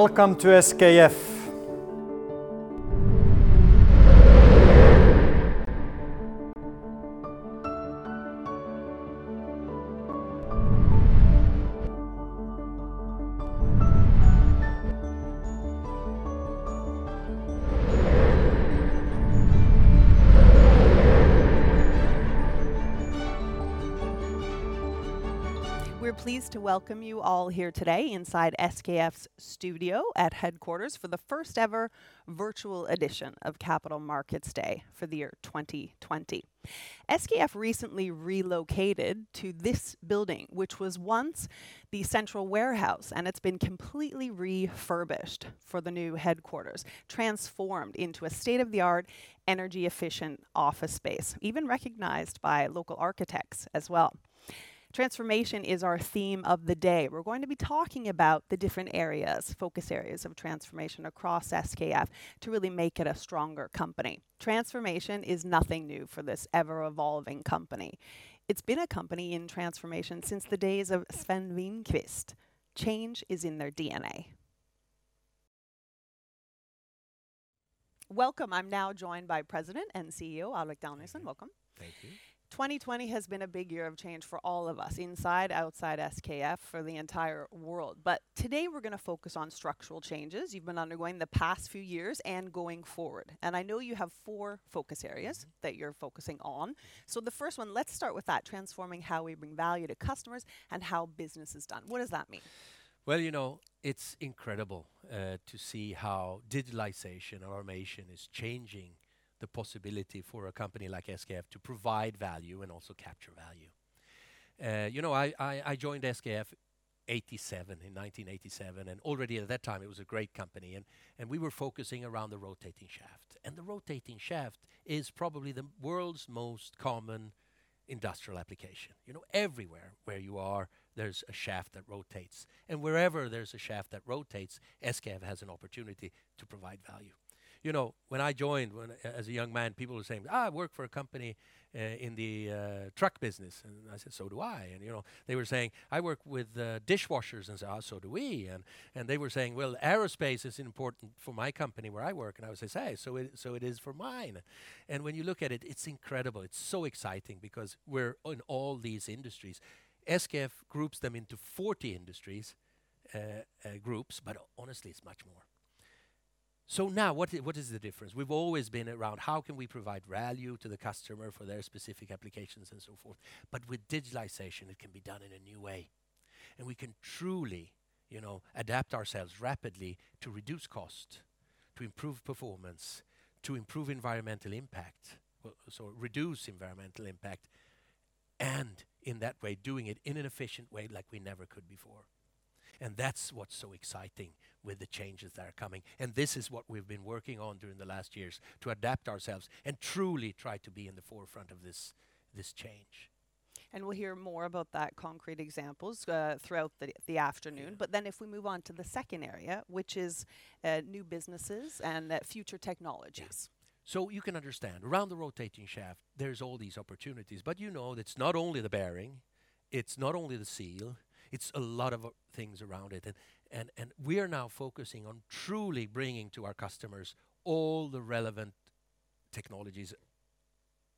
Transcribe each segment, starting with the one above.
Welcome to SKF. We're pleased to welcome you all here today inside SKF's studio at headquarters for the first ever virtual edition of Capital Markets Day for the year 2020. SKF recently relocated to this building, which was once the central warehouse, and it's been completely refurbished for the new headquarters, transformed into a state-of-the-art, energy-efficient office space, even recognized by local architects as well. Transformation is our theme of the day. We're going to be talking about the different focus areas of transformation across SKF to really make it a stronger company. Transformation is nothing new for this ever-evolving company. It's been a company in transformation since the days of Sven Wingquist. Change is in their DNA. Welcome. I'm now joined by President and CEO, Alrik Danielson. Welcome. Thank you. 2020 has been a big year of change for all of us, inside, outside SKF, for the entire world. Today, we're going to focus on structural changes you've been undergoing the past few years and going forward. I know you have four focus areas that you're focusing on. The first one, let's start with that, transforming how we bring value to customers and how business is done. What does that mean? It's incredible to see how digitalization, automation is changing the possibility for a company like SKF to provide value and also capture value. I joined SKF in 1987, and already at that time it was a great company, and we were focusing around the rotating shaft. The rotating shaft is probably the world's most common industrial application. Everywhere where you are, there's a shaft that rotates, and wherever there's a shaft that rotates, SKF has an opportunity to provide value. When I joined as a young man, people were saying, "I work for a company in the truck business." I said, "So do I." They were saying, "I work with dishwashers." I said, "Oh, so do we." They were saying, "Well, aerospace is important for my company where I work." I would say, "Hey, so it is for mine." When you look at it's incredible. It's so exciting because we're in all these industries. SKF groups them into 40 industry groups, but honestly, it's much more. Now, what is the difference? We've always been around how can we provide value to the customer for their specific applications and so forth, but with digitalization, it can be done in a new way. We can truly adapt ourselves rapidly to reduce cost, to improve performance, to improve environmental impact, so reduce environmental impact, and in that way, doing it in an efficient way like we never could before. That's what's so exciting with the changes that are coming. This is what we've been working on during the last years, to adapt ourselves and truly try to be in the forefront of this change. We'll hear more about that, concrete examples, throughout the afternoon. Yeah. If we move on to the second area, which is new businesses and future technologies. Yeah. You can understand, around the rotating shaft, there's all these opportunities, but it's not only the bearing, it's not only the seal, it's a lot of things around it. We are now focusing on truly bringing to our customers all the relevant technologies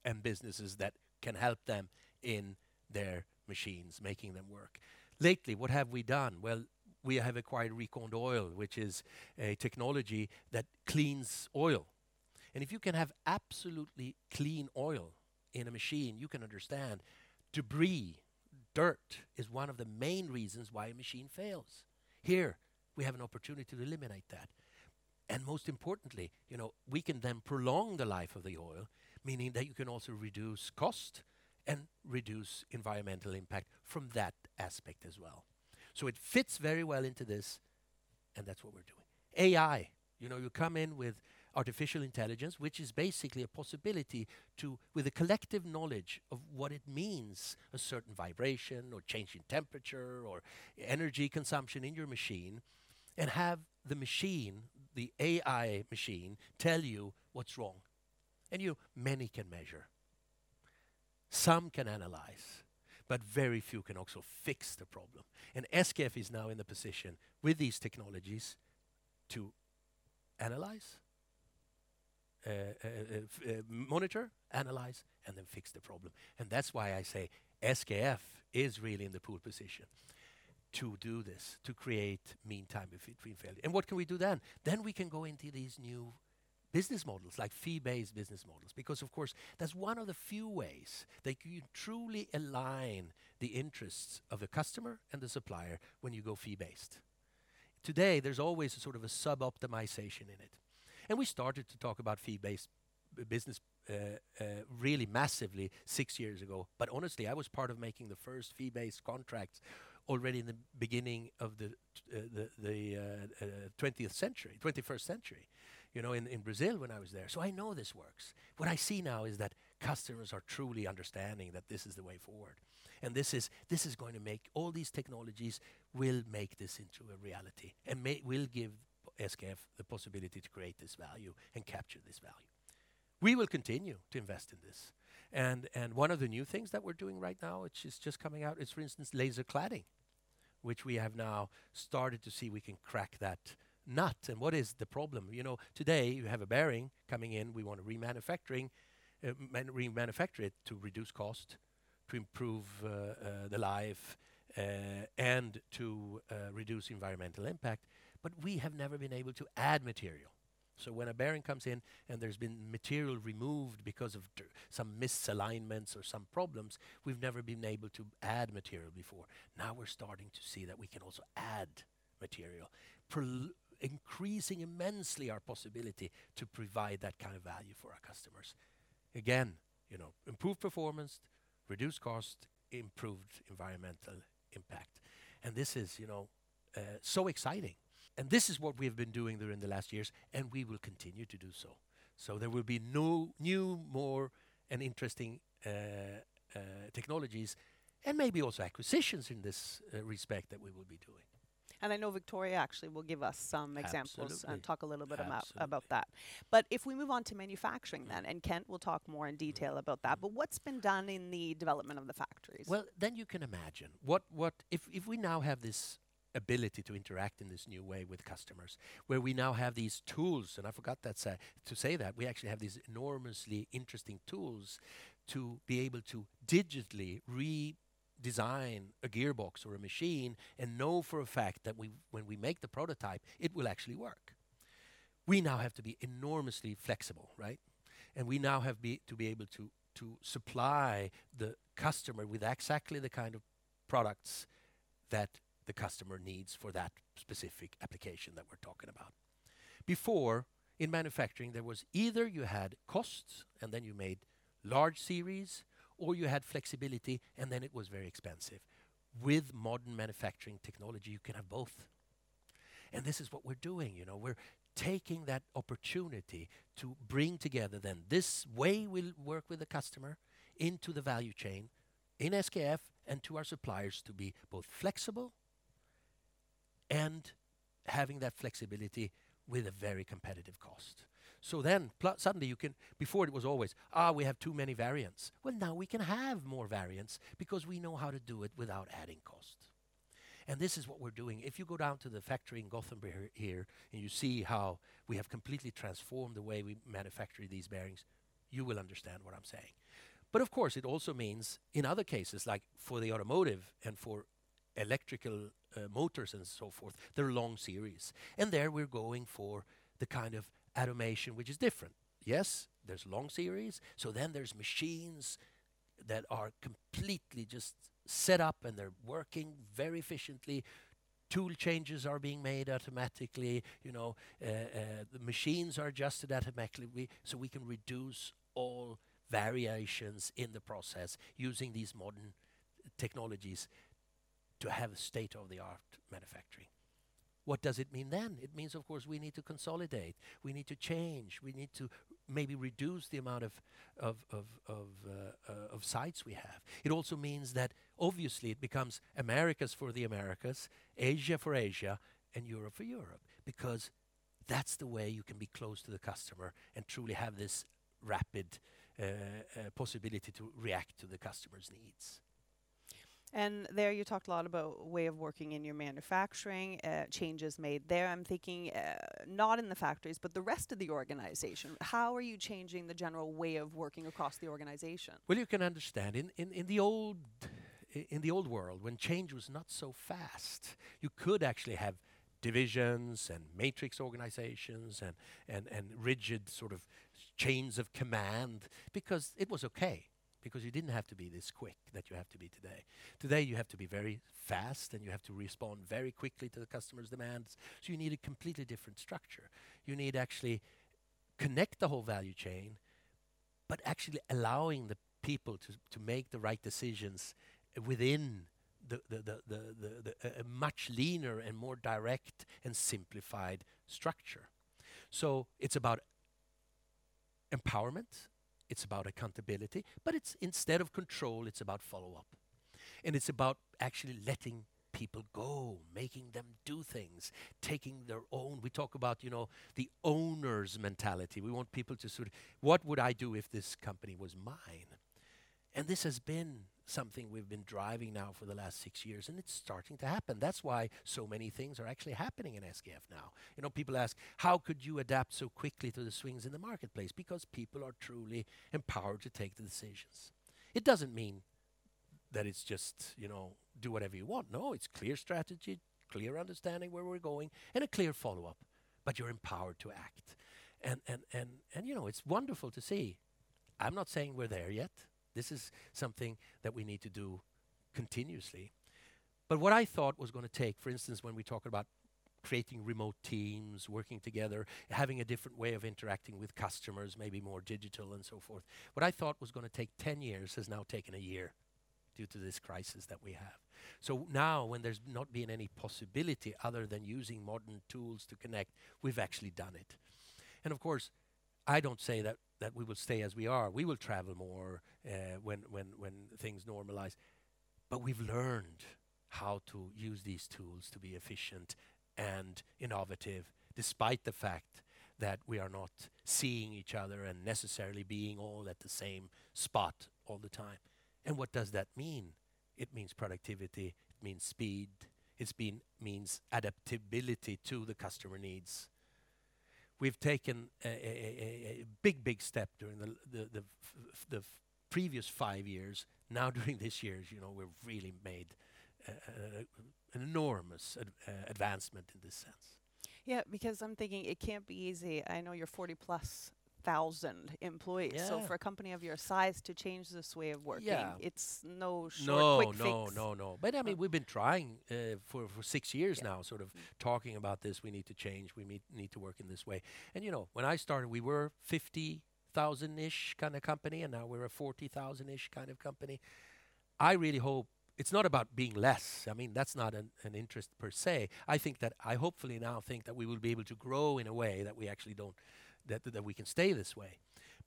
and businesses that can help them in their machines, making them work. Lately, what have we done? Well, we have acquired RecondOil, which is a technology that cleans oil. If you can have absolutely clean oil in a machine, you can understand debris, dirt, is one of the main reasons why a machine fails. Here, we have an opportunity to eliminate that. Most importantly, we can then prolong the life of the oil, meaning that you can also reduce cost and reduce environmental impact from that aspect as well. It fits very well into this, and that's what we're doing. AI, you come in with artificial intelligence, which is basically a possibility to, with a collective knowledge of what it means, a certain vibration or change in temperature or energy consumption in your machine, and have the machine, the AI machine, tell you what's wrong. Many can measure. Some can analyze. Very few can also fix the problem. SKF is now in the position with these technologies to monitor, analyze, and then fix the problem. That's why I say SKF is really in the pole position to do this, to create mean time between failure. What can we do then? We can go into these new business models, like fee-based business models. Of course, that's one of the few ways that you truly align the interests of a customer and the supplier when you go fee-based. Today, there's always a sort of a sub-optimization in it. We started to talk about fee-based business really massively six years ago. Honestly, I was part of making the first fee-based contracts already in the beginning of the 21st century in Brazil when I was there. I know this works. What I see now is that customers are truly understanding that this is the way forward. All these technologies will make this into a reality and will give SKF the possibility to create this value and capture this value. We will continue to invest in this. One of the new things that we're doing right now, which is just coming out, is, for instance, laser cladding, which we have now started to see we can crack that nut. What is the problem? Today, you have a bearing coming in, we want to remanufacture it to reduce cost, to improve the life, and to reduce environmental impact, but we have never been able to add material. When a bearing comes in and there's been material removed because of some misalignments or some problems, we've never been able to add material before. Now we're starting to see that we can also add material, increasing immensely our possibility to provide that kind of value for our customers. Again, improve performance, reduce cost, improve environmental impact. This is so exciting. This is what we have been doing during the last years, and we will continue to do so. There will be new, more, and interesting technologies, and maybe also acquisitions in this respect that we will be doing. I know Victoria actually will give us some examples. Absolutely Talk a little bit about that. If we move on to manufacturing then, and Kent will talk more in detail about that, what's been done in the development of the factories? Well, you can imagine, if we now have this ability to interact in this new way with customers, where we now have these tools, and I forgot to say that, we actually have these enormously interesting tools to be able to digitally redesign a gearbox or a machine and know for a fact that when we make the prototype, it will actually work. We now have to be enormously flexible, right? We now have to be able to supply the customer with exactly the kind of products that the customer needs for that specific application that we're talking about. Before, in manufacturing, there was either you had costs, and then you made large series, or you had flexibility, and then it was very expensive. With modern manufacturing technology, you can have both. This is what we're doing. We're taking that opportunity to bring together then this way we work with the customer into the value chain in SKF and to our suppliers to be both flexible and having that flexibility with a very competitive cost. Before it was always, "We have too many variants." Well, now we can have more variants because we know how to do it without adding cost. This is what we're doing. If you go down to the factory in Gothenburg here and you see how we have completely transformed the way we manufacture these bearings, you will understand what I'm saying. Of course, it also means in other cases, like for the automotive and for electrical motors and so forth, they're long series. There we're going for the kind of automation which is different. Yes, there's long series, there's machines that are completely just set up, and they're working very efficiently. Tool changes are being made automatically. The machines are adjusted automatically, so we can reduce all variations in the process using these modern technologies to have state-of-the-art manufacturing. What does it mean then? It means, of course, we need to consolidate. We need to change. We need to maybe reduce the amount of sites we have. It also means that obviously it becomes Americas for the Americas, Asia for Asia, and Europe for Europe because that's the way you can be close to the customer and truly have this rapid possibility to react to the customer's needs. There you talked a lot about way of working in your manufacturing, changes made there. I'm thinking not in the factories but the rest of the organization. How are you changing the general way of working across the organization? Well, you can understand, in the old world, when change was not so fast, you could actually have divisions and matrix organizations and rigid sort of chains of command because it was okay, because you didn't have to be this quick that you have to be today. Today, you have to be very fast, and you have to respond very quickly to the customer's demands, so you need a completely different structure. You need actually connect the whole value chain, but actually allowing the people to make the right decisions within the much leaner and more direct and simplified structure. It's about empowerment, it's about accountability, but instead of control, it's about follow-up. It's about actually letting people go, making them do things. We talk about the owner's mentality. We want people to sort of, "What would I do if this company was mine?" This has been something we've been driving now for the last 6 years, and it's starting to happen. That's why so many things are actually happening in SKF now. People ask, "How could you adapt so quickly to the swings in the marketplace?" People are truly empowered to take the decisions. It doesn't mean that it's just do whatever you want. No, it's clear strategy, clear understanding where we're going, and a clear follow-up, but you're empowered to act. It's wonderful to see. I'm not saying we're there yet. This is something that we need to do continuously. What I thought was going to take, for instance, when we talk about creating remote teams, working together, having a different way of interacting with customers, maybe more digital and so forth, what I thought was going to take 10 years has now taken a year due to this crisis that we have. Now, when there's not been any possibility other than using modern tools to connect, we've actually done it. Of course, I don't say that we will stay as we are. We will travel more when things normalize, but we've learned how to use these tools to be efficient and innovative despite the fact that we are not seeing each other and necessarily being all at the same spot all the time. What does that mean? It means productivity. It means speed. It means adaptability to the customer needs. We've taken a big step during the previous five years. During this year, we've really made an enormous advancement in this sense. Yeah, because I'm thinking it can't be easy. I know you're 40,000+ employees. Yeah. For a company of your size to change this way of working. Yeah it's no short quick fix. No. We've been trying for six years now sort of talking about this. We need to change. We need to work in this way. When I started, we were 50,000-ish kind of company, and now we're a 40,000-ish kind of company. I really hope it's not about being less. That's not an interest per se. I hopefully now think that we will be able to grow in a way that we can stay this way.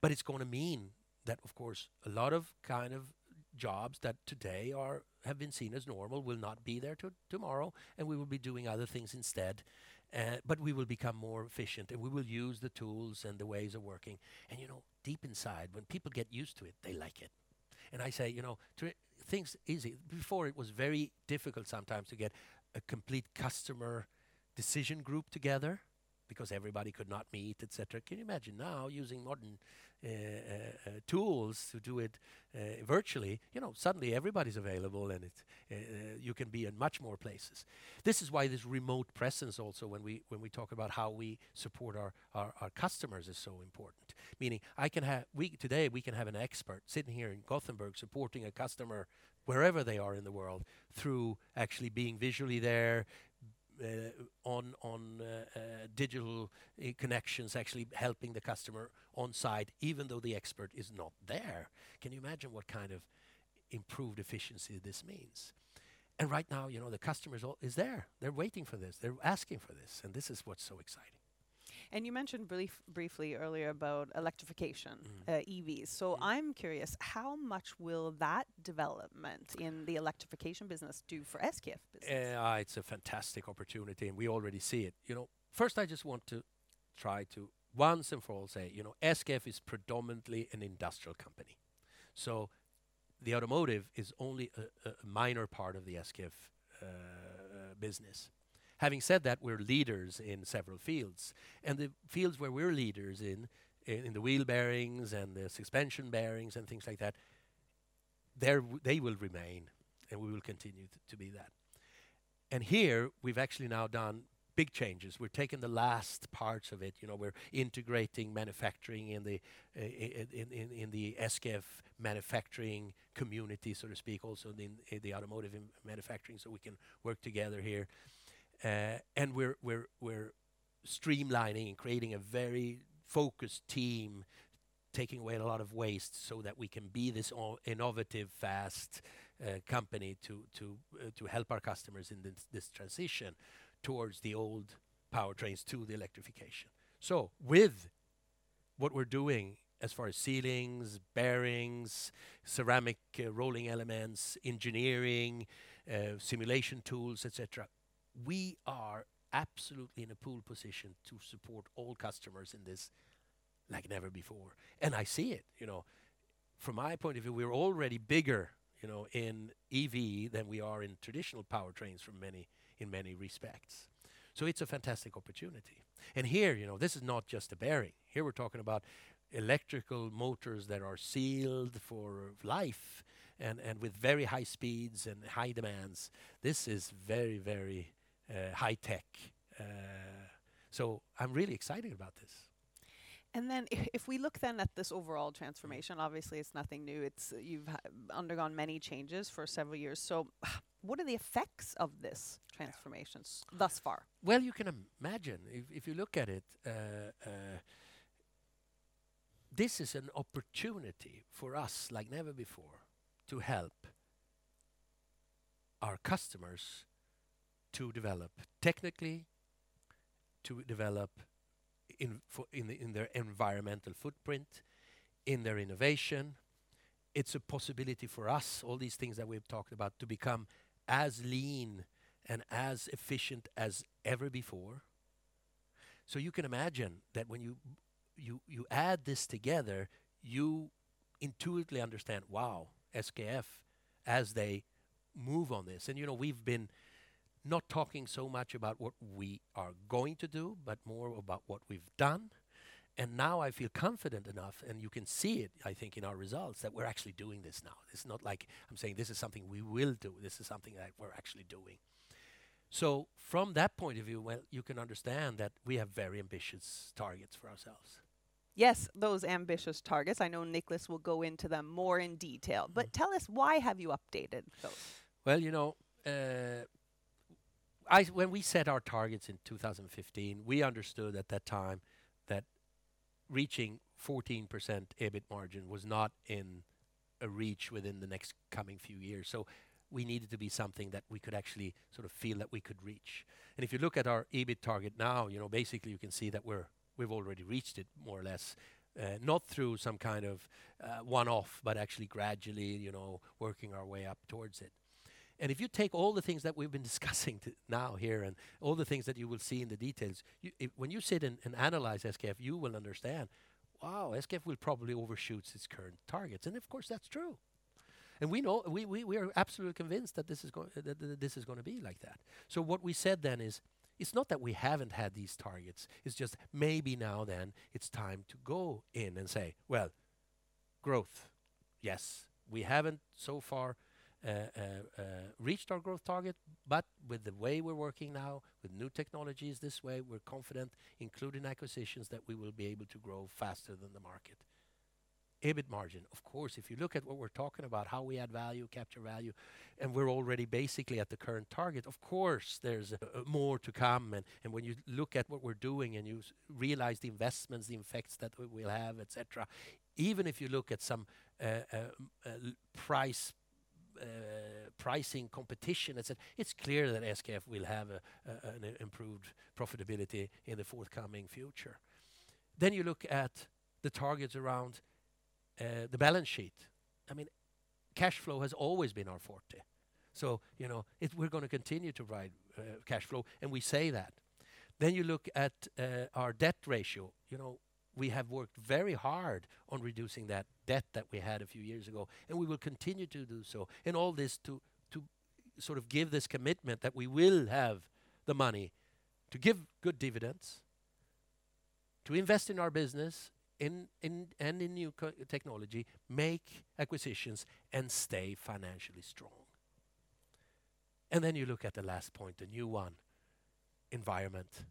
It's going to mean that, of course, a lot of kind of jobs that today have been seen as normal will not be there tomorrow, and we will be doing other things instead. We will become more efficient, and we will use the tools and the ways of working. Deep inside, when people get used to it, they like it. I say, things easy. Before, it was very difficult sometimes to get a complete customer decision group together because everybody could not meet, et cetera. Can you imagine now using modern tools to do it virtually, suddenly everybody's available, and you can be in much more places. This is why this remote presence also when we talk about how we support our customers is so important, meaning today, we can have an expert sitting here in Gothenburg supporting a customer wherever they are in the world through actually being visually there on digital connections, actually helping the customer on-site even though the expert is not there. Can you imagine what kind of improved efficiency this means? Right now, the customer is there. They're waiting for this. They're asking for this, and this is what's so exciting. You mentioned briefly earlier about electrification, EVs. I'm curious, how much will that development in the electrification business do for SKF business? It's a fantastic opportunity, and we already see it. First, I just want to try to once and for all say, SKF is predominantly an industrial company, so the automotive is only a minor part of the SKF business. Having said that, we're leaders in several fields, and the fields where we're leaders in the wheel bearings and the suspension bearings and things like that, they will remain, and we will continue to be that. Here, we've actually now done big changes. We're taking the last parts of it. We're integrating manufacturing in the SKF manufacturing community, so to speak, also in the automotive manufacturing so we can work together here. We're streamlining and creating a very focused team, taking away a lot of waste so that we can be this innovative, fast company to help our customers in this transition towards the old powertrains to the electrification. With what we're doing as far as sealings, bearings, ceramic rolling elements, engineering, simulation tools, et cetera, we are absolutely in a pole position to support all customers in this like never before. I see it. From my point of view, we're already bigger in EV than we are in traditional powertrains in many respects. It's a fantastic opportunity. Here, this is not just a bearing. Here, we're talking about electrical motors that are sealed for life and with very high speeds and high demands. This is very high tech. I'm really excited about this. If we look then at this overall transformation, obviously, it's nothing new. You've undergone many changes for several years. What are the effects of this transformation thus far? Well, you can imagine, if you look at it, this is an opportunity for us like never before to help our customers to develop technically, to develop in their environmental footprint, in their innovation. It's a possibility for us, all these things that we've talked about, to become as lean and as efficient as ever before. You can imagine that when you add this together, you intuitively understand, wow, SKF, as they move on this. We've been not talking so much about what we are going to do but more about what we've done, and now I feel confident enough, and you can see it, I think, in our results, that we're actually doing this now. It's not like I'm saying this is something we will do. This is something that we're actually doing. From that point of view, well, you can understand that we have very ambitious targets for ourselves. Yes, those ambitious targets. I know Niclas will go into them more in detail. Tell us why have you updated those? Well, when we set our targets in 2015, we understood at that time that reaching 14% EBIT margin was not in a reach within the next coming few years. We needed to be something that we could actually feel that we could reach. If you look at our EBIT target now, basically you can see that we've already reached it more or less, not through some kind of one-off, but actually gradually, working our way up towards it. If you take all the things that we've been discussing now here, and all the things that you will see in the details, when you sit and analyze SKF, you will understand, wow, SKF will probably overshoot its current targets. Of course, that's true. We are absolutely convinced that this is going to be like that. What we said then is, it's not that we haven't had these targets, it's just maybe now then it's time to go in and say, well, growth. Yes. We haven't, so far, reached our growth target, but with the way we're working now, with new technologies this way, we're confident, including acquisitions, that we will be able to grow faster than the market. EBIT margin. Of course, if you look at what we're talking about, how we add value, capture value, and we're already basically at the current target, of course, there's more to come. When you look at what we're doing and you realize the investments, the effects that we will have, et cetera, even if you look at some pricing competition, it's clear that SKF will have an improved profitability in the forthcoming future. You look at the targets around the balance sheet. I mean, cash flow has always been our forte. We're going to continue to ride cash flow, and we say that. You look at our debt ratio. We have worked very hard on reducing that debt that we had a few years ago, and we will continue to do so, and all this to give this commitment that we will have the money to give good dividends, to invest in our business, and in new technology, make acquisitions, and stay financially strong. You look at the last point, the new one, environment.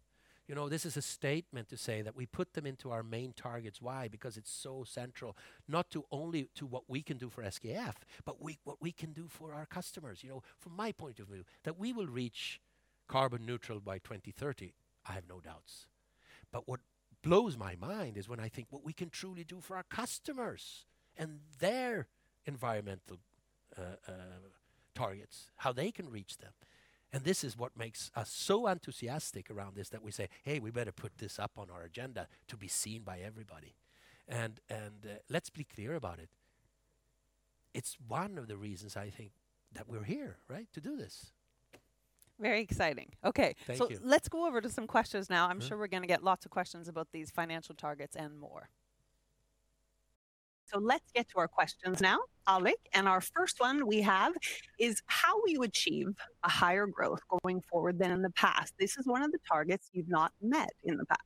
This is a statement to say that we put them into our main targets. Why? Because it's so central, not to only to what we can do for SKF, but what we can do for our customers. From my point of view, that we will reach carbon neutral by 2030, I have no doubts. What blows my mind is when I think what we can truly do for our customers and their environmental targets, how they can reach them. This is what makes us so enthusiastic around this that we say, "Hey, we better put this up on our agenda to be seen by everybody." Let's be clear about it. It's one of the reasons I think that we're here, right? To do this. Very exciting. Okay. Thank you. Let's go over to some questions now. I'm sure we're going to get lots of questions about these financial targets and more. Let's get to our questions now. Alrik, our first one we have is how will you achieve a higher growth going forward than in the past? This is one of the targets you've not met in the past.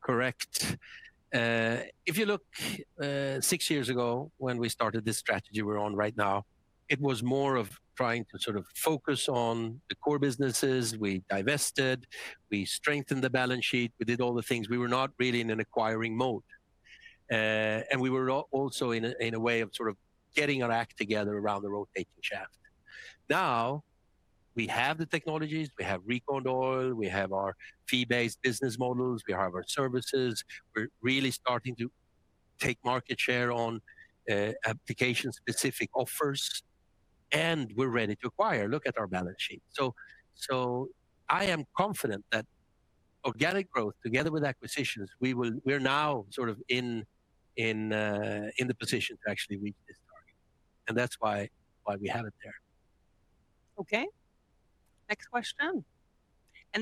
Correct. If you look six years ago, when we started this strategy we're on right now, it was more of trying to focus on the core businesses. We divested, we strengthened the balance sheet, we did all the things. We were not really in an acquiring mode. We were also in a way of getting our act together around the rotating shaft. Now, we have the technologies, we have RecondOil, we have our fee-based business models, we have our services. We're really starting to take market share on application-specific offers, and we're ready to acquire. Look at our balance sheet. I am confident that organic growth, together with acquisitions, we're now in the position to actually reach this target, and that's why we have it there. Okay. Next question,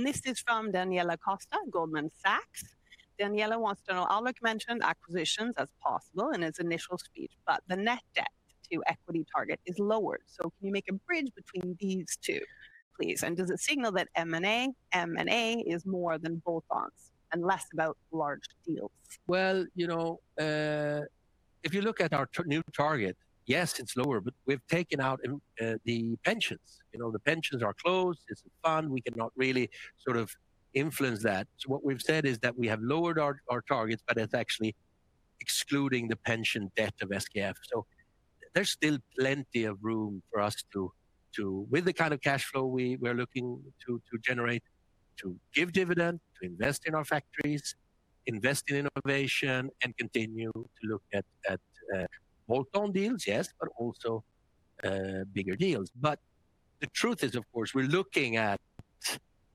this is from Daniela Costa at Goldman Sachs. Daniela wants to know, Alrik mentioned acquisitions as possible in his initial speech, but the net debt to equity target is lower. Can you make a bridge between these two, please? Does it signal that M&A is more than bolt-ons and less about large deals? If you look at our new target, yes, it's lower, but we've taken out the pensions. The pensions are closed. It's a fund. We cannot really influence that. What we've said is that we have lowered our targets, but it's actually excluding the pension debt of SKF. There's still plenty of room for us to, with the kind of cash flow we are looking to generate, to give dividend, to invest in our factories, invest in innovation, and continue to look at bolt-on deals, yes, but also bigger deals. The truth is, of course, we're looking at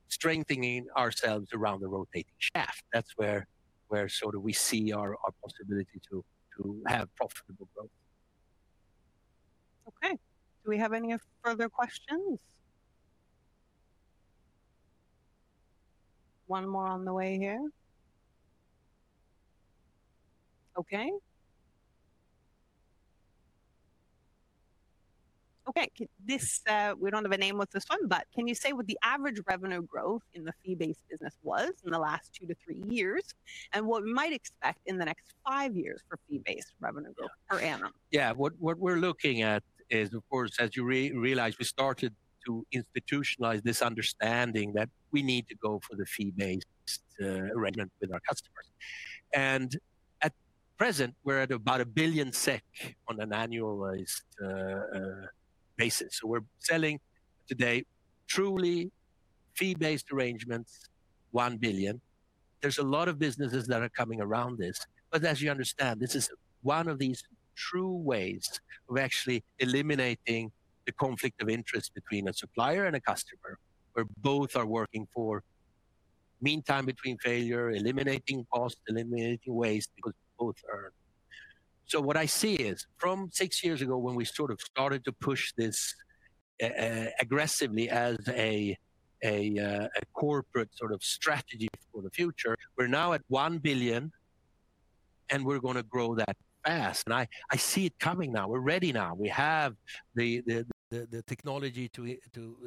strengthening ourselves around the rotating shaft. That's where we see our possibility to have profitable growth. Okay. Do we have any further questions? One more on the way here. Okay. We don't have a name with this one, but can you say what the average revenue growth in the fee-based business was in the last two to three years, and what we might expect in the next five years for fee-based revenue growth per annum? What we're looking at is, of course, as you realize, we started to institutionalize this understanding that we need to go for the fee-based arrangement with our customers. At present, we're at about 1 billion SEK on an annualized basis. We're selling today, truly fee-based arrangements, 1 billion. There's a lot of businesses that are coming around this, but as you understand, this is one of these true ways of actually eliminating the conflict of interest between a supplier and a customer, where both are working for mean time between failure, eliminating costs, eliminating waste, because both earn. What I see is, from six years ago, when we sort of started to push this aggressively as a corporate sort of strategy for the future, we're now at 1 billion, and we're going to grow that fast. I see it coming now. We're ready now. We have the technology to,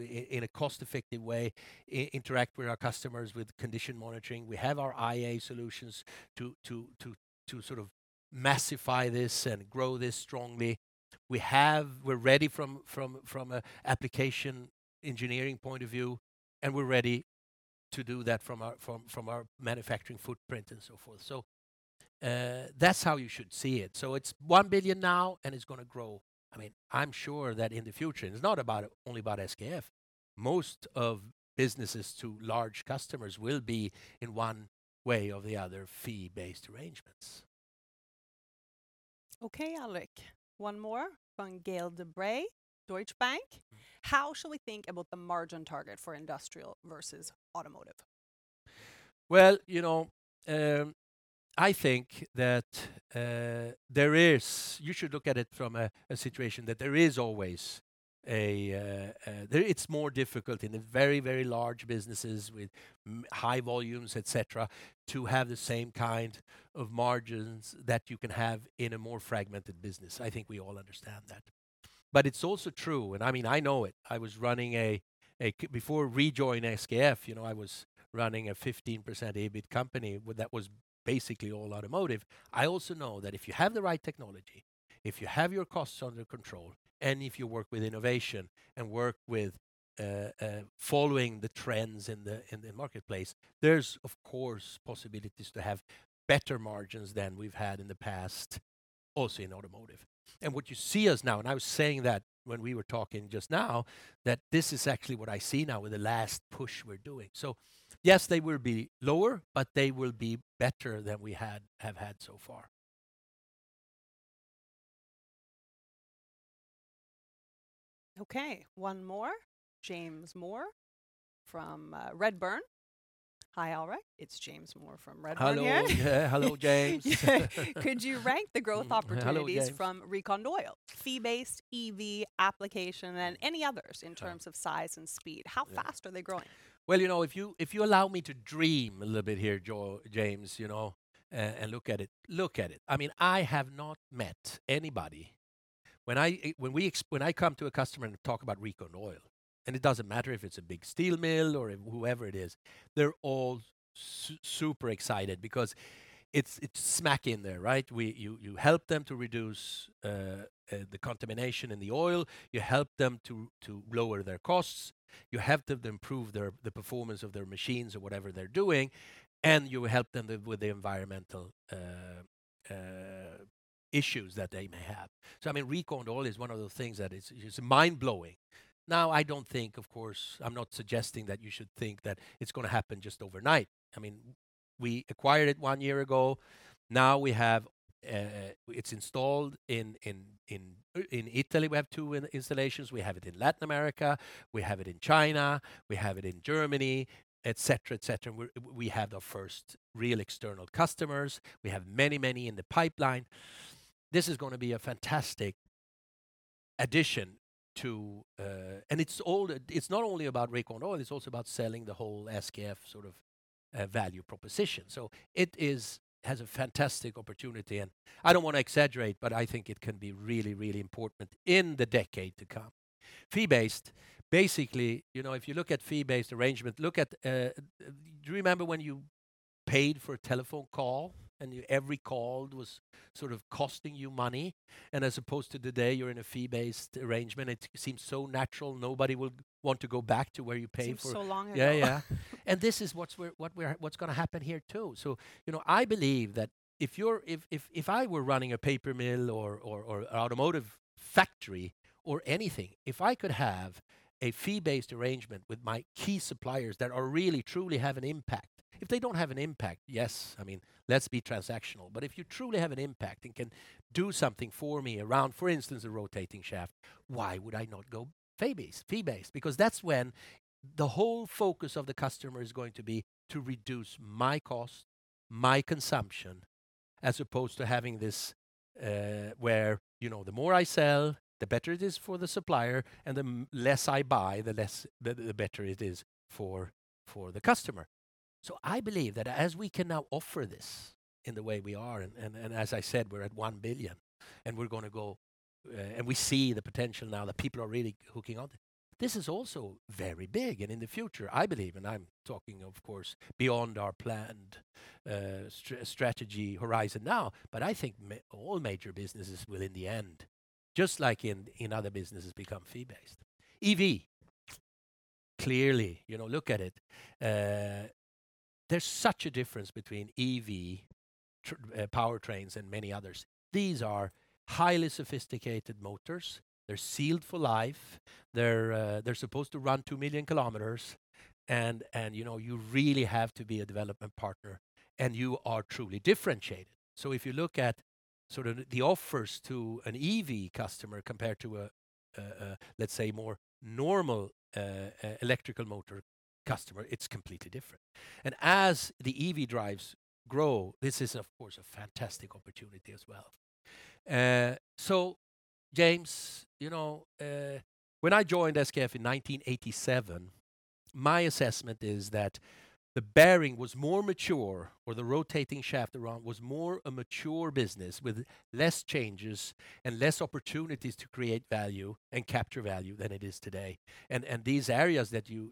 in a cost-effective way, interact with our customers with condition monitoring. We have our AI solutions to sort of massify this and grow this strongly. We're ready from an application engineering point of view, and we're ready to do that from our manufacturing footprint and so forth. That's how you should see it. It's 1 billion now, and it's going to grow. I'm sure that in the future, and it's not only about SKF, most of businesses to large customers will be, in one way or the other, fee-based arrangements. Okay, Alrik. One more from Gael de-Bray, Deutsche Bank. "How shall we think about the margin target for industrial versus automotive? Well, I think that you should look at it from a situation that it's more difficult in the very large businesses with high volumes, et cetera, to have the same kind of margins that you can have in a more fragmented business. I think we all understand that. It's also true, and I know it. Before rejoining SKF, I was running a 15% EBIT company that was basically all automotive. I also know that if you have the right technology, if you have your costs under control, and if you work with innovation and work with following the trends in the marketplace, there's, of course, possibilities to have better margins than we've had in the past, also in automotive. What you see is now, and I was saying that when we were talking just now, that this is actually what I see now with the last push we're doing. Yes, they will be lower, but they will be better than we have had so far. Okay. One more. James Moore from Redburn. Hi, Alrik. It's James Moore from Redburn again. Hello. Yeah. Hello, James. Could you rank the growth opportunities from RecondOil, fee-based EV application, and any others in terms of size and speed? How fast are they growing? If you allow me to dream a little bit here, James, and look at it. I have not met anybody, when I come to a customer and talk about RecondOil, and it doesn't matter if it's a big steel mill or whoever it is, they're all super excited because it's smack in there, right? You help them to reduce the contamination in the oil. You help them to lower their costs. You help them to improve the performance of their machines or whatever they're doing, and you help them with the environmental issues that they may have. RecondOil is one of the things that is mind-blowing. I don't think, of course, I'm not suggesting that you should think that it's going to happen just overnight. We acquired it one year ago. It's installed in Italy, we have two installations. We have it in Latin America, we have it in China, we have it in Germany, et cetera. We have the first real external customers. We have many in the pipeline. This is going to be a fantastic addition too. It's not only about RecondOil, it's also about selling the whole SKF sort of value proposition. It has a fantastic opportunity, and I don't want to exaggerate, but I think it can be really important in the decade to come. Fee-based, basically, if you look at fee-based arrangement, do you remember when you paid for a telephone call and every call was sort of costing you money? As opposed to today, you're in a fee-based arrangement, it seems so natural, nobody would want to go back to where you pay for- Seems so long ago. Yeah. This is what's going to happen here, too. I believe that if I were running a paper mill or an automotive factory or anything, if I could have a fee-based arrangement with my key suppliers that really truly have an impact. If they don't have an impact, yes, let's be transactional. If you truly have an impact and can do something for me around, for instance, a rotating shaft, why would I not go fee-based? That's when the whole focus of the customer is going to be to reduce my cost, my consumption, as opposed to having this, where the more I sell, the better it is for the supplier, and the less I buy, the better it is for the customer. I believe that as we can now offer this in the way we are, and as I said, we're at 1 billion, and we see the potential now that people are really hooking on. This is also very big, and in the future, I believe, and I'm talking, of course, beyond our planned strategy horizon now, but I think all major businesses will, in the end, just like in other businesses, become fee-based. EV, clearly, look at it. There's such a difference between EV powertrains and many others. These are highly sophisticated motors. They're sealed for life. They're supposed to run 2 million km. You really have to be a development partner. You are truly differentiated. If you look at the offers to an EV customer compared to a, let's say, more normal electrical motor customer, it's completely different. As the EV drives grow, this is, of course, a fantastic opportunity as well. James, when I joined SKF in 1987, my assessment is that the bearing was more mature, or the rotating shaft around was more a mature business with less changes and less opportunities to create value and capture value than it is today. These areas that you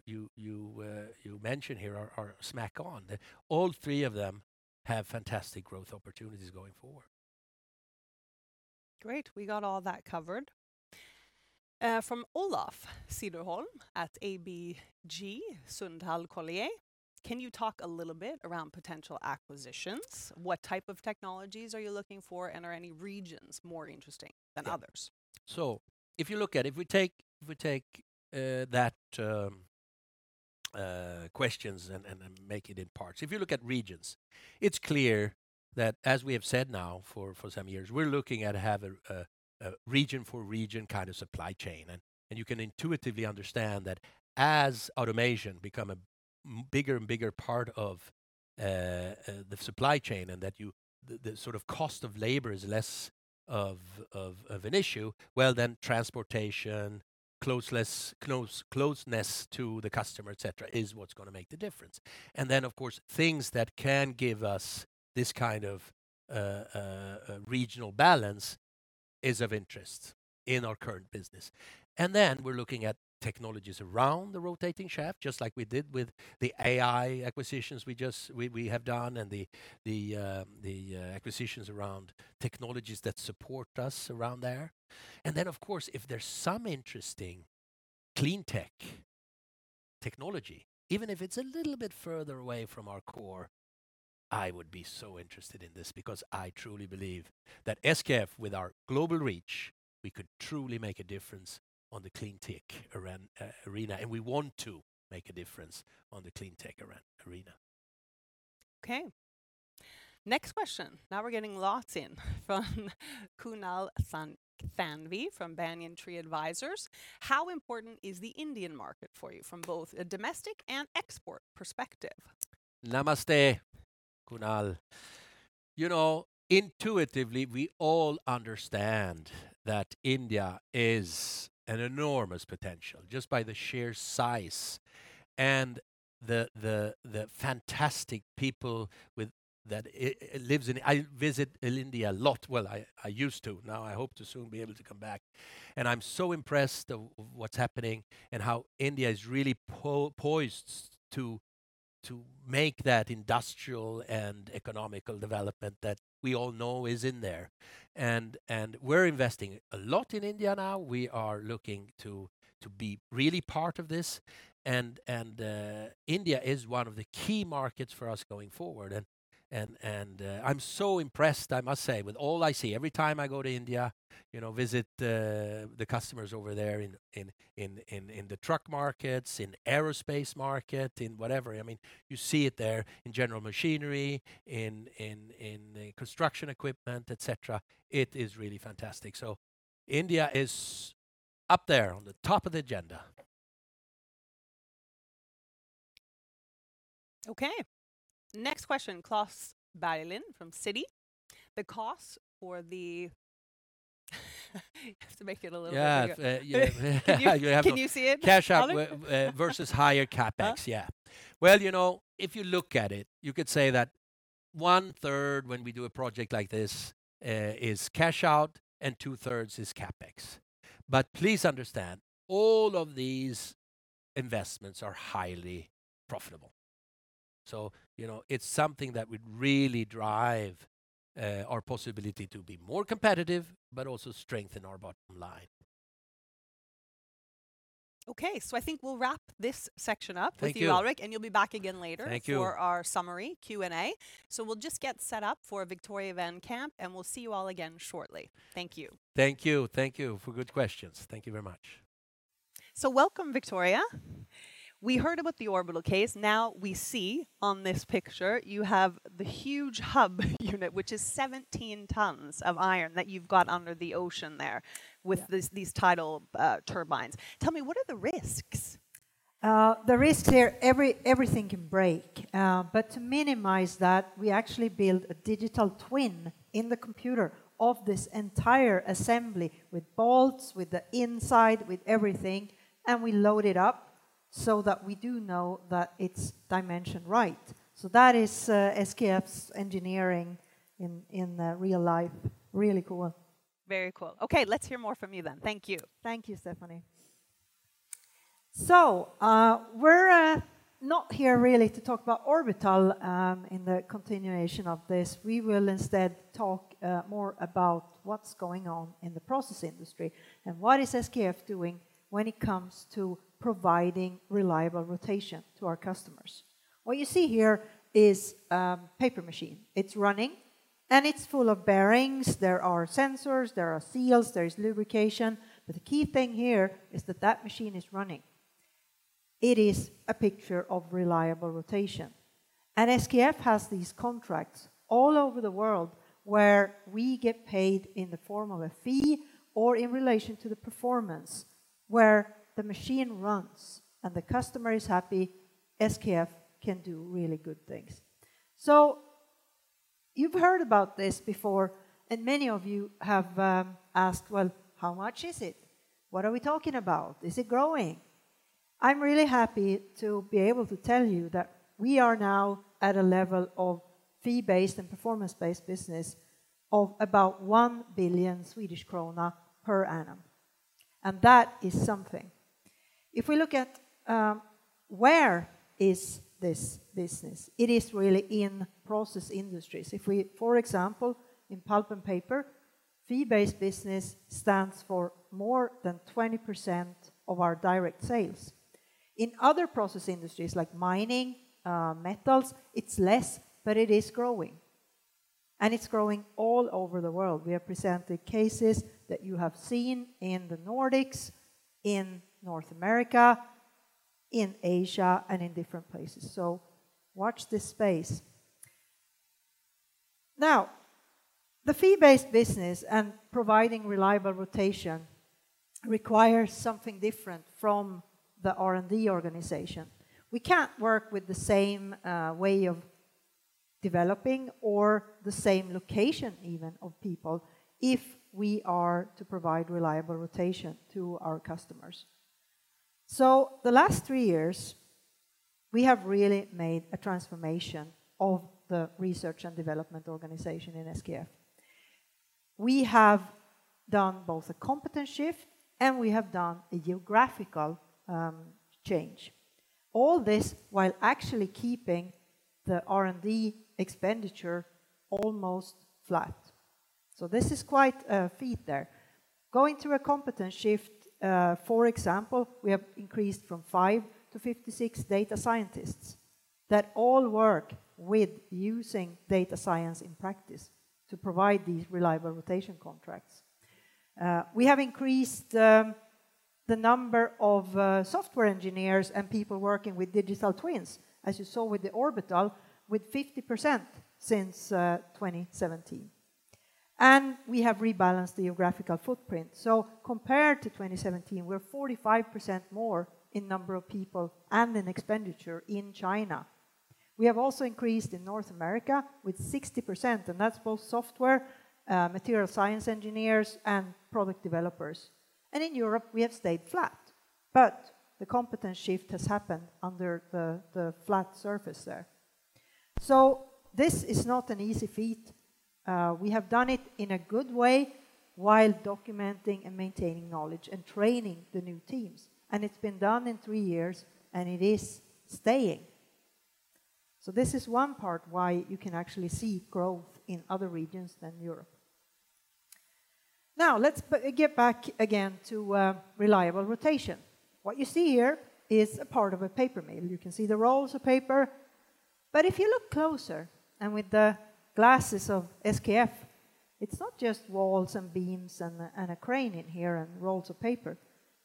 mention here are smack on. All three of them have fantastic growth opportunities going forward. Great. We got all that covered. From Olof Cederholm at ABG Sundal Collier, can you talk a little bit around potential acquisitions? What type of technologies are you looking for, and are any regions more interesting than others? Yeah. If you look at, if we take that question and make it in parts, if you look at regions, it's clear that, as we have said now for some years, we're looking at have a region-for-region kind of supply chain. You can intuitively understand that as automation become a bigger and bigger part of the supply chain, and that the cost of labor is less of an issue, well, transportation, closeness to the customer, et cetera, is what's going to make the difference. Of course, things that can give us this kind of regional balance is of interest in our current business. We're looking at technologies around the rotating shaft, just like we did with the AI acquisitions we have done, and the acquisitions around technologies that support us around there. Of course, if there's some interesting cleantech technology, even if it's a little bit further away from our core, I would be so interested in this because I truly believe that SKF, with our global reach, we could truly make a difference on the cleantech arena, and we want to make a difference on the cleantech arena. Okay. Next question. We're getting lots in. From Kunal Thanvi from Banyan Tree Advisors, how important is the Indian market for you from both a domestic and export perspective? Namaste, Kunal. Intuitively, we all understand that India is an enormous potential just by the sheer size and the fantastic people that lives in. I visit India a lot. Well, I used to. Now I hope to soon be able to come back. I'm so impressed of what's happening and how India is really poised to make that industrial and economical development that we all know is in there. We're investing a lot in India now. We are looking to be really part of this, and India is one of the key markets for us going forward. I'm so impressed, I must say, with all I see every time I go to India, visit the customers over there in the truck markets, in aerospace market, in whatever. You see it there in general machinery, in construction equipment, et cetera. It is really fantastic. India is up there on the top of the agenda. Okay. Next question, Klas Bergelind from Citi. Just to make it a little bit easier. Yeah. Can you see it, Alrik? cash out versus higher CapEx, yeah. Well, if you look at it, you could say that one third when we do a project like this is cash out and two-thirds is CapEx. Please understand, all of these investments are highly profitable. It's something that would really drive our possibility to be more competitive but also strengthen our bottom line. Okay. I think we'll wrap this section up. Thank you. with you, Alrik, and you'll be back again later. Thank you. for our summary Q&A. We'll just get set up for Victoria van Camp, and we'll see you all again shortly. Thank you. Thank you. Thank you for good questions. Thank you very much. Welcome, Victoria. We heard about the Orbital case. Now we see on this picture you have the huge hub unit, which is 17 tons of iron that you've got under the ocean there with these tidal turbines. Tell me, what are the risks? The risks here, everything can break. To minimize that, we actually build a digital twin in the computer of this entire assembly with bolts, with the inside, with everything, and we load it up so that we do know that it's dimensioned right. That is SKF's engineering in real life. Really cool. Very cool. Okay, let's hear more from you then. Thank you. Thank you, Stephanie. We're not here really to talk about Orbital in the continuation of this. We will instead talk more about what's going on in the process industry and what is SKF doing when it comes to providing reliable rotation to our customers. What you see here is a paper machine. It's running, and it's full of bearings. There are sensors, there are seals, there is lubrication. The key thing here is that that machine is running. It is a picture of reliable rotation. SKF has these contracts all over the world where we get paid in the form of a fee or in relation to the performance where the machine runs and the customer is happy, SKF can do really good things. You've heard about this before, and many of you have asked, "Well, how much is it? What are we talking about? Is it growing?" I'm really happy to be able to tell you that we are now at a level of fee-based and performance-based business of about 1 billion Swedish krona per annum. That is something. If we look at where is this business, it is really in process industries. If we, for example, in pulp and paper, fee-based business stands for more than 20% of our direct sales. In other process industries like mining, metals, it's less, but it is growing. It's growing all over the world. We have presented cases that you have seen in the Nordics, in North America, in Asia, and in different places. Watch this space. Now, the fee-based business and providing reliable rotation requires something different from the R&D organization. We can't work with the same way of developing or the same location even of people if we are to provide reliable rotation to our customers. The last three years, we have really made a transformation of the research and development organization in SKF. We have done both a competence shift and we have done a geographical change. All this while actually keeping the R&D expenditure almost flat. This is quite a feat there. Going through a competence shift, for example, we have increased from five to 56 data scientists that all work with using data science in practice to provide these reliable rotation contracts. We have increased the number of software engineers and people working with digital twins, as you saw with the Orbital, with 50% since 2017. We have rebalanced the geographical footprint. Compared to 2017, we're 45% more in number of people and in expenditure in China. We have also increased in North America with 60%, and that's both software, material science engineers, and product developers. In Europe, we have stayed flat. The competence shift has happened under the flat surface there. This is not an easy feat. We have done it in a good way while documenting and maintaining knowledge and training the new teams. It's been done in three years, and it is staying. This is one part why you can actually see growth in other regions than Europe. Now let's get back again to reliable rotation. What you see here is a part of a paper mill. You can see the rolls of paper. If you look closer and with the glasses of SKF, it's not just walls and beams and a crane in here and rolls of paper.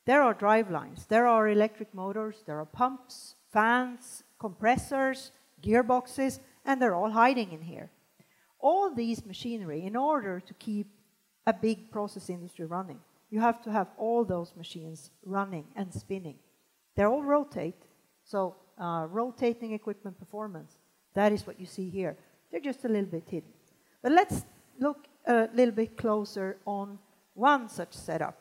There are drive lines, there are electric motors, there are pumps, fans, compressors, gearboxes, and they're all hiding in here. All these machinery, in order to keep a big process industry running, you have to have all those machines running and spinning. They all rotate, so rotating equipment performance, that is what you see here. They're just a little bit hidden. Let's look a little bit closer on one such setup.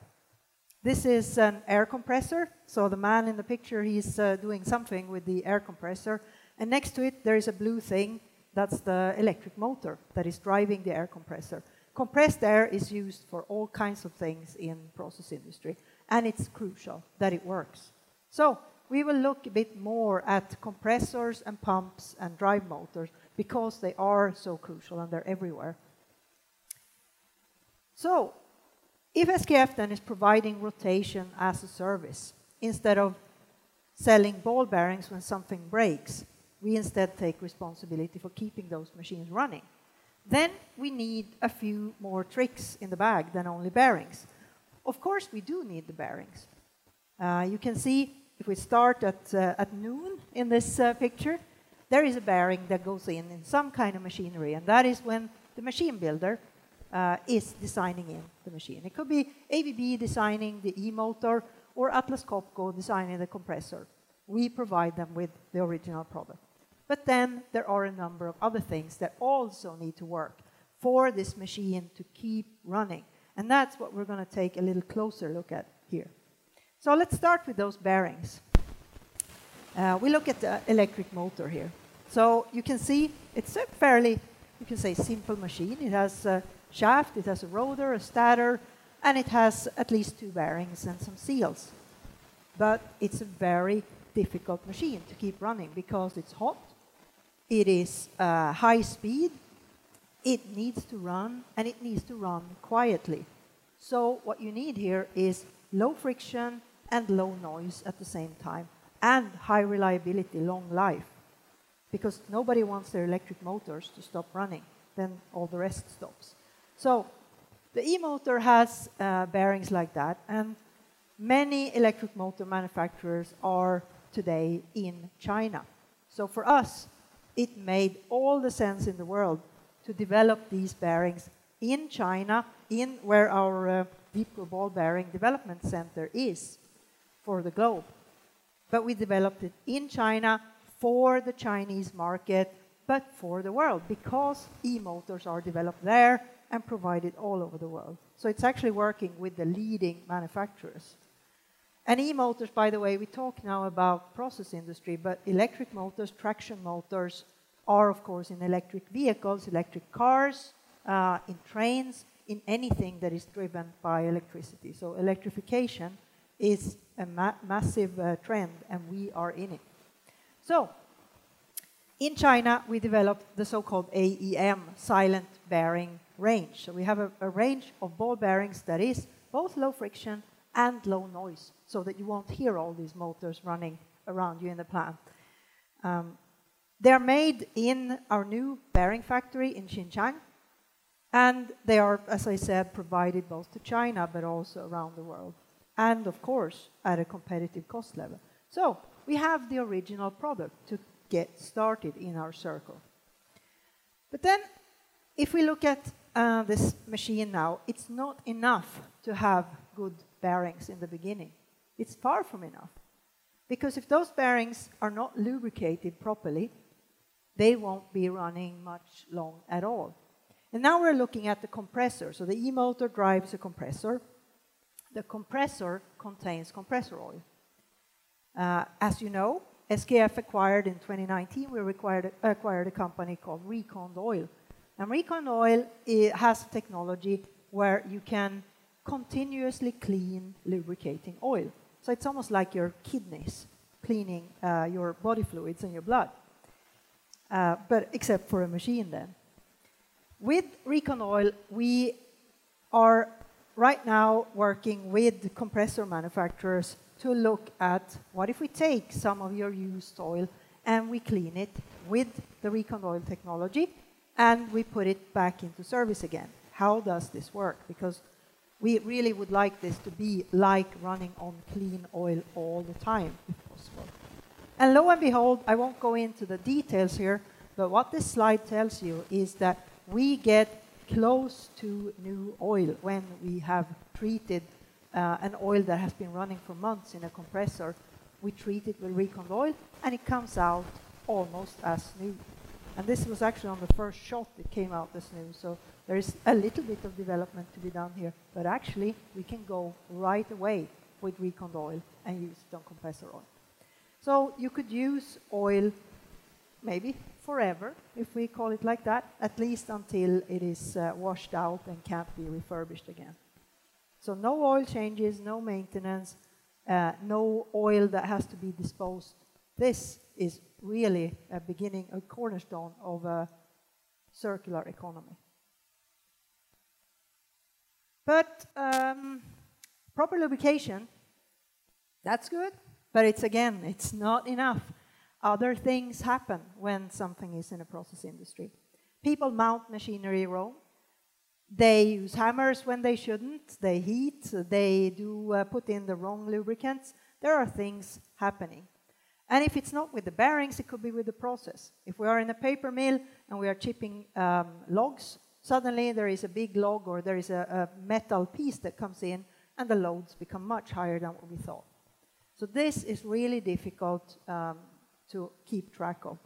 This is an air compressor. The man in the picture, he's doing something with the air compressor. Next to it, there is a blue thing. That's the electric motor that is driving the air compressor. Compressed air is used for all kinds of things in process industry, and it's crucial that it works. We will look a bit more at compressors and pumps and drive motors because they are so crucial, and they're everywhere. If SKF then is providing rotation as a service instead of selling ball bearings when something breaks, we instead take responsibility for keeping those machines running. We need a few more tricks in the bag than only bearings. Of course, we do need the bearings. You can see if we start at noon in this picture, there is a bearing that goes in in some kind of machinery, and that is when the machine builder is designing in the machine. It could be ABB designing the e-motor or Atlas Copco designing the compressor. We provide them with the original product. There are a number of other things that also need to work for this machine to keep running, and that's what we're going to take a little closer look at here. Let's start with those bearings. We look at the electric motor here. You can see it's a fairly simple machine. It has a shaft, it has a rotor, a stator, and it has at least two bearings and some seals. It's a very difficult machine to keep running because it's hot, it is high speed, it needs to run, and it needs to run quietly. What you need here is low friction and low noise at the same time, and high reliability, long life, because nobody wants their electric motors to stop running, then all the rest stops. The e-motor has bearings like that, and many electric motor manufacturers are today in China. For us, it made all the sense in the world to develop these bearings in China, where our deep groove ball bearing development center is for the globe. We developed it in China for the Chinese market, but for the world, because e-motors are developed there and provided all over the world. It's actually working with the leading manufacturers. E-motors, by the way, we talk now about process industry, but electric motors, traction motors are, of course, in electric vehicles, electric cars, in trains, in anything that is driven by electricity. Electrification is a massive trend, and we are in it. In China, we developed the so-called AEM silent bearing range. We have a range of ball bearings that is both low friction and low noise, so that you won't hear all these motors running around you in the plant. They're made in our new bearing factory in Xinchang, and they are, as I said, provided both to China but also around the world, and of course, at a competitive cost level. We have the original product to get started in our circle. If we look at this machine now, it's not enough to have good bearings in the beginning. It's far from enough. If those bearings are not lubricated properly, they won't be running much long at all. Now we're looking at the compressor. The e-motor drives a compressor. The compressor contains compressor oil. As you know, in 2019, we acquired a company called RecondOil. RecondOil has technology where you can continuously clean lubricating oil. It's almost like your kidneys cleaning your body fluids and your blood, but except for a machine then. With RecondOil, we are right now working with compressor manufacturers to look at what if we take some of your used oil and we clean it with the RecondOil technology, and we put it back into service again. How does this work? We really would like this to be like running on clean oil all the time, if possible. Lo and behold, I won't go into the details here, but what this slide tells you is that we get close to new oil when we have treated an oil that has been running for months in a compressor. We treat it with RecondOil, and it comes out almost as new. This was actually on the first shot, it came out as new. There is a little bit of development to be done here, but actually, we can go right away with RecondOil and use it on compressor oil. You could use oil maybe forever, if we call it like that, at least until it is washed out and can't be refurbished again. No oil changes, no maintenance, no oil that has to be disposed. This is really a beginning, a cornerstone of a circular economy. Proper lubrication, that's good, but again, it's not enough. Other things happen when something is in a process industry. People mount machinery wrong. They use hammers when they shouldn't. They heat, they put in the wrong lubricants. There are things happening. If it's not with the bearings, it could be with the process. If we are in a paper mill and we are chipping logs, suddenly there is a big log or there is a metal piece that comes in and the loads become much higher than what we thought. This is really difficult to keep track of.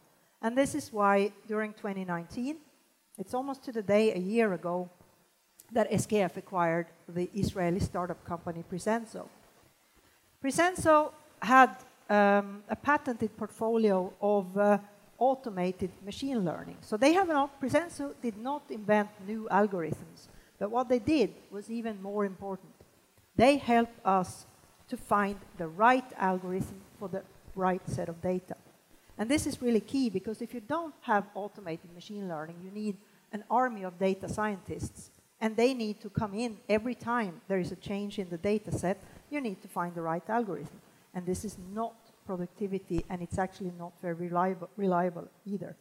This is why during 2019, it's almost to the day a year ago, that SKF acquired the Israeli startup company Presenso. Presenso had a patented portfolio of automated machine learning. Presenso did not invent new algorithms, but what they did was even more important. They helped us to find the right algorithm for the right set of data. This is really key because if you don't have automated machine learning, you need an army of data scientists, and they need to come in every time there is a change in the data set. You need to find the right algorithm. This is not productivity, and it's actually not very reliable either.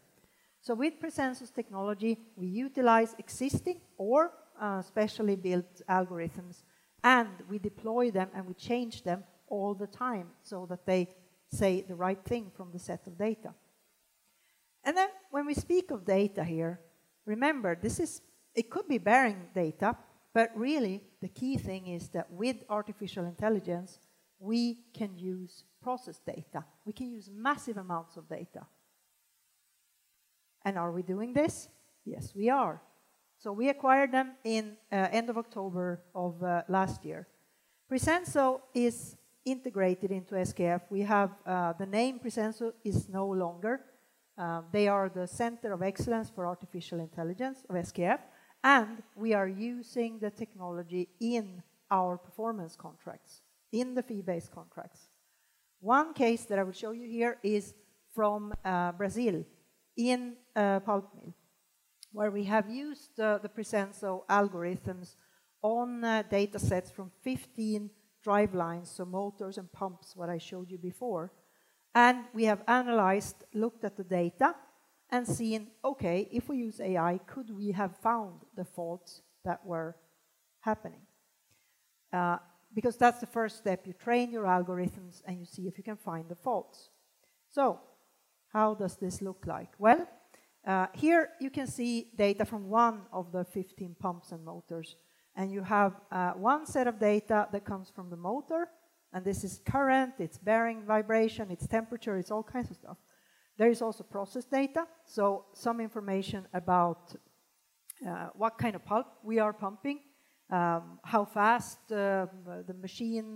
With Presenso's technology, we utilize existing or specially built algorithms, and we deploy them, and we change them all the time so that they say the right thing from the set of data. When we speak of data here. Remember, it could be bearing data, but really the key thing is that with artificial intelligence, we can use process data. We can use massive amounts of data. Are we doing this? Yes, we are. We acquired them in end of October of last year. Presenso is integrated into SKF. The name Presenso is no longer. They are the center of excellence for artificial intelligence of SKF, and we are using the technology in our performance contracts, in the fee-based contracts. One case that I will show you here is from Brazil, in a pulp mill, where we have used the Presenso algorithms on data sets from 15 drivelines, so motors and pumps, what I showed you before. We have analyzed, looked at the data, and seen, okay, if we use AI, could we have found the faults that were happening? Because that's the first step. You train your algorithms, and you see if you can find the faults. How does this look like? Well, here you can see data from one of the 15 pumps and motors, and you have one set of data that comes from the motor, and this is current, it's bearing vibration, it's temperature, it's all kinds of stuff. There is also process data, so some information about what kind of pulp we are pumping, how fast, the machine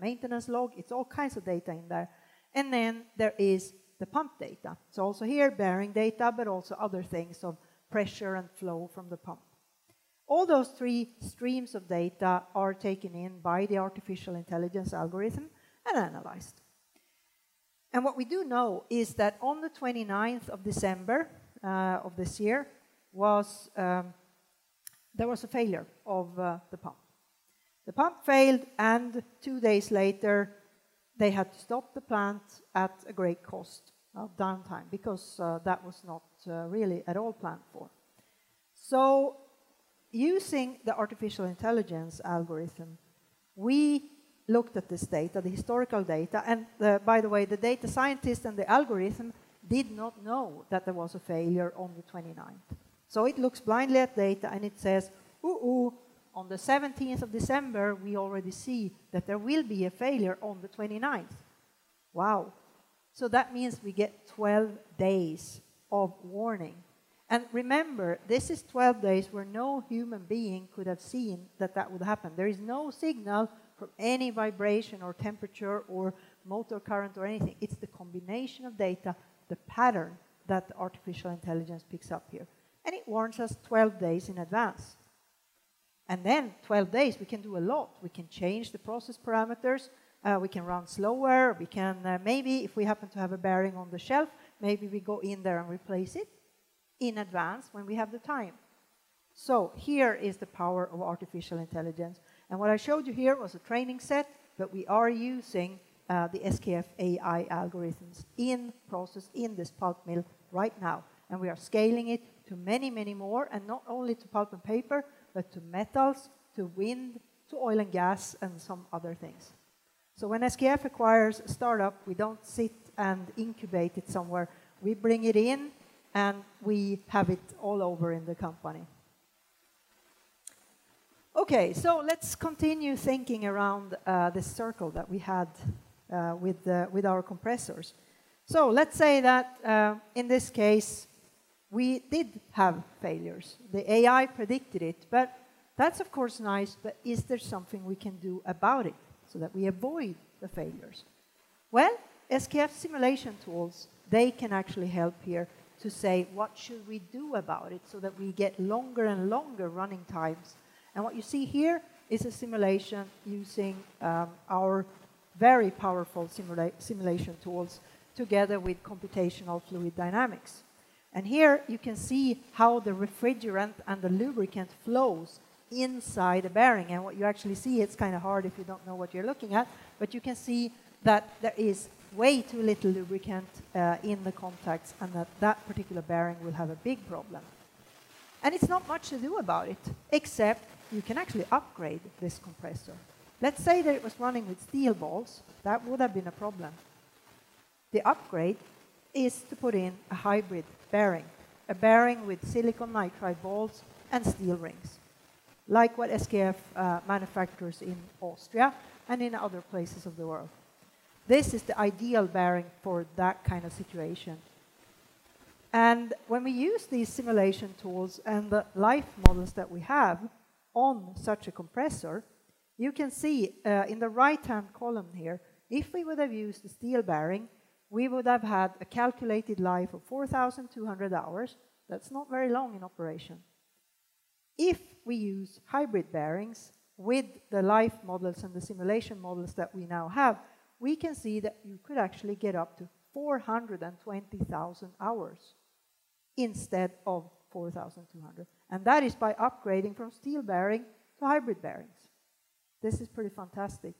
maintenance log. It's all kinds of data in there. There is the pump data. Also here, bearing data, but also other things, pressure and flow from the pump. All those three streams of data are taken in by the artificial intelligence algorithm and analyzed. What we do know is that on the 29th of December of this year, there was a failure of the pump. The pump failed, and two days later, they had to stop the plant at a great cost of downtime because that was not really at all planned for. Using the artificial intelligence algorithm, we looked at this data, the historical data, and by the way, the data scientist and the algorithm did not know that there was a failure on the 29th. It looks blindly at data, and it says, "Uh-oh, on the 17th of December, we already see that there will be a failure on the 29th." Wow. That means we get 12 days of warning. Remember, this is 12 days where no human being could have seen that that would happen. There is no signal from any vibration or temperature or motor current or anything. It's the combination of data, the pattern that the artificial intelligence picks up here. It warns us 12 days in advance. Then 12 days, we can do a lot. We can change the process parameters. We can run slower. Maybe if we happen to have a bearing on the shelf, maybe we go in there and replace it in advance when we have the time. Here is the power of artificial intelligence. What I showed you here was a training set that we are using the SKF AI algorithms in process in this pulp mill right now. We are scaling it to many, many more, and not only to pulp and paper, but to metals, to wind, to oil and gas, and some other things. When SKF acquires a startup, we don't sit and incubate it somewhere. We bring it in, and we have it all over in the company. Let's continue thinking around this circle that we had with our compressors. Let's say that in this case, we did have failures. The AI predicted it, but that's of course nice, but is there something we can do about it so that we avoid the failures? Well, SKF simulation tools, they can actually help here to say what should we do about it so that we get longer and longer running times. What you see here is a simulation using our very powerful simulation tools together with computational fluid dynamics. Here you can see how the refrigerant and the lubricant flows inside a bearing. What you actually see, it's kind of hard if you don't know what you're looking at, but you can see that there is way too little lubricant in the contacts and that that particular bearing will have a big problem. It's not much to do about it, except you can actually upgrade this compressor. Let's say that it was running with steel balls. That would have been a problem. The upgrade is to put in a hybrid bearing, a bearing with silicon nitride balls and steel rings, like what SKF manufactures in Austria and in other places of the world. This is the ideal bearing for that kind of situation. When we use these simulation tools and the life models that we have on such a compressor, you can see in the right-hand column here, if we would have used a steel bearing, we would have had a calculated life of 4,200 hours. That's not very long in operation. If we use hybrid bearings with the life models and the simulation models that we now have, we can see that you could actually get up to 420,000 hours instead of 4,200 hours. That is by upgrading from steel bearing to hybrid bearings. This is pretty fantastic.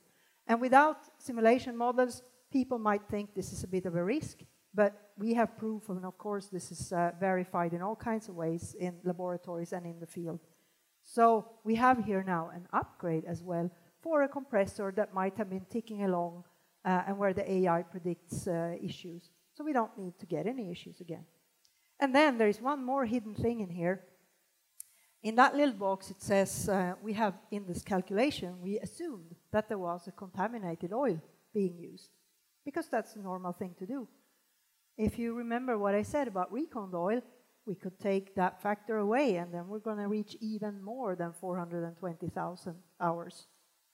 Without simulation models, people might think this is a bit of a risk, but we have proof, and of course, this is verified in all kinds of ways in laboratories and in the field. We have here now an upgrade as well for a compressor that might have been ticking along, and where the AI predicts issues. We don't need to get any issues again. There is one more hidden thing in here. In that little box, it says, we have in this calculation, we assumed that there was a contaminated oil being used because that's the normal thing to do. If you remember what I said about RecondOil, we could take that factor away, and then we're going to reach even more than 420,000 hours.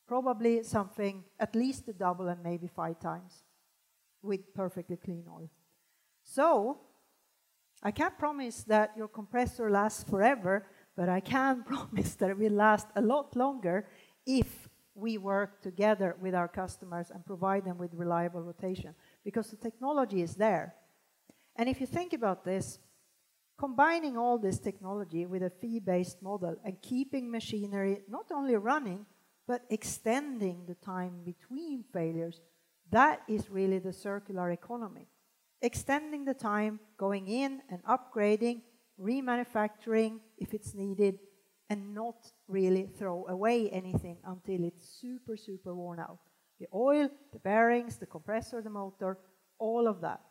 Probably something at least double and maybe five times with perfectly clean oil. I can't promise that your compressor lasts forever, but I can promise that it will last a lot longer if we work together with our customers and provide them with reliable rotation, because the technology is there. If you think about this, combining all this technology with a fee-based model and keeping machinery not only running but extending the time between failures, that is really the circular economy. Extending the time, going in and upgrading, remanufacturing if it's needed, and not really throw away anything until it's super worn out. The oil, the bearings, the compressor, the motor, all of that.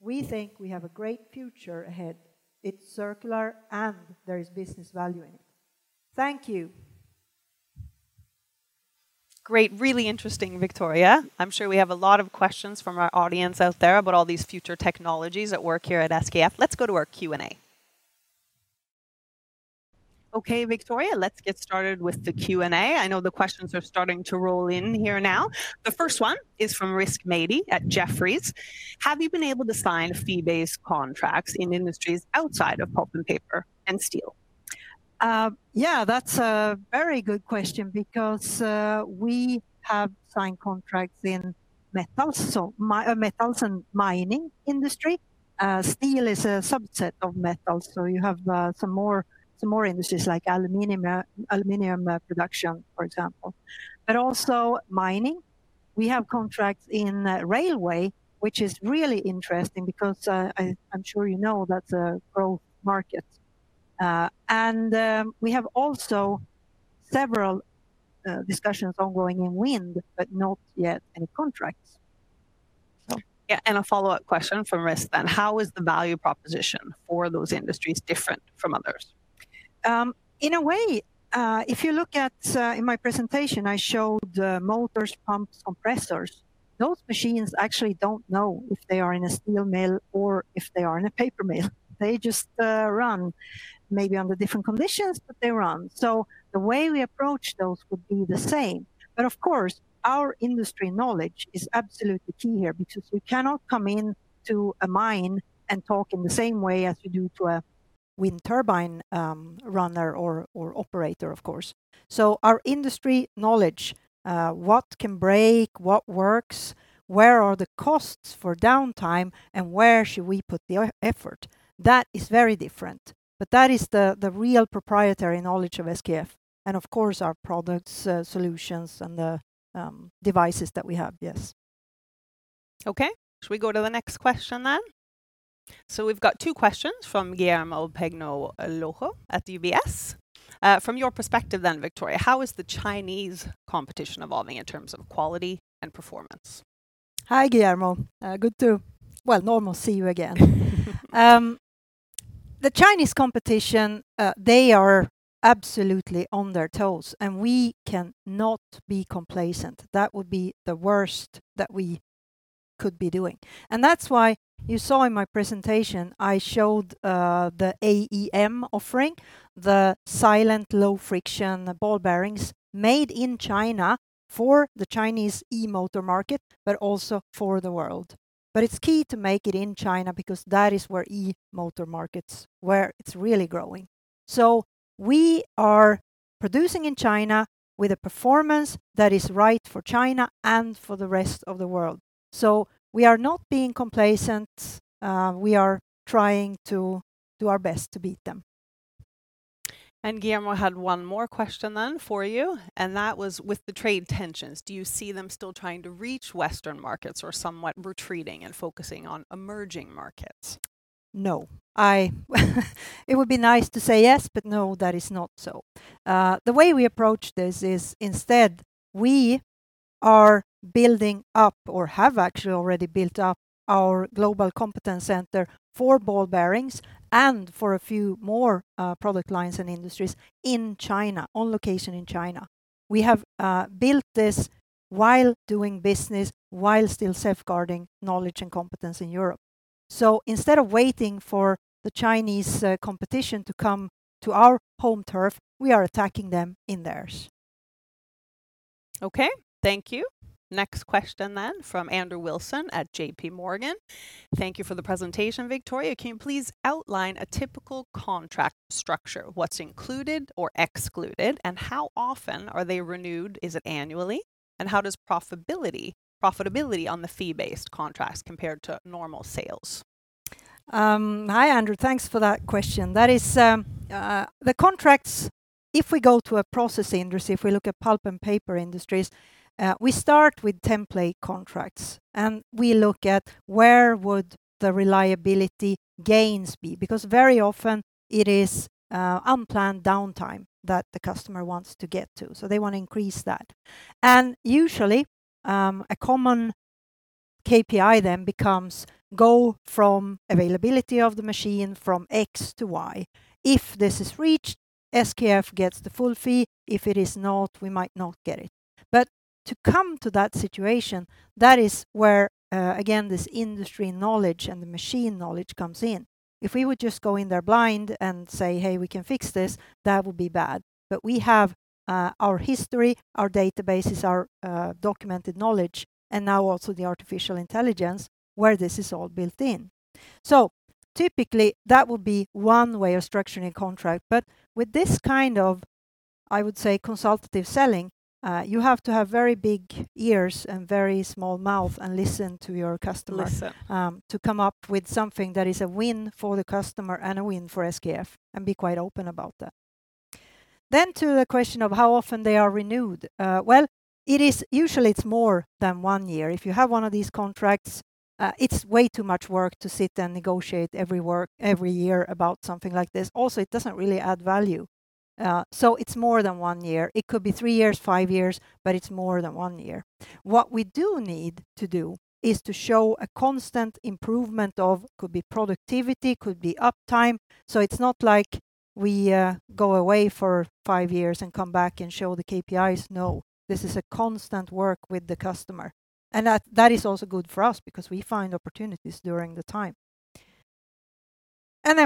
We think we have a great future ahead. It's circular, and there is business value in it. Thank you. Great. Really interesting, Victoria. I'm sure we have a lot of questions from our audience out there about all these future technologies at work here at SKF. Let's go to our Q&A. Okay, Victoria. Let's get started with the Q&A. I know the questions are starting to roll in here now. The first one is from Rizk Maidi at Jefferies. "Have you been able to sign fee-based contracts in industries outside of pulp and paper and steel? That's a very good question because we have signed contracts in metals and mining industry. Steel is a subset of metals, you have some more industries like aluminum production, for example. Also mining. We have contracts in railway, which is really interesting because I'm sure you know that's a growth market. We have also several discussions ongoing in wind, but not yet any contracts. Yeah, a follow-up question from Rizk then, "How is the value proposition for those industries different from others? In a way, if you look at in my presentation, I showed motors, pumps, compressors. Those machines actually don't know if they are in a steel mill or if they are in a paper mill. They just run, maybe under different conditions, but they run. The way we approach those would be the same. Of course, our industry knowledge is absolutely key here because we cannot come into a mine and talk in the same way as we do to a wind turbine runner or operator, of course. Our industry knowledge, what can break, what works, where are the costs for downtime, and where should we put the effort? That is very different. That is the real proprietary knowledge of SKF and of course our products, solutions, and the devices that we have. Yes. Okay. Should we go to the next question then? We've got two questions from Guillermo Peigneux Lojo at UBS. "From your perspective then, Victoria, how is the Chinese competition evolving in terms of quality and performance? Hi, Guillermo. Good to, well, normal see you again. The Chinese competition, they are absolutely on their toes, and we can not be complacent. That would be the worst that we could be doing. That's why you saw in my presentation I showed the EAM offering, the silent, low friction ball bearings made in China for the Chinese e-motor market, but also for the world. It's key to make it in China because that is where e-motor markets, where it's really growing. We are producing in China with a performance that is right for China and for the rest of the world. We are not being complacent. We are trying to do our best to beat them. Guillermo had one more question then for you, and that was, "With the trade tensions, do you see them still trying to reach Western markets or somewhat retreating and focusing on emerging markets? No. It would be nice to say yes, no, that is not so. The way we approach this is instead we are building up or have actually already built up our global competence center for ball bearings and for a few more product lines and industries in China, on location in China. We have built this while doing business, while still safeguarding knowledge and competence in Europe. Instead of waiting for the Chinese competition to come to our home turf, we are attacking them in theirs. Okay. Thank you. Next question from Andrew Wilson at JPMorgan. Thank you for the presentation, Victoria. Can you please outline a typical contract structure? What's included or excluded, and how often are they renewed? Is it annually? How does profitability on the fee-based contracts compare to normal sales? Hi, Andrew. Thanks for that question. The contracts, if we go to a processing industry, if we look at pulp and paper industries, we start with template contracts. We look at where would the reliability gains be because very often it is unplanned downtime that the customer wants to get to. They want to increase that. Usually a common KPI then becomes go from availability of the machine from X to Y. If this is reached, SKF gets the full fee. If it is not, we might not get it. To come to that situation, that is where, again, this industry knowledge and the machine knowledge comes in. If we would just go in there blind and say, "Hey, we can fix this," that would be bad. We have our history, our databases, our documented knowledge, and now also the artificial intelligence where this is all built in. Typically, that would be one way of structuring a contract. With this kind of, I would say, consultative selling, you have to have very big ears and very small mouth and listen to your customer. Listen To come up with something that is a win for the customer and a win for SKF, and be quite open about that. To the question of how often they are renewed. Well, usually it's more than one year. If you have one of these contracts, it's way too much work to sit and negotiate every year about something like this. Also, it doesn't really add value. It's more than one year. It could be three years, five years, but it's more than one year. What we do need to do is to show a constant improvement of, could be productivity, could be uptime. It's not like we go away for five years and come back and show the KPIs. No, this is a constant work with the customer. That is also good for us because we find opportunities during the time.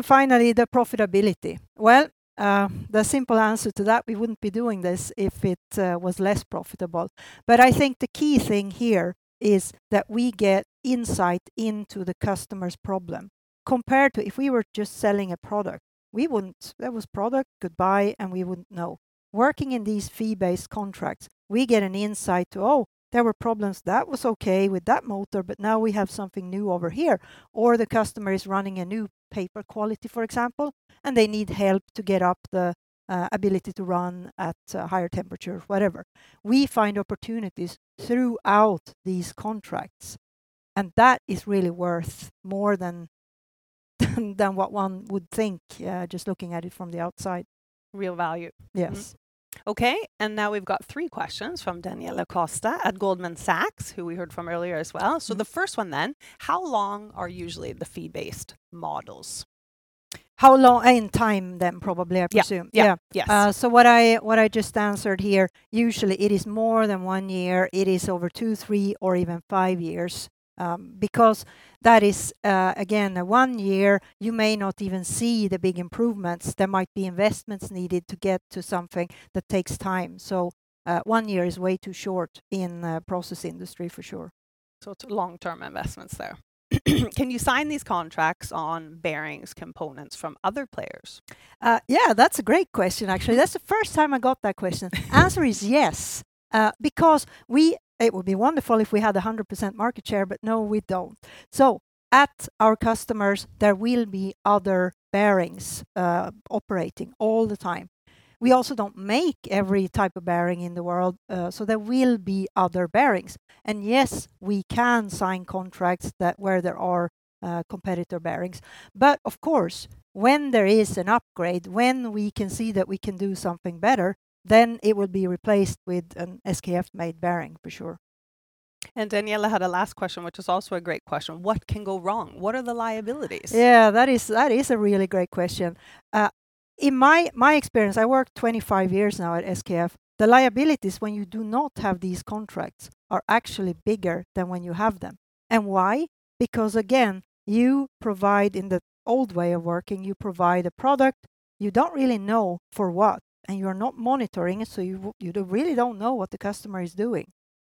Finally, the profitability. Well, the simple answer to that, we wouldn't be doing this if it was less profitable. I think the key thing here is that we get insight into the customer's problem, compared to if we were just selling a product, there was product, goodbye, and we wouldn't know. Working in these fee-based contracts, we get an insight to, oh, there were problems that was okay with that motor, but now we have something new over here. The customer is running a new paper quality, for example, and they need help to get up the ability to run at a higher temperature, whatever. We find opportunities throughout these contracts, and that is really worth more than what one would think, just looking at it from the outside. Real value. Yes. Okay, now we've got three questions from Daniela Costa at Goldman Sachs, who we heard from earlier as well. The first one then, how long are usually the fee-based models? How long in time then probably, I presume? Yeah. Yeah. Yes. What I just answered here, usually it is more than one year. It is over two, three, or even five years. That is, again, one year, you may not even see the big improvements. There might be investments needed to get to something that takes time. One year is way too short in process industry, for sure. It's long-term investments there. Can you sign these contracts on bearings components from other players? That's a great question, actually. That's the first time I got that question. Answer is yes, because it would be wonderful if we had 100% market share, but no, we don't. At our customers, there will be other bearings operating all the time. We also don't make every type of bearing in the world, so there will be other bearings. Yes, we can sign contracts where there are competitor bearings. Of course, when there is an upgrade, when we can see that we can do something better, then it would be replaced with an SKF-made bearing, for sure. Daniela had a last question, which was also a great question. What can go wrong? What are the liabilities? Yeah, that is a really great question. In my experience, I worked 25 years now at SKF, the liabilities when you do not have these contracts are actually bigger than when you have them. Why? Because again, in the old way of working, you provide a product, you don't really know for what, and you're not monitoring it, so you really don't know what the customer is doing.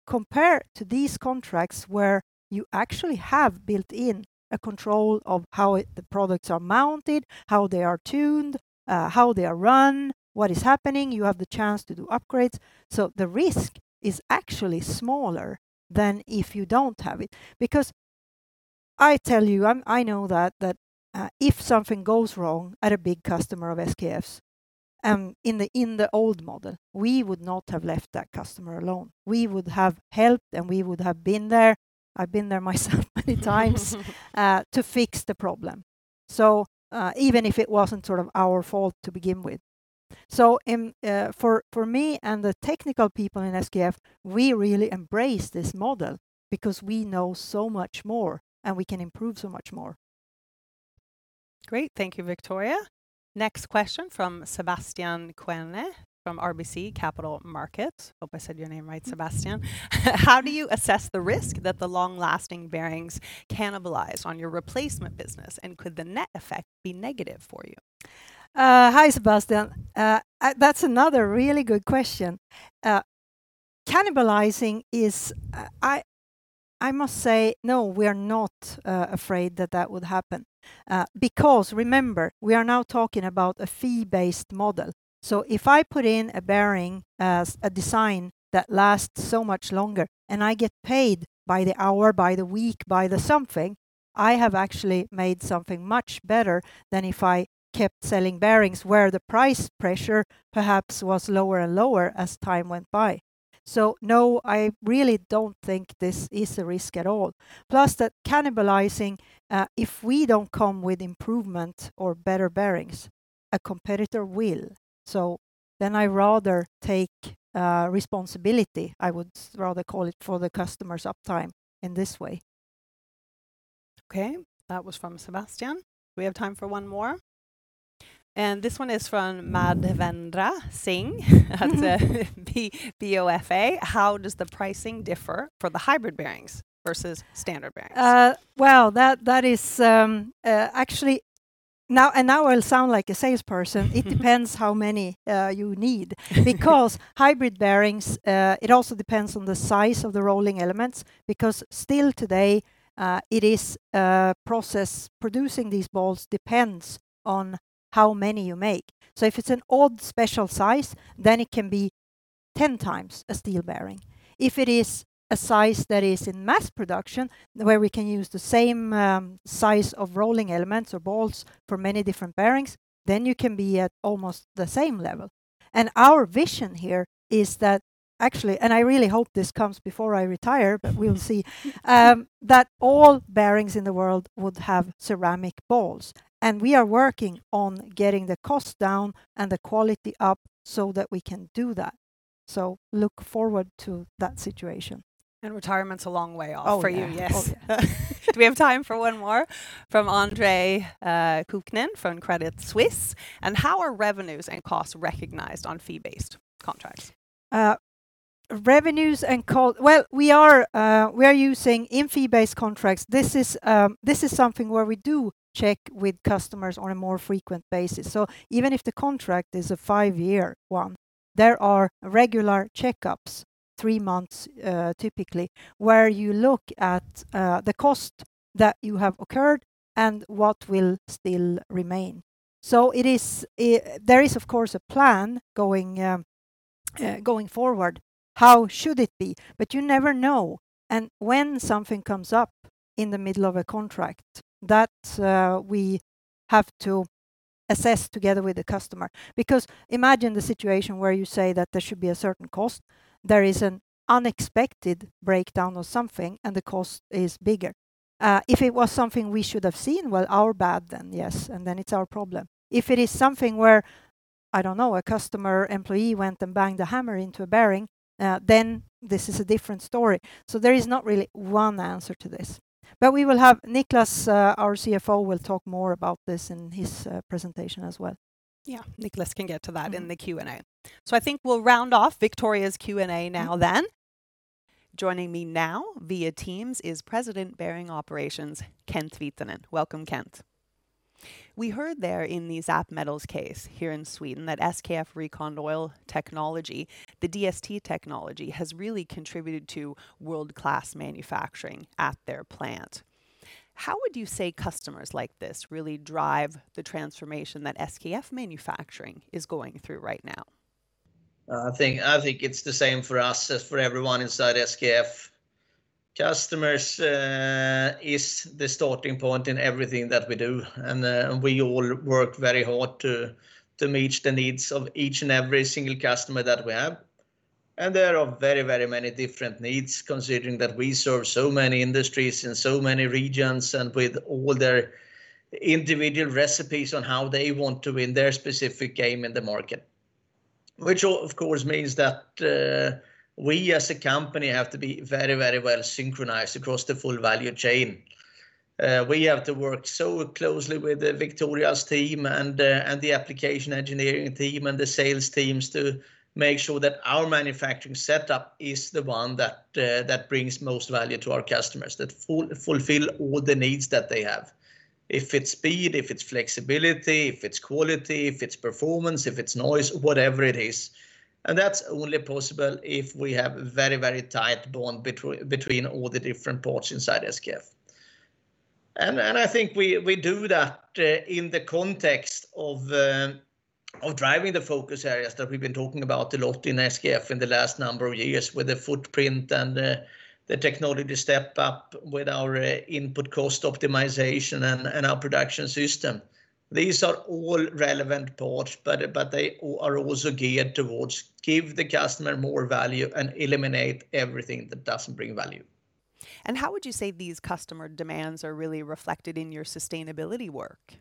Compared to these contracts where you actually have built in a control of how the products are mounted, how they are tuned, how they are run, what is happening, you have the chance to do upgrades. The risk is actually smaller than if you don't have it, because I tell you, I know that if something goes wrong at a big customer of SKF's, in the old model, we would not have left that customer alone. We would have helped, and we would have been there. I've been there myself many times to fix the problem. Even if it wasn't sort of our fault to begin with. For me and the technical people in SKF, we really embrace this model because we know so much more, and we can improve so much more. Great. Thank you, Victoria. Next question from Sebastian Kuenne from RBC Capital Markets. Hope I said your name right, Sebastian. How do you assess the risk that the long-lasting bearings cannibalize on your replacement business, and could the net effect be negative for you? Hi, Sebastian. That's another really good question. Cannibalizing is, I must say, no, we are not afraid that that would happen. Remember, we are now talking about a fee-based model. If I put in a bearing as a design that lasts so much longer, and I get paid by the hour, by the week, by the something, I have actually made something much better than if I kept selling bearings where the price pressure perhaps was lower and lower as time went by. No, I really don't think this is a risk at all. Cannibalizing, if we don't come with improvement or better bearings a competitor will. Then I would rather take responsibility, I would rather call it for the customers' uptime in this way. Okay. That was from Sebastian. This one is from Madhvendra Singh at BofA: "How does the pricing differ for the hybrid bearings versus standard bearings? Well, now I sound like a salesperson. It depends how many you need, because hybrid bearings, it also depends on the size of the rolling elements, because still today, the process producing these balls depends on how many you make. If it's an odd special size, then it can be 10 times a steel bearing. If it is a size that is in mass production, where we can use the same size of rolling elements or balls for many different bearings, then you can be at almost the same level. Our vision here is that, and I really hope this comes before I retire, but we'll see, that all bearings in the world would have ceramic balls. We are working on getting the cost down and the quality up so that we can do that. Look forward to that situation. Retirement's a long way off for you. Oh, yeah. Yes. Do we have time for one more from Andre Kukhnin from Crédit Suisse: "How are revenues and costs recognized on fee-based contracts? In fee-based contracts, this is something where we do check with customers on a more frequent basis. Even if the contract is a five-year one, there are regular checkups, three months, typically, where you look at the cost that you have occurred and what will still remain. There is, of course, a plan going forward, how should it be? You never know. When something comes up in the middle of a contract, that we have to assess together with the customer. Imagine the situation where you say that there should be a certain cost, there is an unexpected breakdown or something, and the cost is bigger. If it was something we should have seen, well, our bad then, yes, and then it's our problem. If it is something where, I don't know, a customer employee went and banged a hammer into a bearing, then this is a different story. There is not really one answer to this. Niclas, our CFO, will talk more about this in his presentation as well. Yeah. Niclas can get to that in the Q&A. I think we'll round off Victoria's Q&A now then. Joining me now via Teams is President, Bearing Operations, Kent Viitanen. Welcome, Kent. We heard there in the Zapp Metals case here in Sweden that SKF RecondOil technology, the DST technology, has really contributed to world-class manufacturing at their plant. How would you say customers like this really drive the transformation that SKF manufacturing is going through right now? I think it's the same for us as for everyone inside SKF. Customers is the starting point in everything that we do, and we all work very hard to meet the needs of each and every single customer that we have. There are very many different needs, considering that we serve so many industries in so many regions, and with all their individual recipes on how they want to win their specific game in the market. Which of course means that we as a company have to be very well synchronized across the full value chain. We have to work so closely with Victoria's team and the application engineering team and the sales teams to make sure that our manufacturing setup is the one that brings most value to our customers, that fulfill all the needs that they have. If it's speed, if it's flexibility, if it's quality, if it's performance, if it's noise, whatever it is. That's only possible if we have a very tight bond between all the different parts inside SKF. I think we do that in the context of driving the focus areas that we've been talking about a lot in SKF in the last number of years with the footprint and the technology step-up with our input cost optimization and our production system. These are all relevant parts, but they are also geared towards give the customer more value and eliminate everything that doesn't bring value. How would you say these customer demands are really reflected in your sustainability work?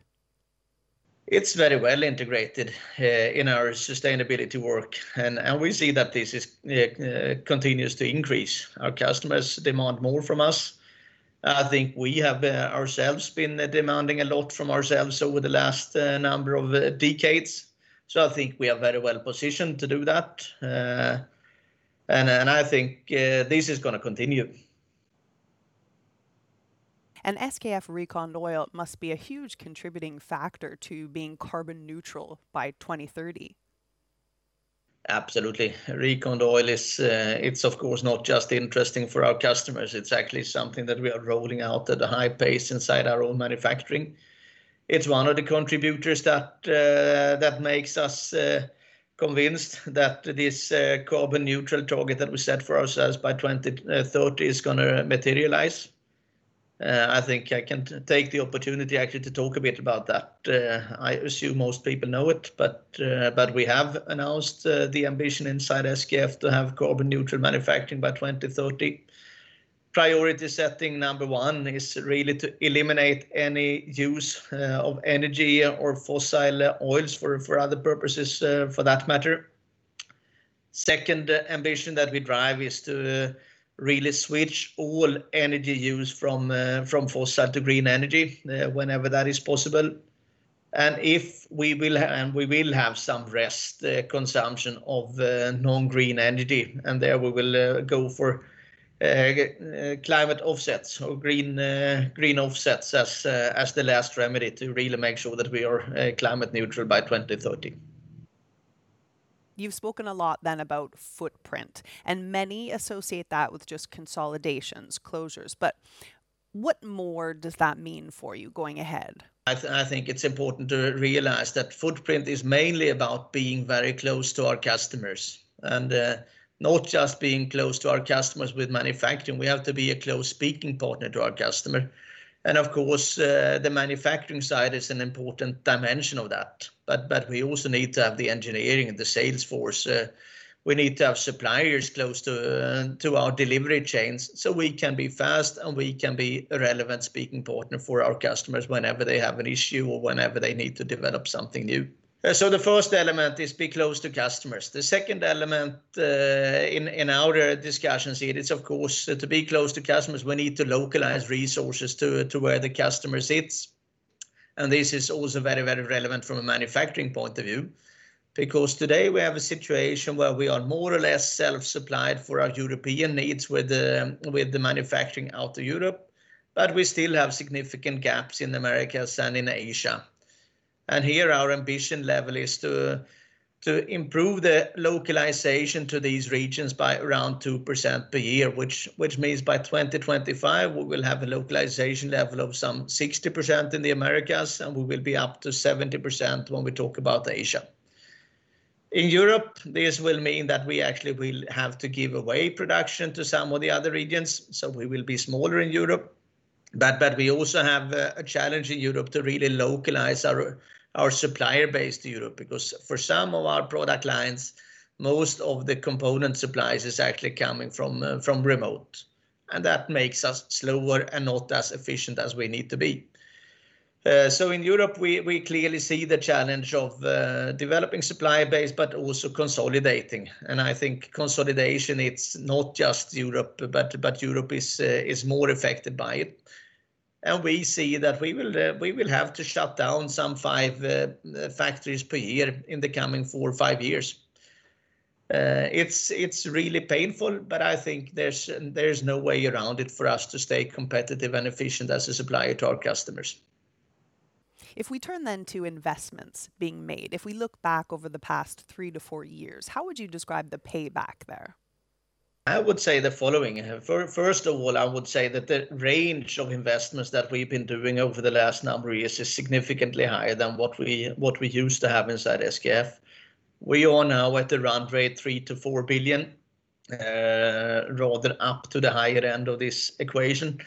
It's very well integrated in our sustainability work. We see that this continues to increase. Our customers demand more from us. I think we have ourselves been demanding a lot from ourselves over the last number of decades, I think we are very well positioned to do that. I think this is going to continue. SKF RecondOil must be a huge contributing factor to being carbon neutral by 2030. Absolutely. RecondOil it's of course not just interesting for our customers, it's actually something that we are rolling out at a high pace inside our own manufacturing. It's one of the contributors that makes us convinced that this carbon neutral target that we set for ourselves by 2030 is going to materialize. I think I can take the opportunity, actually, to talk a bit about that. I assume most people know it, but we have announced the ambition inside SKF to have carbon neutral Manufacturing by 2030. Priority setting number one is really to eliminate any use of energy or fossil oils for other purposes for that matter. Second ambition that we drive is to really switch all energy use from fossil to green energy whenever that is possible. We will have some rest consumption of non-green energy, and there we will go for climate offsets or green offsets as the last remedy to really make sure that we are climate neutral by 2030. You've spoken a lot then about footprint, and many associate that with just consolidations, closures, but what more does that mean for you going ahead? I think it's important to realize that footprint is mainly about being very close to our customers and not just being close to our customers with manufacturing. We have to be a close speaking partner to our customer. Of course, the manufacturing side is an important dimension of that. We also need to have the engineering and the sales force. We need to have suppliers close to our delivery chains so we can be fast, and we can be a relevant speaking partner for our customers whenever they have an issue or whenever they need to develop something new. The first element is be close to customers. The second element in our discussions here is, of course, to be close to customers, we need to localize resources to where the customer sits. This is also very relevant from a manufacturing point of view because today we have a situation where we are more or less self-supplied for our European needs with the manufacturing out of Europe, but we still have significant gaps in the Americas and in Asia. Here our ambition level is to improve the localization to these regions by around 2% per year, which means by 2025, we will have a localization level of some 60% in the Americas, and we will be up to 70% when we talk about Asia. In Europe, this will mean that we actually will have to give away production to some of the other regions, so we will be smaller in Europe. We also have a challenge in Europe to really localize our supplier base to Europe because for some of our product lines, most of the component supplies is actually coming from remote, and that makes us slower and not as efficient as we need to be. In Europe, we clearly see the challenge of developing supplier base but also consolidating, and I think consolidation, it's not just Europe, but Europe is more affected by it. We see that we will have to shut down some five factories per year in the coming four or five years. It's really painful, but I think there's no way around it for us to stay competitive and efficient as a supplier to our customers. If we turn to investments being made, if we look back over the past three to four years, how would you describe the payback there? I would say the following. First of all, I would say that the range of investments that we've been doing over the last number of years is significantly higher than what we used to have inside SKF. We are now at a run rate of 3 billion-4 billion, rather up to the higher end of this equation.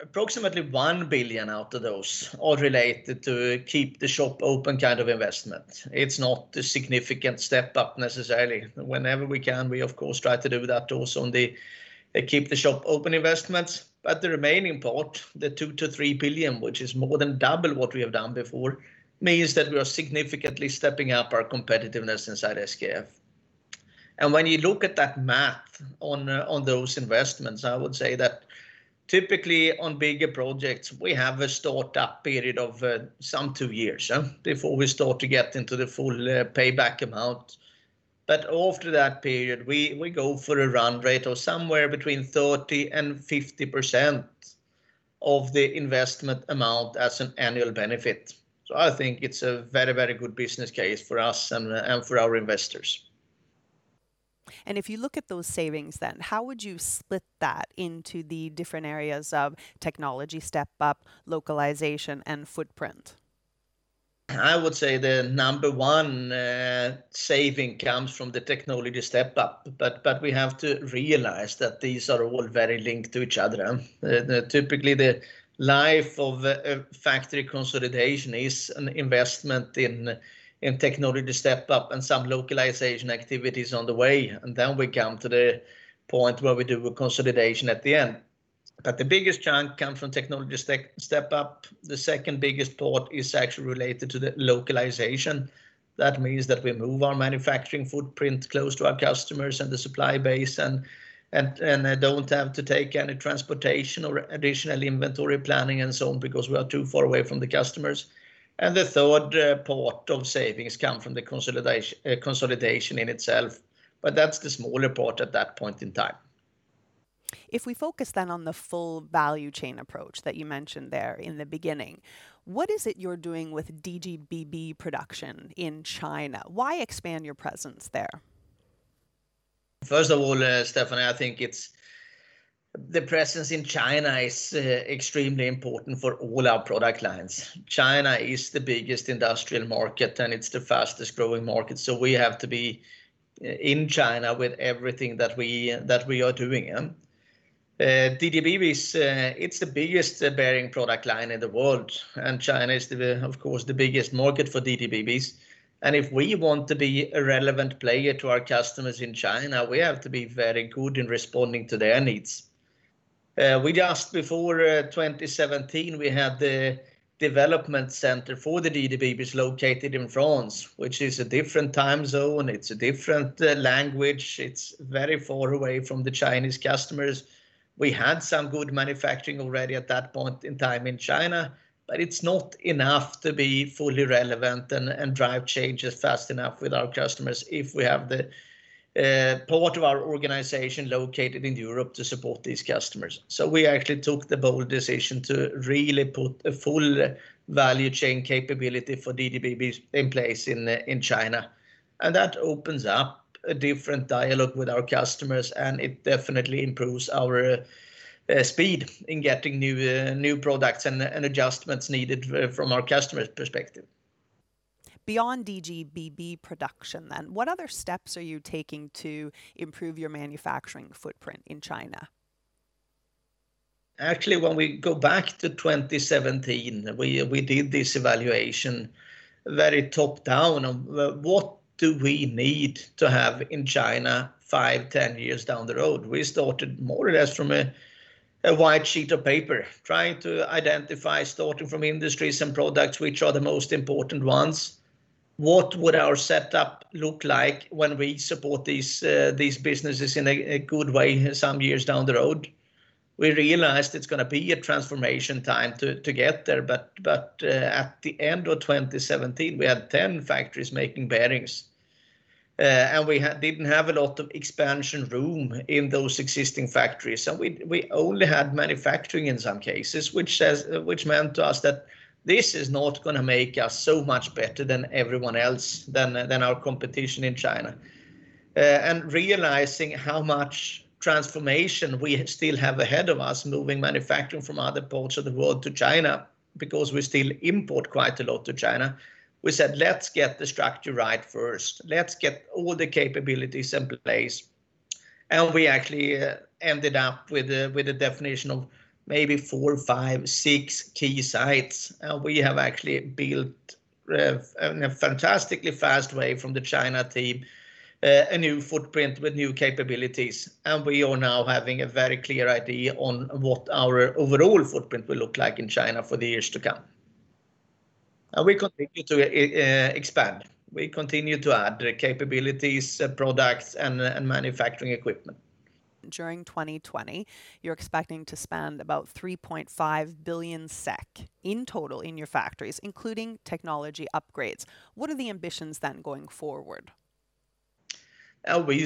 Approximately 1 billion out of those are related to keep-the-shop-open kind of investment. It's not a significant step-up necessarily. Whenever we can, we of course try to do that also on the keep-the-shop-open investments, but the remaining part, the 2 billion-3 billion, which is more than double what we have done before, means that we are significantly stepping up our competitiveness inside SKF. When you look at that math on those investments, I would say that typically on bigger projects, we have a start-up period of some two years before we start to get into the full payback amount. After that period, we go for a run rate of somewhere between 30% and 50% of the investment amount as an annual benefit. I think it's a very good business case for us and for our investors. If you look at those savings then, how would you split that into the different areas of technology step-up, localization, and footprint? I would say the number one saving comes from the technology step-up, but we have to realize that these are all very linked to each other. Typically, the life of a factory consolidation is an investment in technology step-up and some localization activities on the way, and then we come to the point where we do a consolidation at the end. The biggest chunk comes from technology step-up. The second-biggest part is actually related to the localization. That means that we move our manufacturing footprint close to our customers and the supply base, and don't have to take any transportation or additional inventory planning and so on because we are too far away from the customers. The third part of savings come from the consolidation in itself, but that's the smaller part at that point in time. If we focus on the full value chain approach that you mentioned there in the beginning, what is it you're doing with DGBB production in China? Why expand your presence there? First of all, Stephanie, I think the presence in China is extremely important for all our product lines. China is the biggest industrial market, and it's the fastest-growing market, so we have to be in China with everything that we are doing. DGBB, it's the biggest bearing product line in the world, and China is, of course, the biggest market for DGBBs, and if we want to be a relevant player to our customers in China, we have to be very good in responding to their needs. Just before 2017, we had the development center for the DGBB located in France, which is a different time zone, it's a different language, it's very far away from the Chinese customers. We had some good manufacturing already at that point in time in China. It's not enough to be fully relevant and drive changes fast enough with our customers if we have part of our organization located in Europe to support these customers. We actually took the bold decision to really put a full value chain capability for DGBB in place in China. That opens up a different dialogue with our customers, and it definitely improves our speed in getting new products and adjustments needed from our customers' perspective. Beyond DGBB production, what other steps are you taking to improve your manufacturing footprint in China? Actually, when we go back to 2017, we did this evaluation very top-down on what do we need to have in China five, 10 years down the road. We started more or less from a white sheet of paper, trying to identify, starting from industries and products, which are the most important ones. What would our setup look like when we support these businesses in a good way some years down the road? We realized it's going to be a transformation time to get there. At the end of 2017, we had 10 factories making bearings. We didn't have a lot of expansion room in those existing factories, and we only had manufacturing in some cases, which meant to us that this is not going to make us so much better than everyone else, than our competition in China. Realizing how much transformation we still have ahead of us moving manufacturing from other parts of the world to China, because we still import quite a lot to China, we said let's get the structure right first. Let's get all the capabilities in place. We actually ended up with a definition of maybe four, five, six key sites. We have actually built, in a fantastically fast way from the China team, a new footprint with new capabilities. We are now having a very clear idea on what our overall footprint will look like in China for the years to come. We continue to expand. We continue to add capabilities, products, and manufacturing equipment. During 2020, you're expecting to spend about 3.5 billion SEK in total in your factories, including technology upgrades. What are the ambitions going forward? We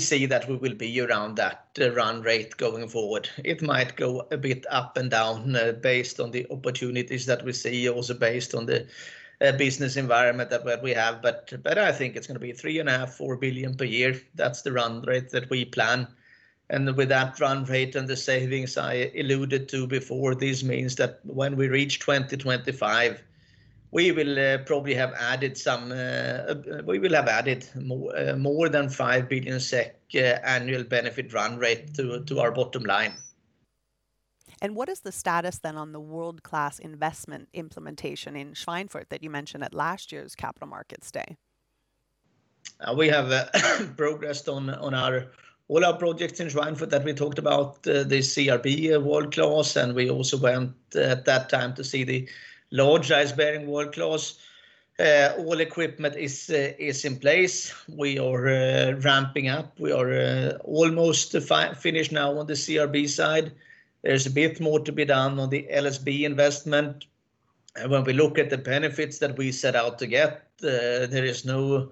see that we will be around that run rate going forward. It might go a bit up and down based on the opportunities that we see, also based on the business environment that we have. I think it's going to be 3.5 billion-4 billion per year. That's the run rate that we plan. With that run rate and the savings I alluded to before this means that when we reach 2025, we will have added more than 5 billion SEK annual benefit run rate to our bottom line. What is the status then on the world-class investment implementation in Schweinfurt that you mentioned at last year's Capital Markets Day? We have progressed on all our projects in Schweinfurt that we talked about, the CRB world-class, and we also went at that time to see the large size bearing world-class. All equipment is in place. We are ramping up. We are almost finished now on the CRB side. There is a bit more to be done on the LSB investment. And when we look at the benefits that we set out to get, there is no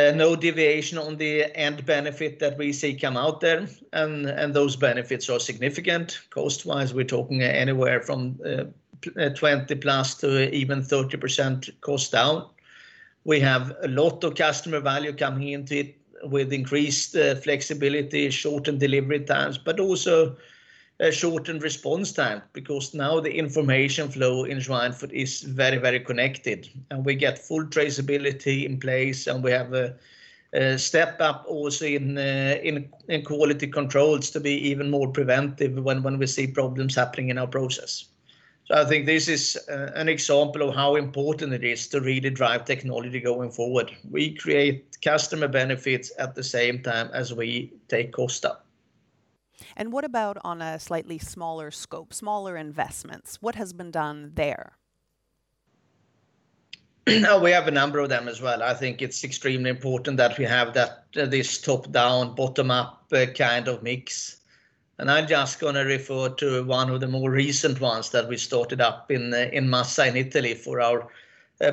deviation on the end benefit that we see come out there, and those benefits are significant. Cost-wise, we are talking anywhere from 20%+ to even 30% cost down. We have a lot of customer value coming into it with increased flexibility, shortened delivery times, but also a shortened response time because now the information flow in Schweinfurt is very connected. We get full traceability in place, and we have a step up also in quality controls to be even more preventive when we see problems happening in our process. I think this is an example of how important it is to really drive technology going forward. We create customer benefits at the same time as we take cost out. What about on a slightly smaller scope, smaller investments? What has been done there? We have a number of them as well. I think it's extremely important that we have this top-down, bottom-up kind of mix. I'm just going to refer to one of the more recent ones that we started up in Massa in Italy for our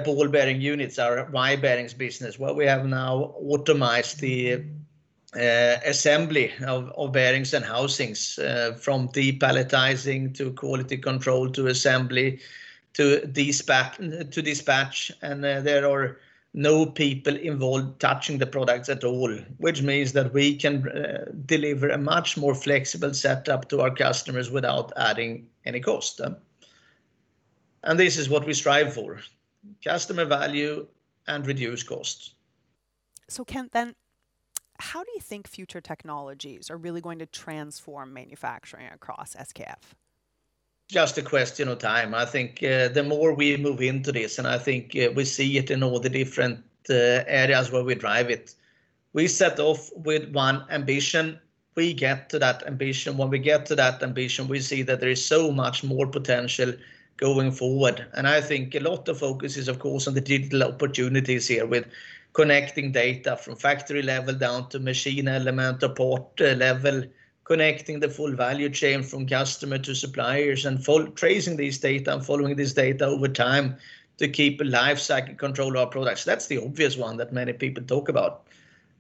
ball bearing units, our Y-bearings business, where we have now automated the assembly of bearings and housings, from depalletizing to quality control, to assembly, to dispatch. There are no people involved touching the products at all, which means that we can deliver a much more flexible setup to our customers without adding any cost. This is what we strive for, customer value and reduced costs. Kent then, how do you think future technologies are really going to transform manufacturing across SKF? Just a question of time. I think the more we move into this, and I think we see it in all the different areas where we drive it. We set off with one ambition, we get to that ambition. When we get to that ambition, we see that there is so much more potential going forward. I think a lot of focus is, of course, on the digital opportunities here with connecting data from factory level down to machine element or part level, connecting the full value chain from customer to suppliers, and tracing this data and following this data over time to keep a life cycle control of our products. That's the obvious one that many people talk about.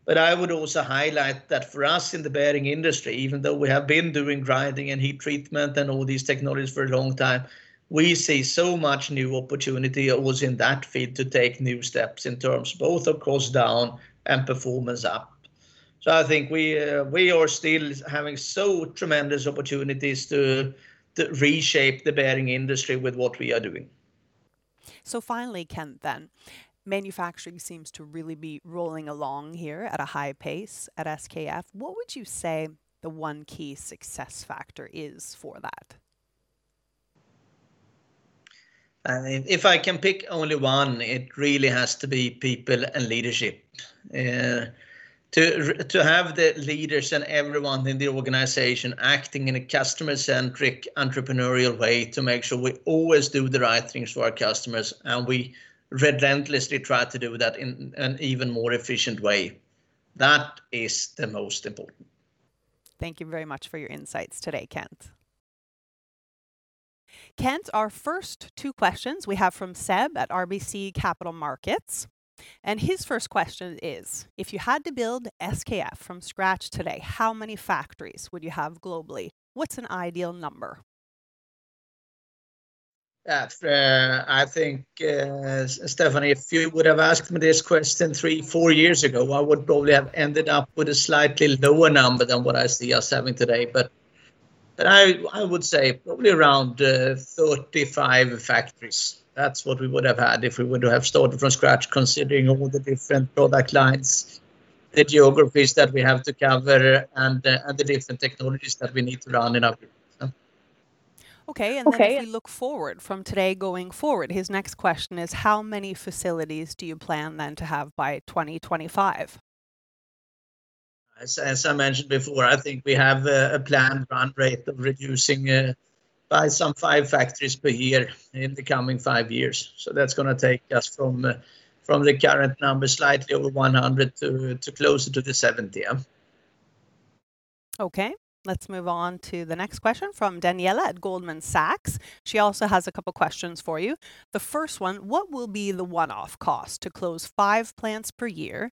I would also highlight that for us in the bearing industry, even though we have been doing grinding and heat treatment and all these technologies for a long time, we see so much new opportunity, also in that field, to take new steps in terms both of cost down and performance up. I think we are still having so tremendous opportunities to reshape the bearing industry with what we are doing. Finally, Kent, then. Manufacturing seems to really be rolling along here at a high pace at SKF. What would you say the one key success factor is for that? If I can pick only one, it really has to be people and leadership. To have the leaders and everyone in the organization acting in a customer-centric, entrepreneurial way to make sure we always do the right things for our customers, we relentlessly try to do that in an even more efficient way. That is the most important. Thank you very much for your insights today, Kent. Kent, our first two questions we have from Seb at RBC Capital Markets. His first question is, if you had to build SKF from scratch today, how many factories would you have globally? What's an ideal number? I think, Stephanie, if you would have asked me this question three, four years ago, I would probably have ended up with a slightly lower number than what I see us having today. I would say probably around 35 factories. That's what we would have had if we would have started from scratch, considering all the different product lines, the geographies that we have to cover, and the different technologies that we need to run in our group. Okay. Okay. If we look forward from today going forward, his next question is, how many facilities do you plan then to have by 2025? As I mentioned before, I think we have a planned run rate of reducing by some five factories per year in the coming five years. That's going to take us from the current number, slightly over 100 facilities, to closer to the 70 facilities. Okay, let's move on to the next question from Daniela at Goldman Sachs. She also has a couple questions for you. The first one, what will be the one-off cost to close five plants per year?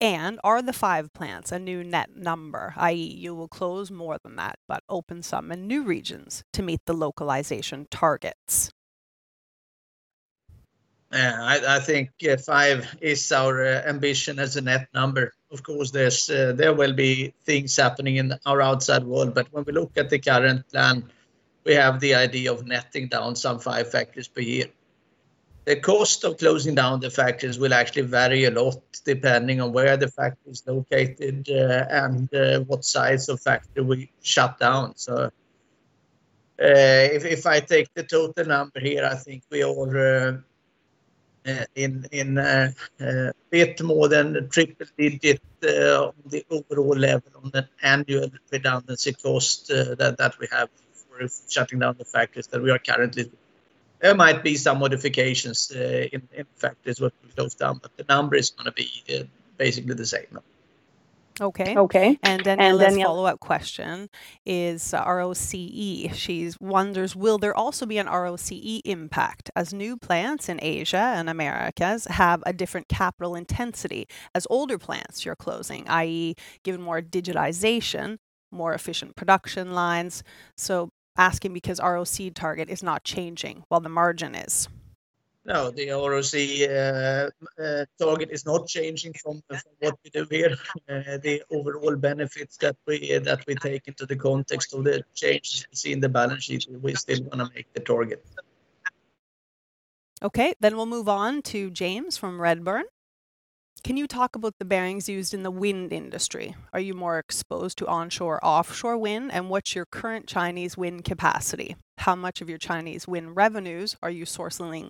Are the five plants a new net number, i.e., you will close more than that, but open some in new regions to meet the localization targets? I think five is our ambition as a net number. Of course, there will be things happening in our outside world, but when we look at the current plan, we have the idea of netting down some five factories per year. The cost of closing down the factories will actually vary a lot depending on where the factory is located and what size of factory we shut down. If I take the total number here, I think we are in a bit more than triple digit on the overall level on the annual redundancy cost that we have for shutting down the factories that we are currently doing. There might be some modifications in factories what we close down, but the number is going to be basically the same now. Okay. Okay. Daniela's follow-up question is ROCE. She wonders, will there also be an ROCE impact as new plants in Asia and Americas have a different capital intensity as older plants you're closing, i.e., given more digitalization, more efficient production lines? Asking because ROCE target is not changing while the margin is. No, the ROCE target is not changing from what we do here. The overall benefits that we take into the context of the change see in the balance sheet, we still want to make the target. Okay, we'll move on to James from Redburn. Can you talk about the bearings used in the wind industry? Are you more exposed to onshore-offshore wind, what's your current Chinese wind capacity? How much of your Chinese wind revenues are you sourcing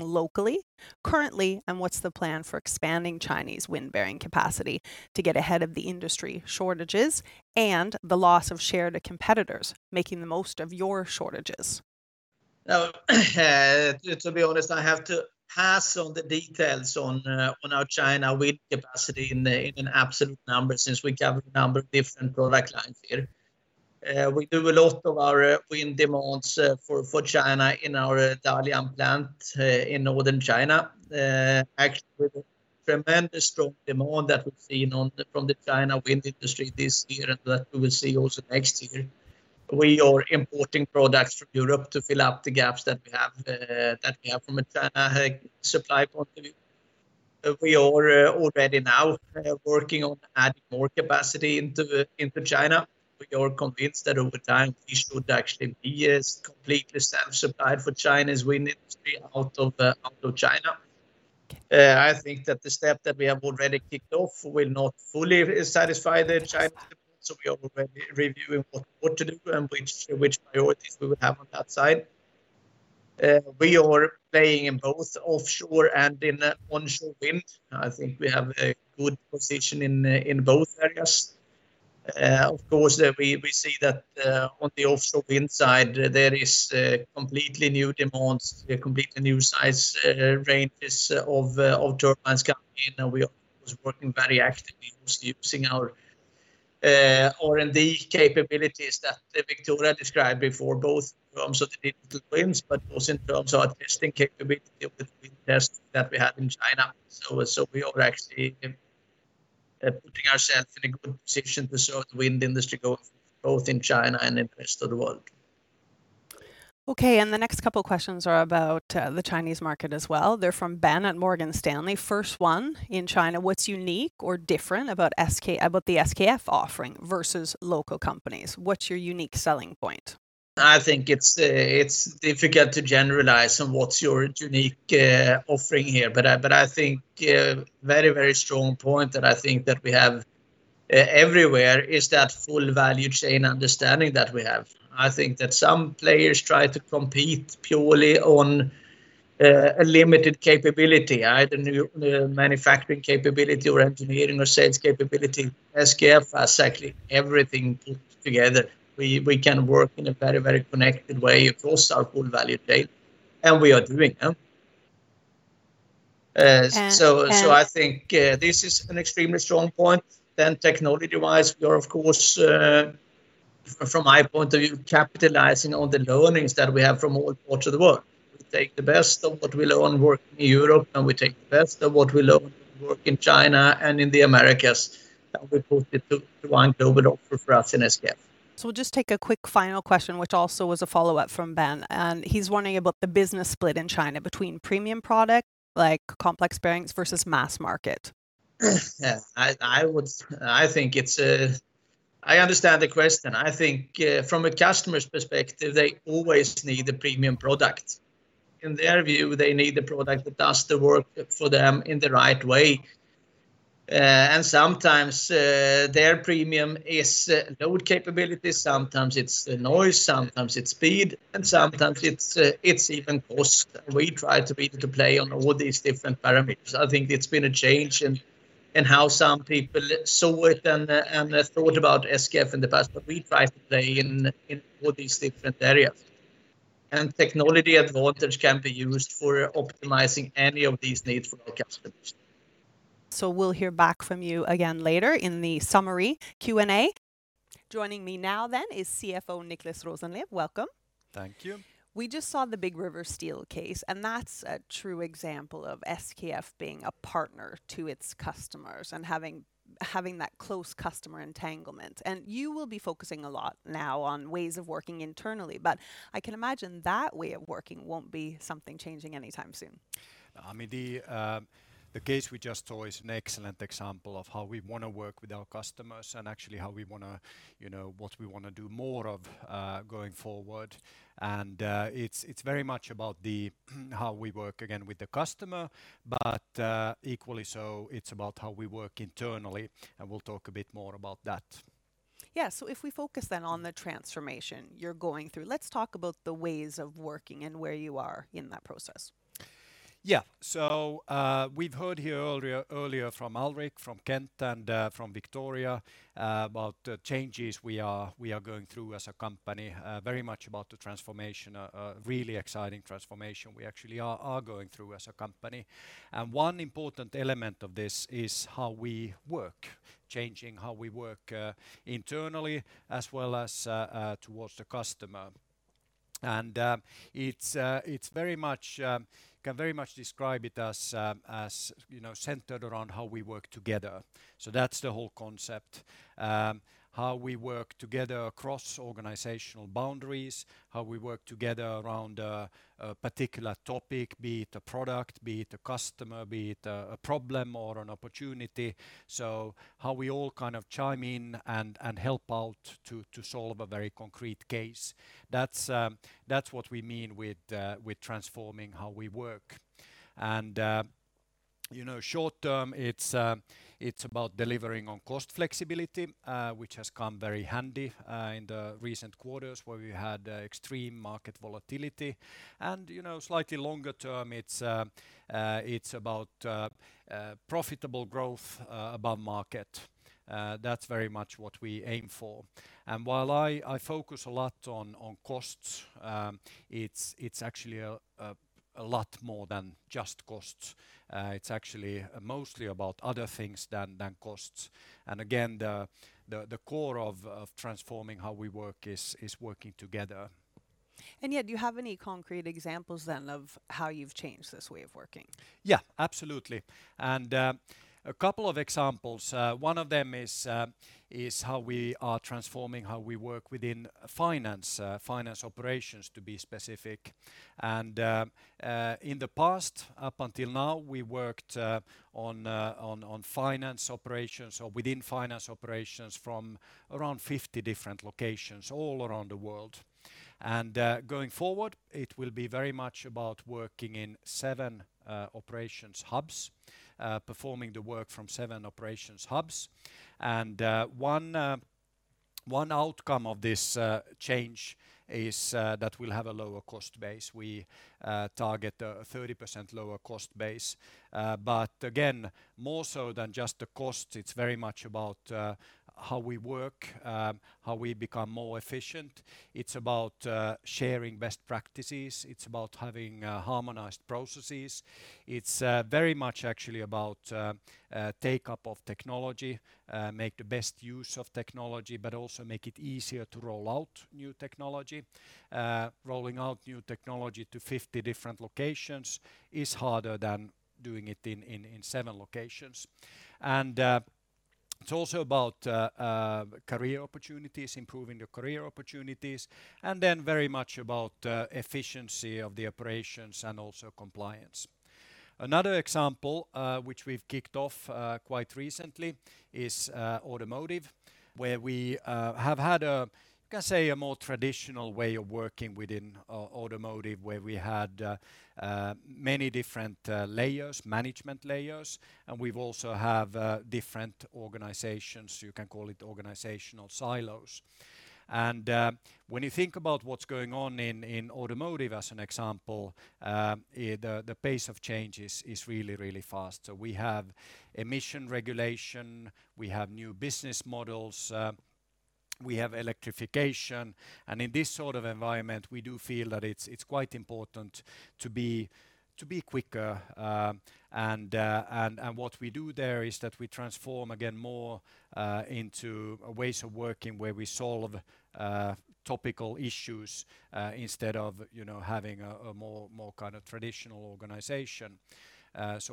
locally currently, what's the plan for expanding Chinese wind bearing capacity to get ahead of the industry shortages and the loss of share to competitors making the most of your shortages? To be honest, I have to pass on the details on our China wind capacity in an absolute number since we cover a number of different product lines here. We do a lot of our wind demands for China in our Dalian plant in northern China. Actually, the tremendous strong demand that we've seen from the China wind industry this year and that we will see also next year. We are importing products from Europe to fill up the gaps that we have from a China supply point of view. We are already now working on adding more capacity into China. We are convinced that over time we should actually be completely self-supplied for China's wind industry out of China. I think that the step that we have already kicked off will not fully satisfy the Chinese demands, so we are already reviewing what to do and which priorities we will have on that side. We are playing in both offshore and in onshore wind. I think we have a good position in both areas. Of course, we see that on the offshore wind side, there is completely new demands, completely new size ranges of turbines coming in, and we are, of course, working very actively, using our R&D capabilities that Victoria described before, both in terms of the digital twins, but also in terms of our testing capability with wind tests that we have in China. We are actually putting ourselves in a good position to serve the wind industry, both in China and in rest of the world. Okay, the next couple questions are about the Chinese market as well. They're from Ben at Morgan Stanley. First one, in China, what's unique or different about the SKF offering versus local companies? What's your unique selling point? I think it's difficult to generalize on what's your unique offering here, but a very, very strong point that I think that we have everywhere is that full value chain understanding that we have. I think that some players try to compete purely on a limited capability, either new manufacturing capability or engineering or sales capability. SKF has actually everything put together. We can work in a very, very connected way across our whole value chain, and we are doing that. And- I think this is an extremely strong point. Technology-wise, we are, of course, from my point of view, capitalizing on the learnings that we have from all parts of the world. We take the best of what we learn working in Europe, and we take the best of what we learn working in China and in the Americas, and we put it to one global offer for us in SKF. We'll just take a quick final question, which also was a follow-up from Ben, and he's wondering about the business split in China between premium product, like complex bearings, versus mass market. I understand the question. I think from a customer's perspective, they always need a premium product. In their view, they need a product that does the work for them in the right way. Sometimes their premium is load capability, sometimes it's noise, sometimes it's speed, and sometimes it's even cost. We try to be able to play on all these different parameters. I think it's been a change in how some people saw it and thought about SKF in the past, but we try to play in all these different areas. Technology advantage can be used for optimizing any of these needs for our customers. We'll hear back from you again later in the summary Q&A. Joining me now then is CFO Niclas Rosenlew. Welcome. Thank you. We just saw the Big River Steel case, and that's a true example of SKF being a partner to its customers and having that close customer entanglement. You will be focusing a lot now on ways of working internally, but I can imagine that way of working won't be something changing anytime soon. The case we just saw is an excellent example of how we want to work with our customers and actually what we want to do more of going forward. It's very much about how we work, again, with the customer. Equally so, it's about how we work internally, and we'll talk a bit more about that. Yeah. If we focus then on the transformation you're going through, let's talk about the ways of working and where you are in that process. Yeah. We've heard here earlier from Alrik, from Kent, and from Victoria about changes we are going through as a company, very much about the transformation, a really exciting transformation we actually are going through as a company. One important element of this is how we work, changing how we work internally as well as towards the customer. Can very much describe it as centered around how we work together. That's the whole concept. How we work together across organizational boundaries, how we work together around a particular topic, be it a product, be it a customer, be it a problem or an opportunity. How we all chime in and help out to solve a very concrete case. That's what we mean with transforming how we work. Short term, it's about delivering on cost flexibility, which has come very handy in the recent quarters where we had extreme market volatility. Slightly longer term, it's about profitable growth above market. That's very much what we aim for. While I focus a lot on costs, it's actually a lot more than just costs. It's actually mostly about other things than costs. Again, the core of transforming how we work is working together. Yet, do you have any concrete examples then of how you've changed this way of working? Yeah, absolutely. A couple of examples. One of them is how we are transforming how we work within finance operations to be specific. In the past, up until now, we worked on finance operations or within finance operations from around 50 different locations all around the world. Going forward, it will be very much about working in seven operations hubs, performing the work from seven operations hubs. One outcome of this change is that we'll have a lower cost base. We target a 30% lower cost base. Again, more so than just the cost, it's very much about how we work, how we become more efficient. It's about sharing best practices. It's about having harmonized processes. It's very much actually about take-up of technology, make the best use of technology, but also make it easier to roll out new technology. Rolling out new technology to 50 different locations is harder than doing it in seven locations. It's also about career opportunities, improving the career opportunities, and then very much about efficiency of the operations and also compliance. Another example, which we've kicked off quite recently, is automotive, where we have had a, you can say, a more traditional way of working within automotive, where we had many different management layers, and we've also have different organizations. You can call it organizational silos. When you think about what's going on in automotive as an example, the pace of change is really fast. We have emission regulation, we have new business models, we have electrification. In this sort of environment, we do feel that it's quite important to be quicker. What we do there is that we transform again more into ways of working where we solve topical issues instead of having a more traditional organization.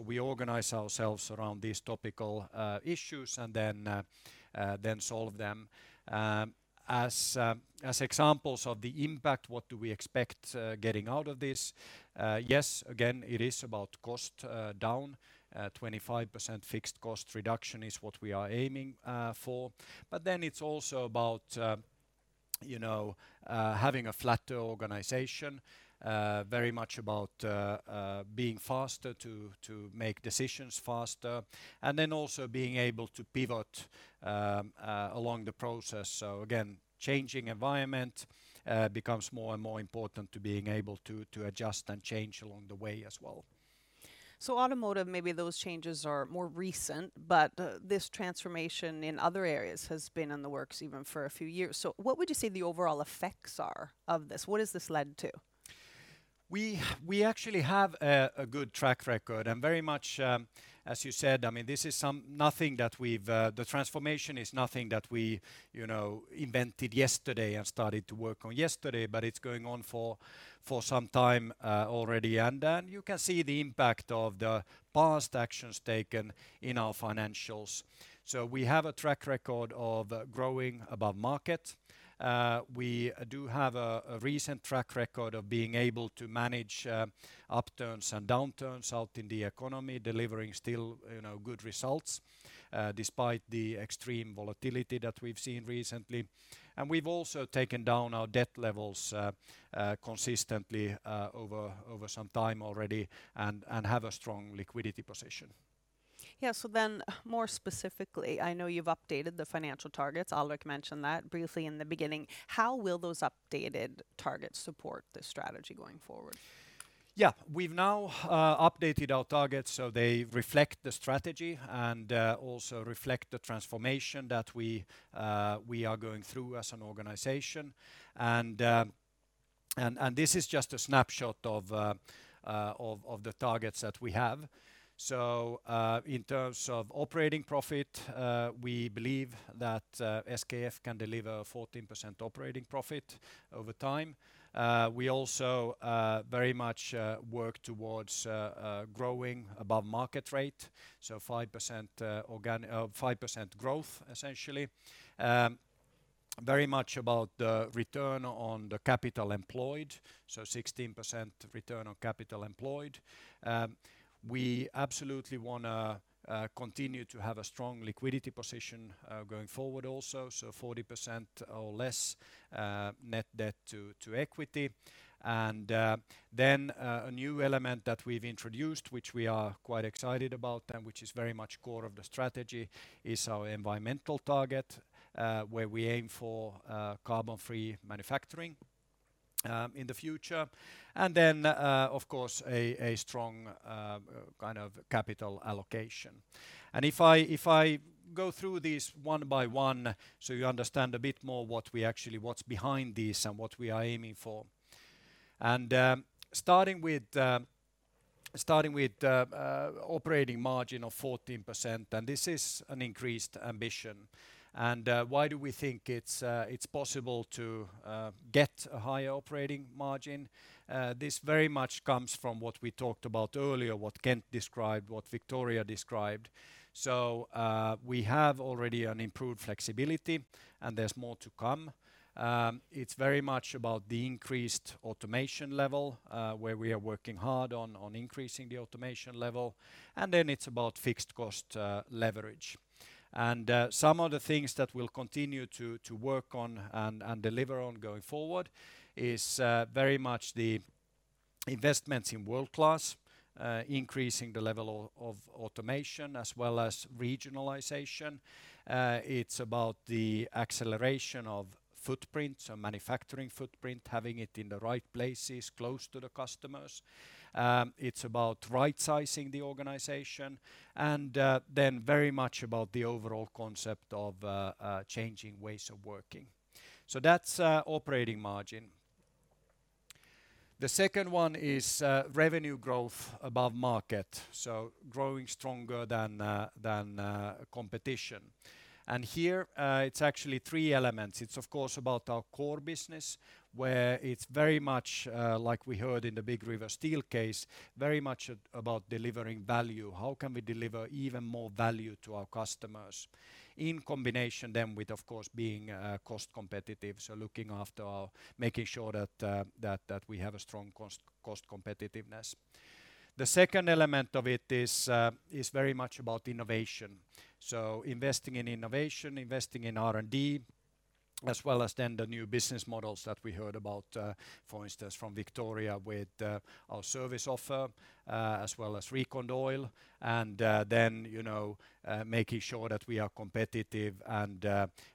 We organize ourselves around these topical issues and then solve them. As examples of the impact, what do we expect getting out of this? Again, it is about cost down. 25% fixed cost reduction is what we are aiming for. It is also about having a flatter organization, very much about being faster to make decisions faster, and then also being able to pivot along the process. Again, changing environment becomes more and more important to being able to adjust and change along the way as well. Automotive, maybe those changes are more recent, but this transformation in other areas has been in the works even for a few years. What would you say the overall effects are of this? What has this led to? We actually have a good track record, and very much as you said, the transformation is nothing that we invented yesterday and started to work on yesterday, but it's going on for some time already. You can see the impact of the past actions taken in our financials. We have a track record of growing above market. We do have a recent track record of being able to manage upturns and downturns out in the economy, delivering still good results despite the extreme volatility that we've seen recently. We've also taken down our debt levels consistently over some time already and have a strong liquidity position. Yeah. More specifically, I know you've updated the financial targets. Alrik mentioned that briefly in the beginning. How will those updated targets support the strategy going forward? We've now updated our targets, so they reflect the strategy and also reflect the transformation that we are going through as an organization. This is just a snapshot of the targets that we have. In terms of operating profit, we believe that SKF can deliver 14% operating profit over time. We also very much work towards growing above market rate, so 5% growth essentially. Very much about the return on the capital employed, so 16% return on capital employed. We absolutely want to continue to have a strong liquidity position going forward also, so 40% or less net debt to equity. A new element that we've introduced, which we are quite excited about and which is very much core of the strategy, is our environmental target, where we aim for carbon-free manufacturing in the future. Of course, a strong capital allocation. If I go through these one by one, so you understand a bit more what's behind this and what we are aiming for. Starting with operating margin of 14%, and this is an increased ambition. Why do we think it's possible to get a higher operating margin? This very much comes from what we talked about earlier, what Kent described, what Victoria described. We have already an improved flexibility, and there's more to come. It's very much about the increased automation level, where we are working hard on increasing the automation level. It's about fixed cost leverage. Some of the things that we'll continue to work on and deliver on going forward is very much the investments in world-class, increasing the level of automation as well as regionalization. It's about the acceleration of manufacturing footprint, having it in the right places close to the customers. It's about right-sizing the organization, and then very much about the overall concept of changing ways of working. That's operating margin. The second one is revenue growth above market. Growing stronger than competition. Here it's actually three elements. It's of course about our core business, where it's very much like we heard in the Big River Steel case, very much about delivering value. How can we deliver even more value to our customers in combination then with, of course, being cost competitive? Making sure that we have a strong cost competitiveness. The second element of it is very much about innovation. Investing in innovation, investing in R&D, as well as then the new business models that we heard about, for instance, from Victoria with our service offer as well as RecondOil. Making sure that we are competitive and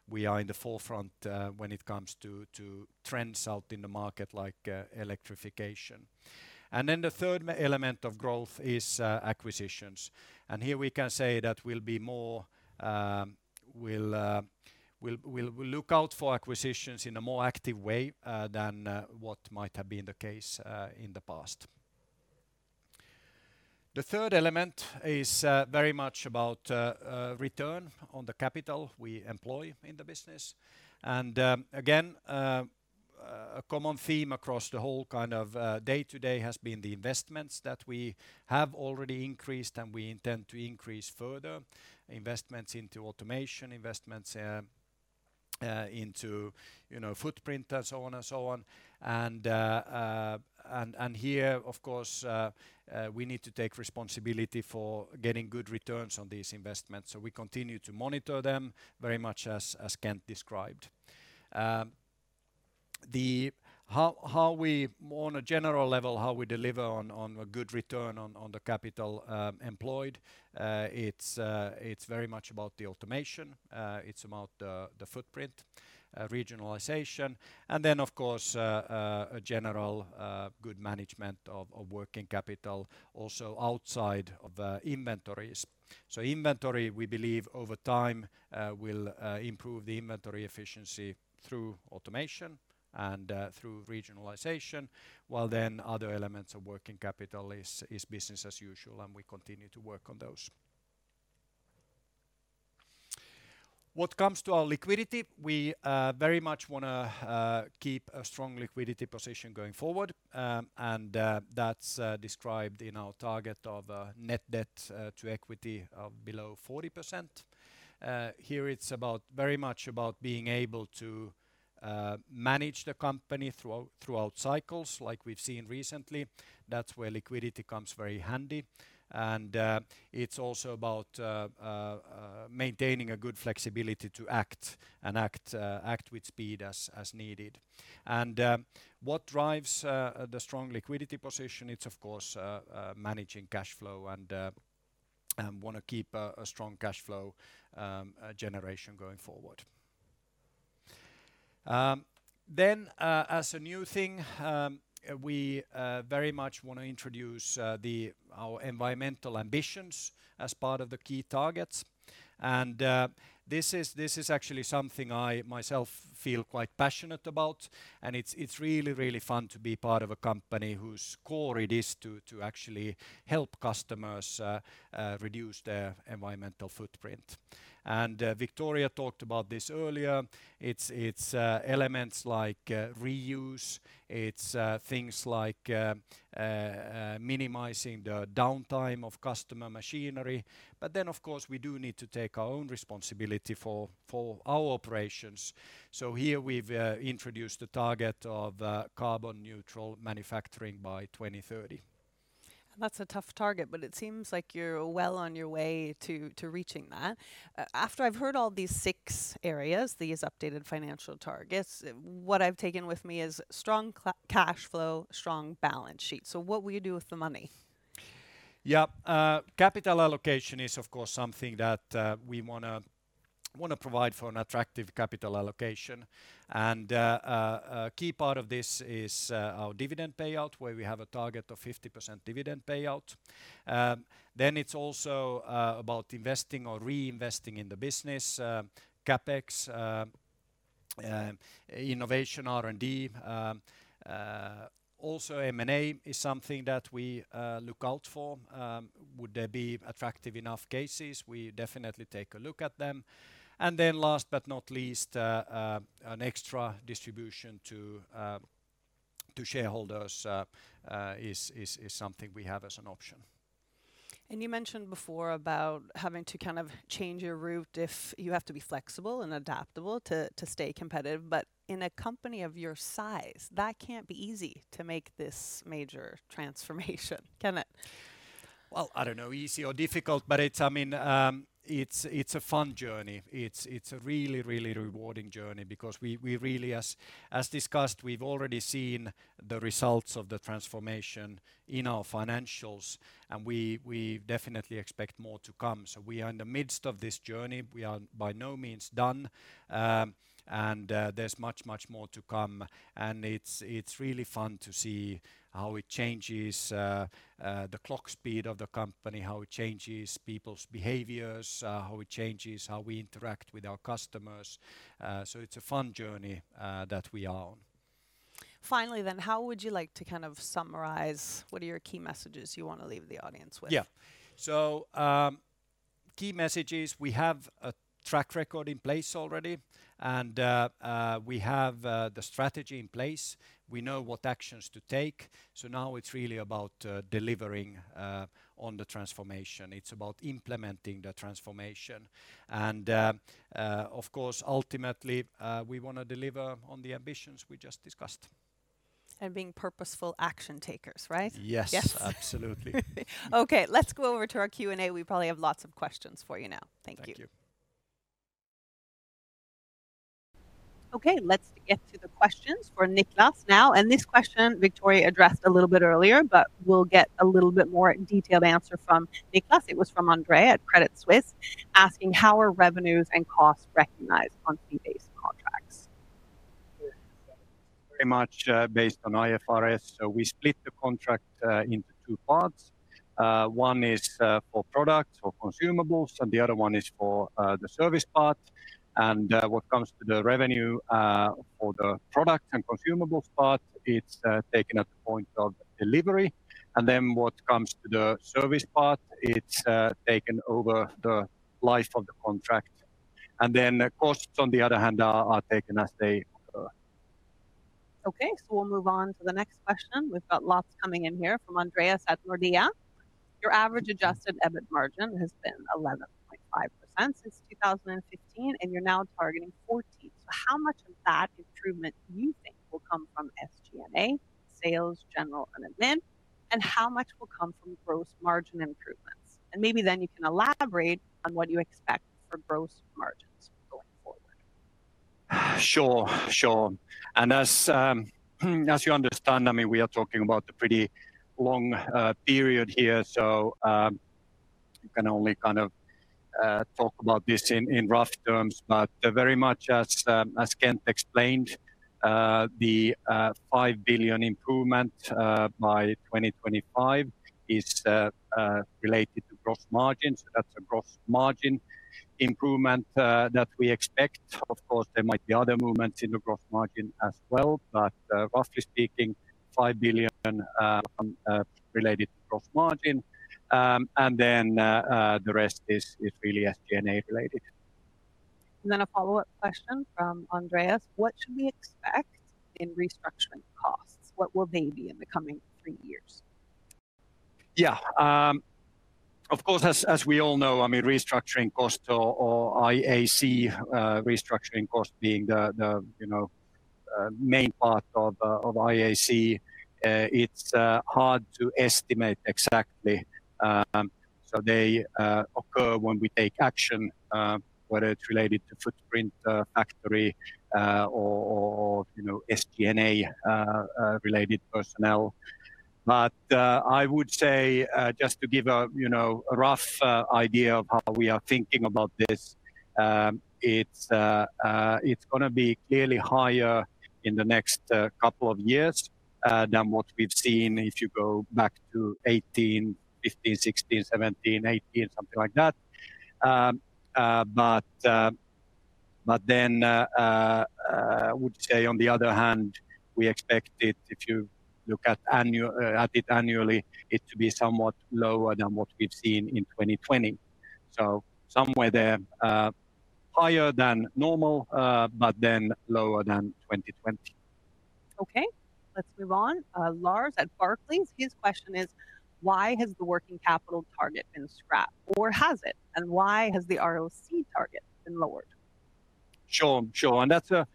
we are in the forefront when it comes to trends out in the market like electrification. The third element of growth is acquisitions. Here we can say that we'll look out for acquisitions in a more active way than what might have been the case in the past. The third element is very much about return on the capital we employ in the business. Again, a common theme across the whole kind of day-to-day has been the investments that we have already increased, and we intend to increase further. Investments into automation, investments into footprint, and so on. Here, of course, we need to take responsibility for getting good returns on these investments. We continue to monitor them very much as Kent described. On a general level, how we deliver on a good return on the capital employed, it's very much about the automation, it's about the footprint, regionalization, and then, of course, a general good management of working capital also outside of inventories. Inventory, we believe over time will improve the inventory efficiency through automation and through regionalization, while then other elements of working capital is business as usual, and we continue to work on those. What comes to our liquidity, we very much want to keep a strong liquidity position going forward. That's described in our target of net debt to equity of below 40%. Here it's very much about being able to manage the company throughout cycles like we've seen recently. That's where liquidity comes very handy. It's also about maintaining a good flexibility to act, and act with speed as needed. What drives the strong liquidity position, it's of course managing cash flow and want to keep a strong cash flow generation going forward. As a new thing, we very much want to introduce our environmental ambitions as part of the key targets. This is actually something I myself feel quite passionate about, and it's really fun to be part of a company whose core it is to actually help customers reduce their environmental footprint. Victoria talked about this earlier. It's elements like reuse, it's things like minimizing the downtime of customer machinery. Of course, we do need to take our own responsibility for our operations. Here we've introduced a target of carbon neutral manufacturing by 2030. That's a tough target, but it seems like you're well on your way to reaching that. After I've heard all these six areas, these updated financial targets, what I've taken with me is strong cash flow, strong balance sheet. What will you do with the money? Yeah. Capital allocation is, of course, something that we want to provide for an attractive capital allocation. A key part of this is our dividend payout, where we have a target of 50% dividend payout. It's also about investing or reinvesting in the business, CapEx, innovation, R&D. Also M&A is something that we look out for. Would there be attractive enough cases? We definitely take a look at them. Last but not least, an extra distribution to shareholders is something we have as an option. You mentioned before about having to kind of change your route if you have to be flexible and adaptable to stay competitive, but in a company of your size, that can't be easy to make this major transformation, can it? Well, I don't know easy or difficult, but it's a fun journey. It's a really rewarding journey because, as discussed, we've already seen the results of the transformation in our financials, and we definitely expect more to come. We are in the midst of this journey. We are by no means done, and there's much more to come, and it's really fun to see how it changes the clock speed of the company, how it changes people's behaviors, how it changes how we interact with our customers. It's a fun journey that we are on. How would you like to summarize what are your key messages you want to leave the audience with? Yeah. Key messages. We have a track record in place already, and we have the strategy in place. We know what actions to take, so now it's really about delivering on the transformation. It's about implementing the transformation. Of course, ultimately, we want to deliver on the ambitions we just discussed. Being purposeful action takers, right? Yes. Yes. Absolutely. Let's go over to our Q&A. We probably have lots of questions for you now. Thank you. Thank you. Okay, let's get to the questions for Niclas now. This question Victoria addressed a little bit earlier, but we'll get a little bit more detailed answer from Niclas. It was from Andre at Credit Suisse asking, "How are revenues and costs recognized on fee-based contracts? Very much based on IFRS. We split the contract into two parts. One is for product or consumables, and the other one is for the service part. What comes to the revenue for the product and consumables part, it's taken at the point of delivery, and then what comes to the service part, it's taken over the life of the contract. The costs, on the other hand, are taken as they occur. Okay, we'll move on to the next question. We've got lots coming in here. From Andreas at Nordea: "Your average adjusted EBIT margin has been 11.5% since 2015, and you're now targeting 14%. How much of that improvement do you think will come from SG&A, sales general and admin, and how much will come from gross margin improvements? Maybe you can elaborate on what you expect for gross margins going forward. Sure. As you understand, we are talking about a pretty long period here, so you can only kind of talk about this in rough terms. Very much as Kent explained, the 5 billion improvement by 2025 is related to gross margins. That's a gross margin improvement that we expect. Of course, there might be other movements in the gross margin as well, but roughly speaking, 5 billion related to gross margin, and then the rest is really SG&A related. A follow-up question from Andreas: "What should we expect in restructuring costs? What will they be in the coming three years? As we all know, restructuring cost or IAC restructuring cost being the main part of IAC, it's hard to estimate exactly. They occur when we take action, whether it's related to footprint factory or SG&A-related personnel. Just to give a rough idea of how we are thinking about this, it's going to be clearly higher in the next couple of years than what we've seen if you go back to 2018, 2015, 2016, 2017, 2018, something like that. On the other hand, we expect it, if you look at it annually, it to be somewhat lower than what we've seen in 2020. Somewhere there, higher than normal, lower than 2020. Okay, let's move on. Lars at Barclays, his question is: "Why has the working capital target been scrapped, or has it? And why has the ROC target been lowered? Sure. That's a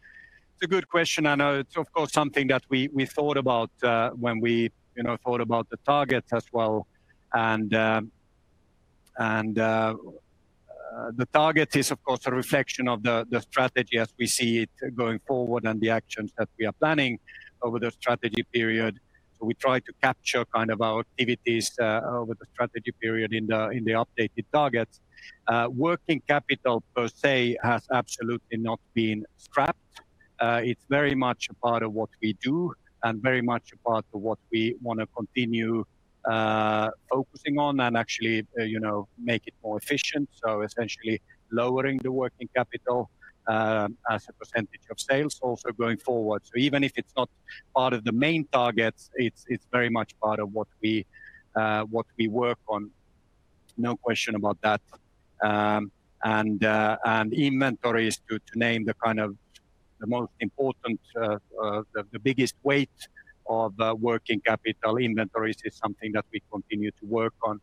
good question, and it's of course, something that we thought about when we thought about the targets as well. The target is, of course, a reflection of the strategy as we see it going forward and the actions that we are planning over the strategy period. We try to capture kind of our activities over the strategy period in the updated targets. Working capital per se has absolutely not been scrapped. It's very much a part of what we do and very much a part of what we want to continue focusing on and actually make it more efficient. Essentially lowering the working capital as a percentage of sales also going forward. Even if it's not part of the main targets, it's very much part of what we work on. No question about that. Inventories, to name the kind of the most important, the biggest weight of working capital inventories is something that we continue to work on.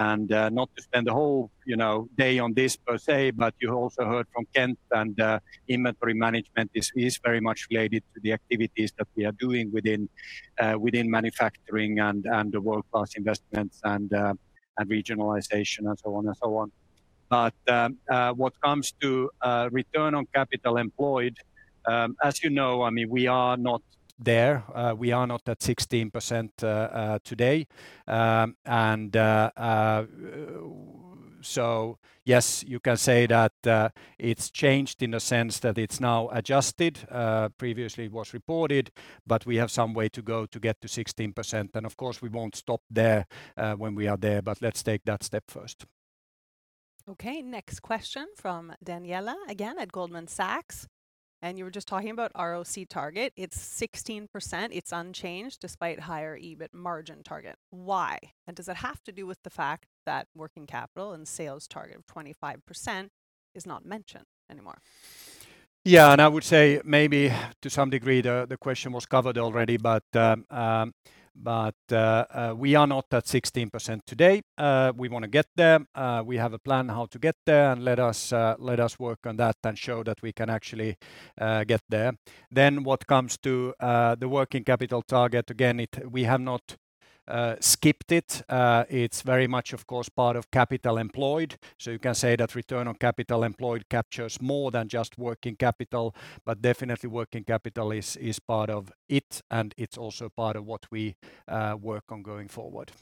Not to spend the whole day on this per se, but you also heard from Kent and inventory management is very much related to the activities that we are doing within manufacturing and the world-class investments and regionalization and so on. What comes to Return on Capital Employed, as you know, we are not there. We are not at 16% today. So yes, you can say that it's changed in a sense that it's now adjusted. Previously it was reported, but we have some way to go to get to 16%. Of course we won't stop there when we are there, but let's take that step first. Okay, next question from Daniela again at Goldman Sachs. You were just talking about ROCE target. It's 16%. It's unchanged despite higher EBIT margin target. Why? Does it have to do with the fact that working capital and sales target of 25% is not mentioned anymore? I would say maybe to some degree the question was covered already. We are not at 16% today. We want to get there. We have a plan how to get there. Let us work on that and show that we can actually get there. What comes to the working capital target, again, we have not skipped it. It's very much, of course, part of capital employed. You can say that return on capital employed captures more than just working capital, but definitely working capital is part of it and it's also part of what we work on going forward.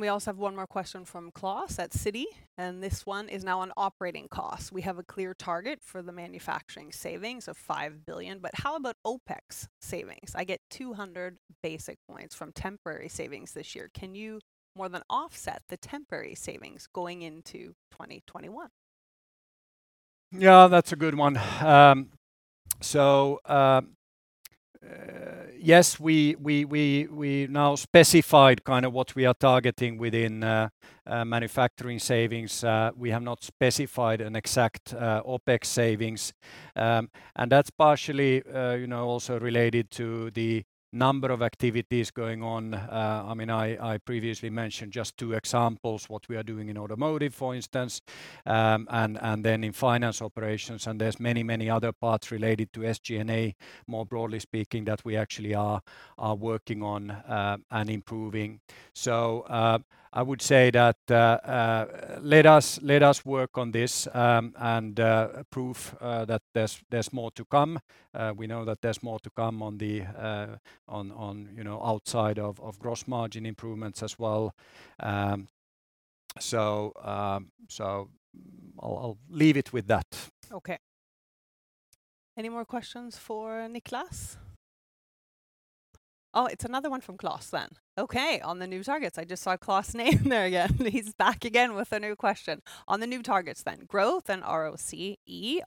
We also have one more question from Klas at Citi. This one is now on operating costs. We have a clear target for the manufacturing savings of 5 billion. How about OpEx savings? I get 200 basis points from temporary savings this year. Can you more than offset the temporary savings going into 2021? Yeah, that's a good one. Yes, we now specified what we are targeting within manufacturing savings. We have not specified an exact OpEx savings. That's partially also related to the number of activities going on. I previously mentioned just two examples, what we are doing in automotive, for instance, and then in finance operations, and there's many other parts related to SG&A, more broadly speaking, that we actually are working on and improving. I would say that let us work on this and prove that there's more to come. We know that there's more to come outside of gross margin improvements as well. I'll leave it with that. Any more questions for Niclas? It's another one from Klas. On the new targets. I just saw Klas' name there again. He's back again with a new question. On the new targets, growth and ROCE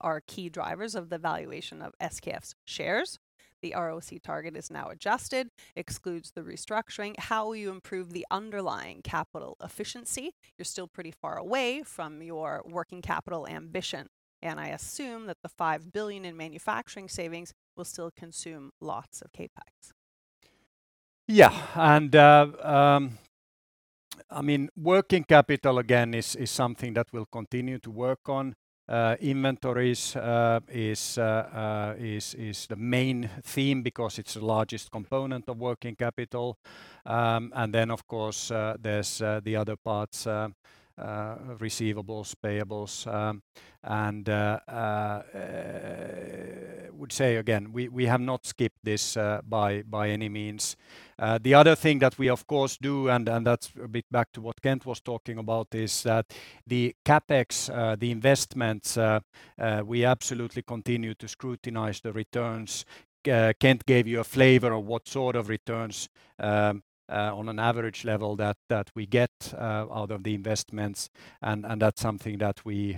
are key drivers of the valuation of SKF's shares. The ROC target is now adjusted, excludes the restructuring. How will you improve the underlying capital efficiency? You're still pretty far away from your working capital ambition, and I assume that the 5 billion in manufacturing savings will still consume lots of CapEx. Yeah. Working capital, again, is something that we'll continue to work on. Inventories is the main theme because it's the largest component of working capital. Of course, there's the other parts, receivables, payables. I would say again, we have not skipped this by any means. The other thing that we of course do, and that's a bit back to what Kent was talking about, is that the CapEx, the investments, we absolutely continue to scrutinize the returns. Kent gave you a flavor of what sort of returns on an average level that we get out of the investments, and that's something that we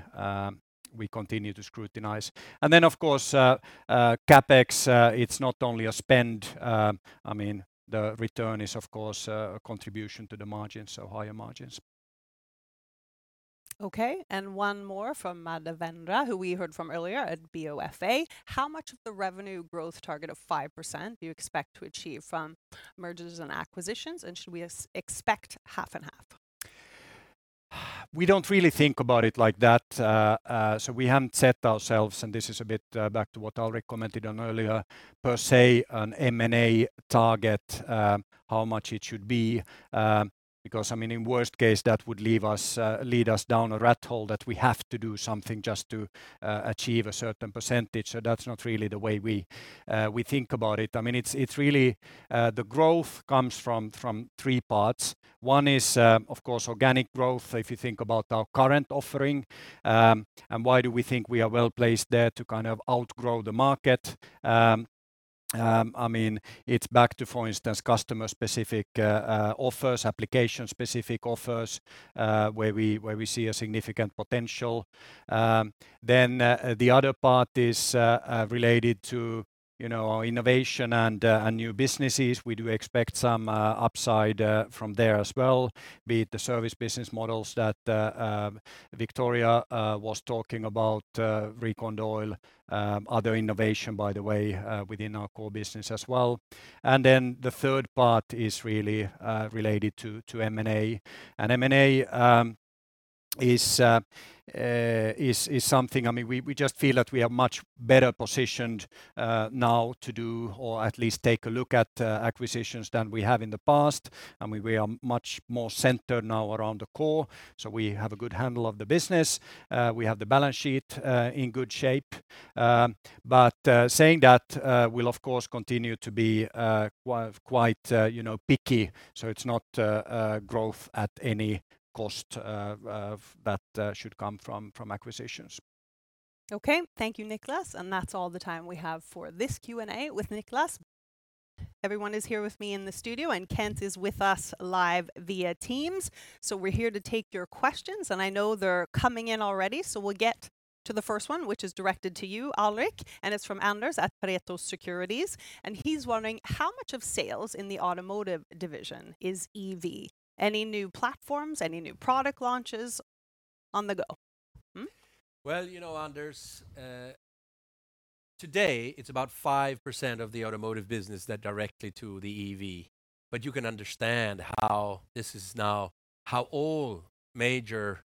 continue to scrutinize. Of course, CapEx, it's not only a spend, the return is, of course, a contribution to the margins, so higher margins. Okay. One more from Devendra, who we heard from earlier at BofA. How much of the revenue growth target of 5% do you expect to achieve from mergers and acquisitions? Should we expect half and half? We don't really think about it like that. We haven't set ourselves, and this is a bit back to what Alrik commented on earlier, per se, an M&A target, how much it should be. Because in worst case, that would lead us down a rat hole that we have to do something just to achieve a certain percentage. That's not really the way we think about it. The growth comes from three parts. One is, of course, organic growth, if you think about our current offering, and why do we think we are well-placed there to kind of outgrow the market. It's back to, for instance, customer-specific offers, application-specific offers, where we see a significant potential. The other part is related to our innovation and new businesses. We do expect some upside from there as well, be it the service business models that Victoria was talking about, RecondOil, other innovation, by the way, within our core business as well. The third part is really related to M&A. M&A is something we just feel that we are much better positioned now to do, or at least take a look at acquisitions than we have in the past. We are much more centered now around the core, so we have a good handle of the business. We have the balance sheet in good shape. Saying that, we'll of course continue to be quite picky, so it's not growth at any cost that should come from acquisitions. Okay. Thank you, Niclas. That's all the time we have for this Q&A with Niclas. Everyone is here with me in the studio, and Kent is with us live via Teams. We're here to take your questions, and I know they're coming in already, so we'll get to the first one, which is directed to you, Alrik, and it's from Anders at Pareto Securities, and he's wondering, "How much of sales in the automotive division is EV? Any new platforms? Any new product launches on the go? Well, you know, Anders, today it's about 5% of the automotive business that directly to the EV. You can understand how all major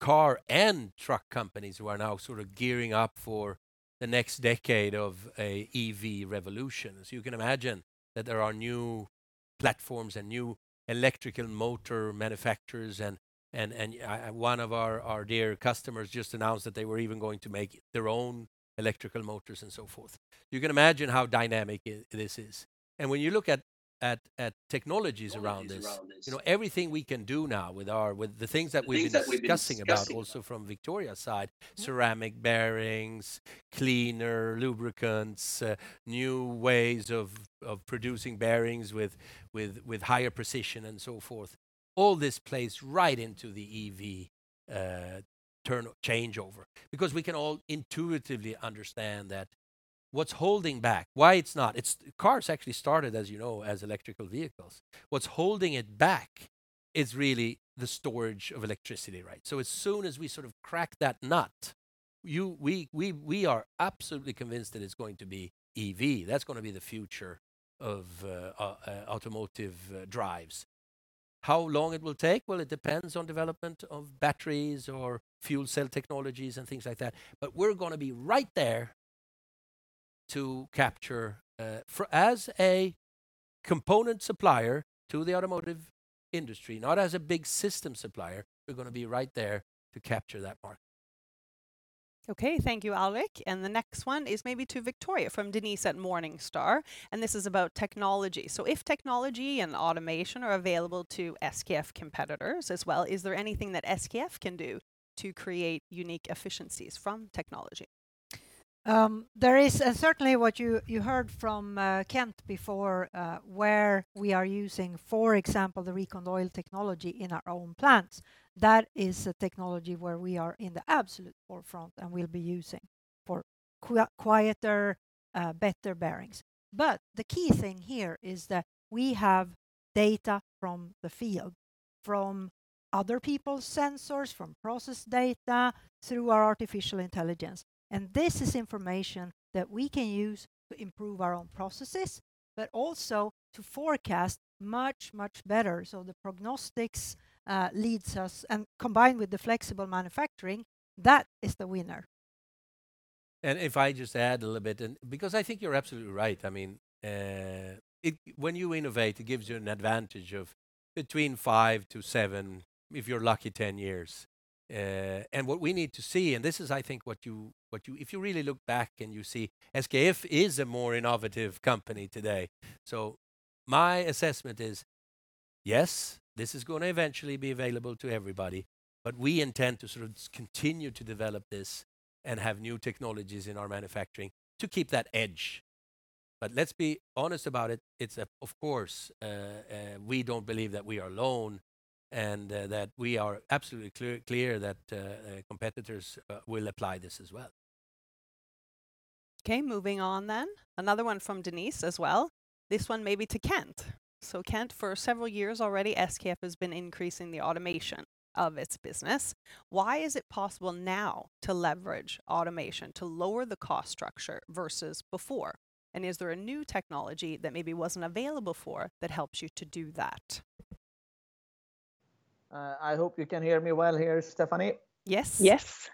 car and truck companies who are now sort of gearing up for the next decade of a EV revolution. You can imagine that there are new platforms and new electrical motor manufacturers, and one of our dear customers just announced that they were even going to make their own electrical motors and so forth. You can imagine how dynamic this is. When you look at technologies around this, everything we can do now with the things that we've been discussing about also from Victoria's side, ceramic bearings, cleaner lubricants, new ways of producing bearings with higher precision and so forth, all this plays right into the EV changeover. We can all intuitively understand that what's holding back. Cars actually started, as you know, as electrical vehicles. What's holding it back is really the storage of electricity, right? As soon as we sort of crack that nut, we are absolutely convinced that it's going to be EV. That's going to be the future of automotive drives. How long it will take? Well, it depends on development of batteries or fuel cell technologies and things like that. We're going to be right there to capture, as a component supplier to the automotive industry, not as a big system supplier, we're going to be right there to capture that market. Okay. Thank you, Alrik, and the next one is maybe to Victoria from Denise at Morningstar, and this is about technology. If technology and automation are available to SKF competitors as well, is there anything that SKF can do to create unique efficiencies from technology? There is certainly what you heard from Kent before, where we are using, for example, the RecondOil technology in our own plants. That is a technology where we are in the absolute forefront, and we'll be using for quieter, better bearings. The key thing here is that we have data from the field, from other people's sensors, from process data, through our artificial intelligence. This is information that we can use to improve our own processes, but also to forecast much, much better. The prognostics leads us, and combined with the flexible manufacturing, that is the winner. If I just add a little bit, because I think you're absolutely right. When you innovate, it gives you an advantage of between five to seven, if you're lucky, 10 years. What we need to see, and this is, I think, if you really look back and you see, SKF is a more innovative company today. My assessment is, yes, this is going to eventually be available to everybody, but we intend to sort of continue to develop this and have new technologies in our manufacturing to keep that edge. Let's be honest about it. Of course, we don't believe that we are alone, and that we are absolutely clear that competitors will apply this as well. Okay, moving on. Another one from Denise as well. This one may be to Kent. Kent, for several years already, SKF has been increasing the automation of its business. Why is it possible now to leverage automation to lower the cost structure versus before? Is there a new technology that maybe wasn't available before that helps you to do that? I hope you can hear me well here, Stephanie. Yes. Yes.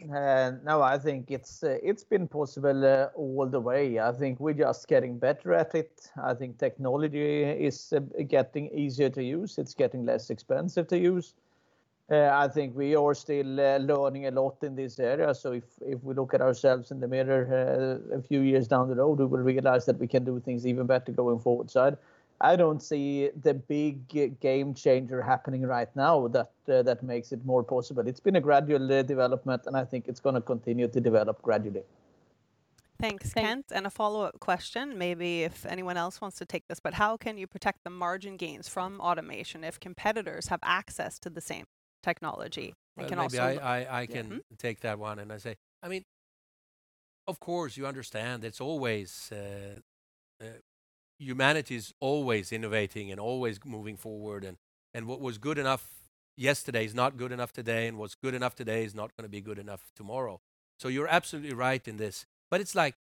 No, I think it's been possible all the way. I think we're just getting better at it. I think technology is getting easier to use. It's getting less expensive to use. I think we are still learning a lot in this area. If we look at ourselves in the mirror a few years down the road, we will realize that we can do things even better going forward. I don't see the big game changer happening right now that makes it more possible. It's been a gradual development, and I think it's going to continue to develop gradually. Thanks, Kent. A follow-up question, maybe if anyone else wants to take this, but how can you protect the margin gains from automation if competitors have access to the same technology? Maybe I can take that one. I say, of course, you understand humanity's always innovating and always moving forward. What was good enough yesterday is not good enough today. What's good enough today is not going to be good enough tomorrow. You're absolutely right in this. It's like,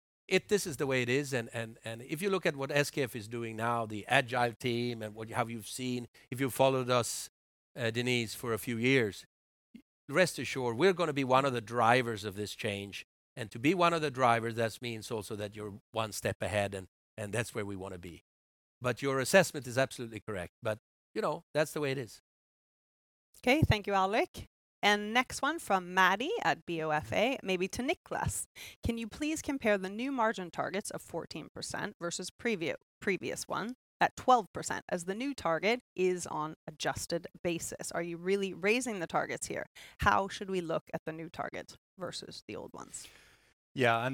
this is the way it is. If you look at what SKF is doing now, the agile team and what have you seen, if you followed us, Denise, for a few years, rest assured, we're going to be one of the drivers of this change. To be one of the drivers, that means also that you're one step ahead and that's where we want to be. Your assessment is absolutely correct. That's the way it is. Okay. Thank you, Alrik. Next one from Maddie at BofA, maybe to Niclas. Can you please compare the new margin targets of 14% versus previous one at 12% as the new target is on adjusted basis? Are you really raising the targets here? How should we look at the new targets versus the old ones? Yeah,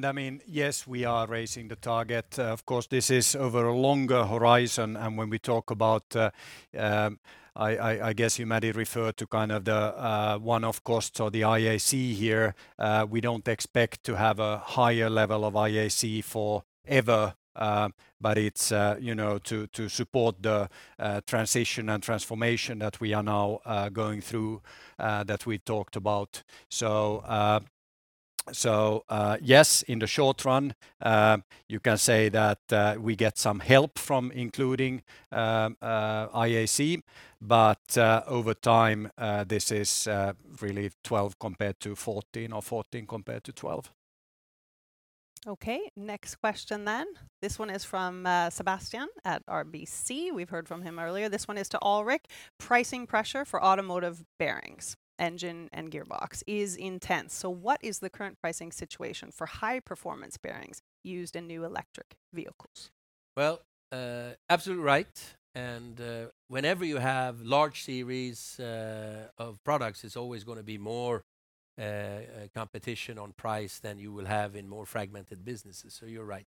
yes, we are raising the target. Of course, this is over a longer horizon, and when we talk about, I guess you, Maddie, refer to the one-off costs or the IAC here. We don't expect to have a higher level of IAC forever, but it's to support the transition and transformation that we are now going through, that we talked about. Yes, in the short run, you can say that we get some help from including IAC, but over time, this is really 12% compared to 14% or 14% compared to 12%. Okay. Next question. This one is from Sebastian at RBC. We've heard from him earlier. This one is to Alrik. Pricing pressure for automotive bearings, engine and gearbox is intense. What is the current pricing situation for high performance bearings used in new electric vehicles? Well, absolutely right, and whenever you have large series of products, it's always going to be more competition on price than you will have in more fragmented businesses. You're right.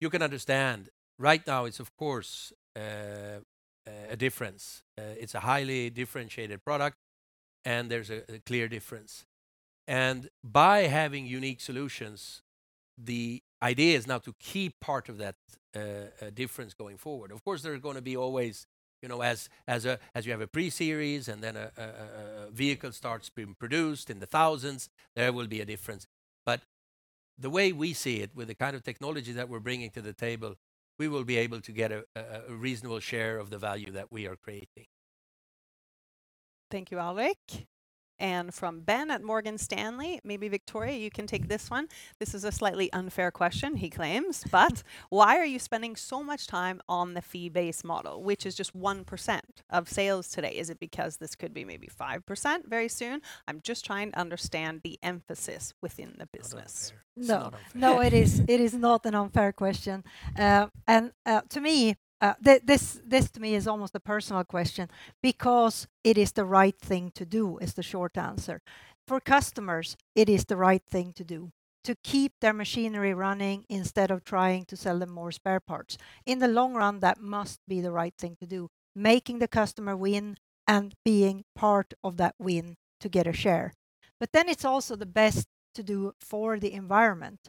You can understand right now it's of course a difference. It's a highly differentiated product and there's a clear difference. By having unique solutions, the idea is now to keep part of that difference going forward. Of course, there are going to be always, as you have a pre-series and then a vehicle starts being produced in the thousands, there will be a difference. The way we see it, with the kind of technology that we're bringing to the table, we will be able to get a reasonable share of the value that we are creating. Thank you, Alrik. From Ben at Morgan Stanley, maybe Victoria, you can take this one. This is a slightly unfair question he claims, but why are you spending so much time on the fee-based model, which is just 1% of sales today? Is it because this could be maybe 5% very soon? I'm just trying to understand the emphasis within the business. It's not unfair. No, it is not an unfair question. This to me is almost a personal question because it is the right thing to do, is the short answer. For customers, it is the right thing to do to keep their machinery running instead of trying to sell them more spare parts. In the long run, that must be the right thing to do, making the customer win and being part of that win to get a share. It's also the best to do for the environment.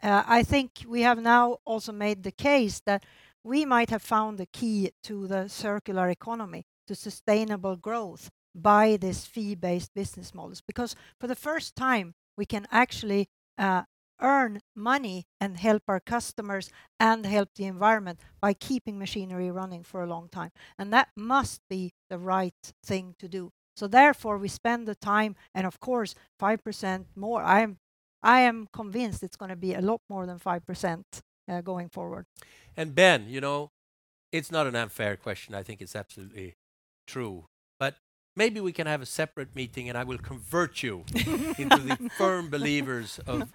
I think we have now also made the case that we might have found the key to the circular economy, to sustainable growth by this fee-based business models, because for the first time, we can actually earn money and help our customers and help the environment by keeping machinery running for a long time. That must be the right thing to do. Therefore, we spend the time, and of course, 5% more. I am convinced it is going to be a lot more than 5% going forward. Ben, it's not an unfair question. I think it's absolutely true. Maybe we can have a separate meeting and I will convert you into the firm believers of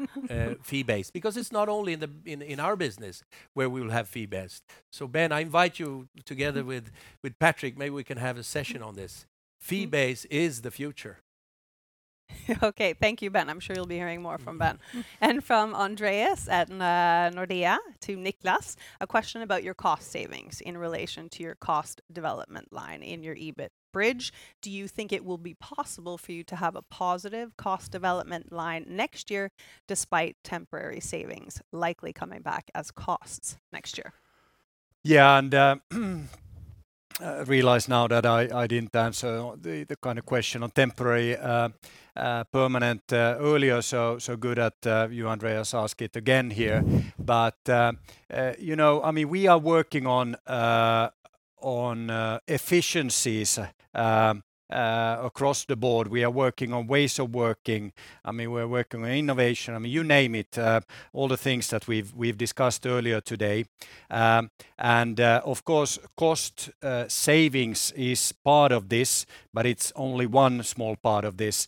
fee-based, because it's not only in our business where we will have fee-based. Ben, I invite you together with Patrick, maybe we can have a session on this. Fee-based is the future. Okay. Thank you, Ben. I'm sure you'll be hearing more from Ben. From Andreas at Nordea to Niclas, a question about your cost savings in relation to your cost development line in your EBIT bridge. Do you think it will be possible for you to have a positive cost development line next year despite temporary savings likely coming back as costs next year? Yeah, I realize now that I didn't answer the kind of question on temporary, permanent earlier, so good that you, Andreas, ask it again here. We are working on efficiencies across the board. We are working on ways of working. We're working on innovation. You name it, all the things that we've discussed earlier today. Of course, cost savings is part of this, but it's only one small part of this.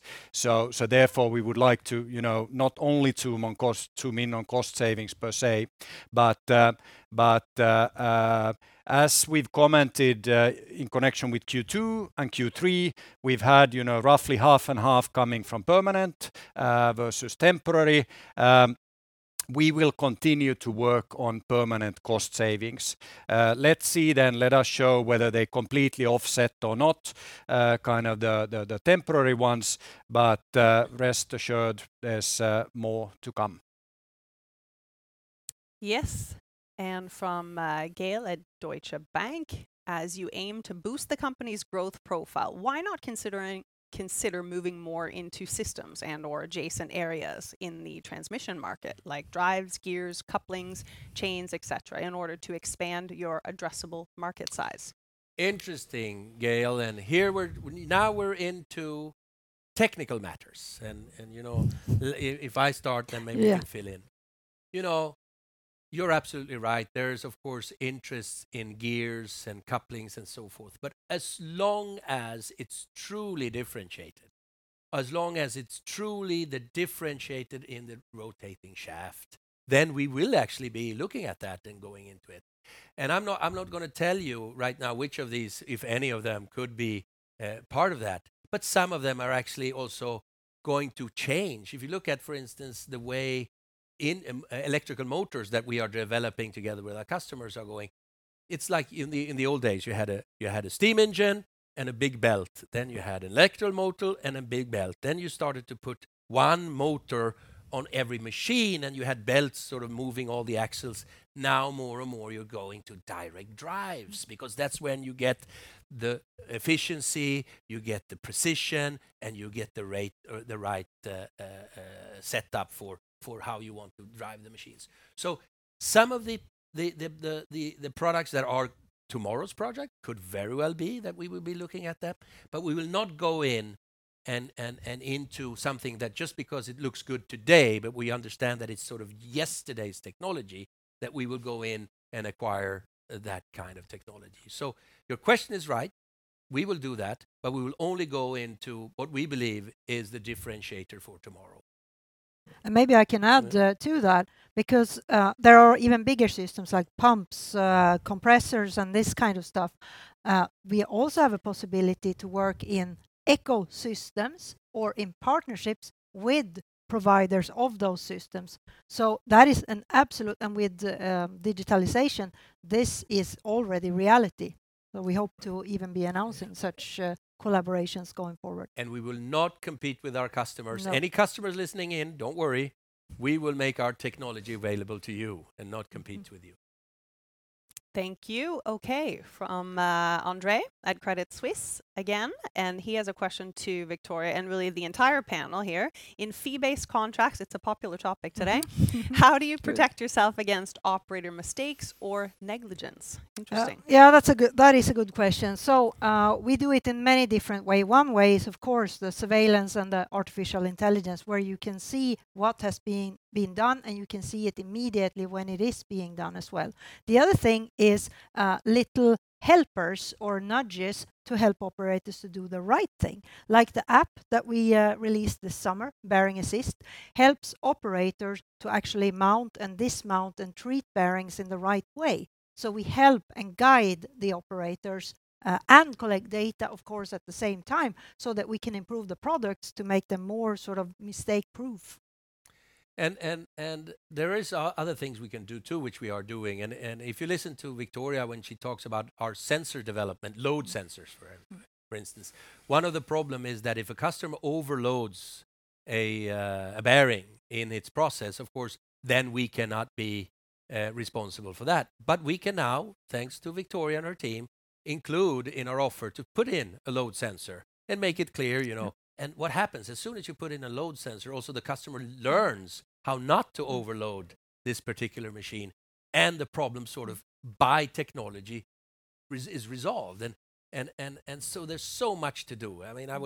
Therefore, we would like to not only to mean on cost savings per se, but as we've commented in connection with Q2 and Q3, we've had roughly half and half coming from permanent versus temporary. We will continue to work on permanent cost savings. Let's see, let us show whether they completely offset or not, kind of the temporary ones. Rest assured, there's more to come. Yes. From Gaël at Deutsche Bank: "As you aim to boost the company's growth profile, why not consider moving more into systems and/or adjacent areas in the transmission market, like drives, gears, couplings, chains, et cetera, in order to expand your addressable market size? Interesting, Gaël. Now we're into technical matters. Yeah you can fill in. You're absolutely right. There is, of course, interest in gears and couplings and so forth. As long as it's truly differentiated, as long as it's truly the differentiated in the rotating shaft, then we will actually be looking at that and going into it. I'm not going to tell you right now which of these, if any of them, could be part of that. Some of them are actually also going to change. If you look at, for instance, the way electrical motors that we are developing together with our customers are going, it's like in the old days, you had a steam engine and a big belt. You had an electrical motor and a big belt. You started to put one motor on every machine, and you had belts sort of moving all the axles. Now more and more, you're going to direct drives because that's when you get the efficiency, you get the precision, and you get the right setup for how you want to drive the machines. Some of the products that are tomorrow's project could very well be that we will be looking at that, but we will not go in and into something that just because it looks good today, but we understand that it's sort of yesterday's technology, that we will go in and acquire that kind of technology. Your question is right. We will do that, but we will only go into what we believe is the differentiator for tomorrow. Maybe I can add to that, because there are even bigger systems like pumps, compressors, and this kind of stuff. We also have a possibility to work in ecosystems or in partnerships with providers of those systems. That is an absolute, and with digitalization, this is already reality. We hope to even be announcing such collaborations going forward. We will not compete with our customers. No. Any customers listening in, don't worry. We will make our technology available to you and not compete with you. Thank you. Okay. From Andre at Crédit Suisse again, he has a question to Victoria and really the entire panel here: "In fee-based contracts," it's a popular topic today, "how do you protect yourself against operator mistakes or negligence?" Interesting. Yeah, that is a good question. We do it in many different way. One way is, of course, the surveillance and the artificial intelligence, where you can see what has been done, and you can see it immediately when it is being done as well. The other thing is, little helpers or nudges to help operators to do the right thing. Like the app that we released this summer, Bearing Assist, helps operators to actually mount and dismount and treat bearings in the right way. We help and guide the operators, and collect data, of course, at the same time, so that we can improve the products to make them more mistake-proof. There is other things we can do, too, which we are doing. If you listen to Victoria when she talks about our sensor development, load sensors, for instance. One of the problem is that if a customer overloads a bearing in its process, of course, then we cannot be responsible for that. We can now, thanks to Victoria and her team, include in our offer to put in a load sensor and make it clear. What happens, as soon as you put in a load sensor, also the customer learns how not to overload this particular machine, and the problem sort of by technology is resolved. There's so much to do. I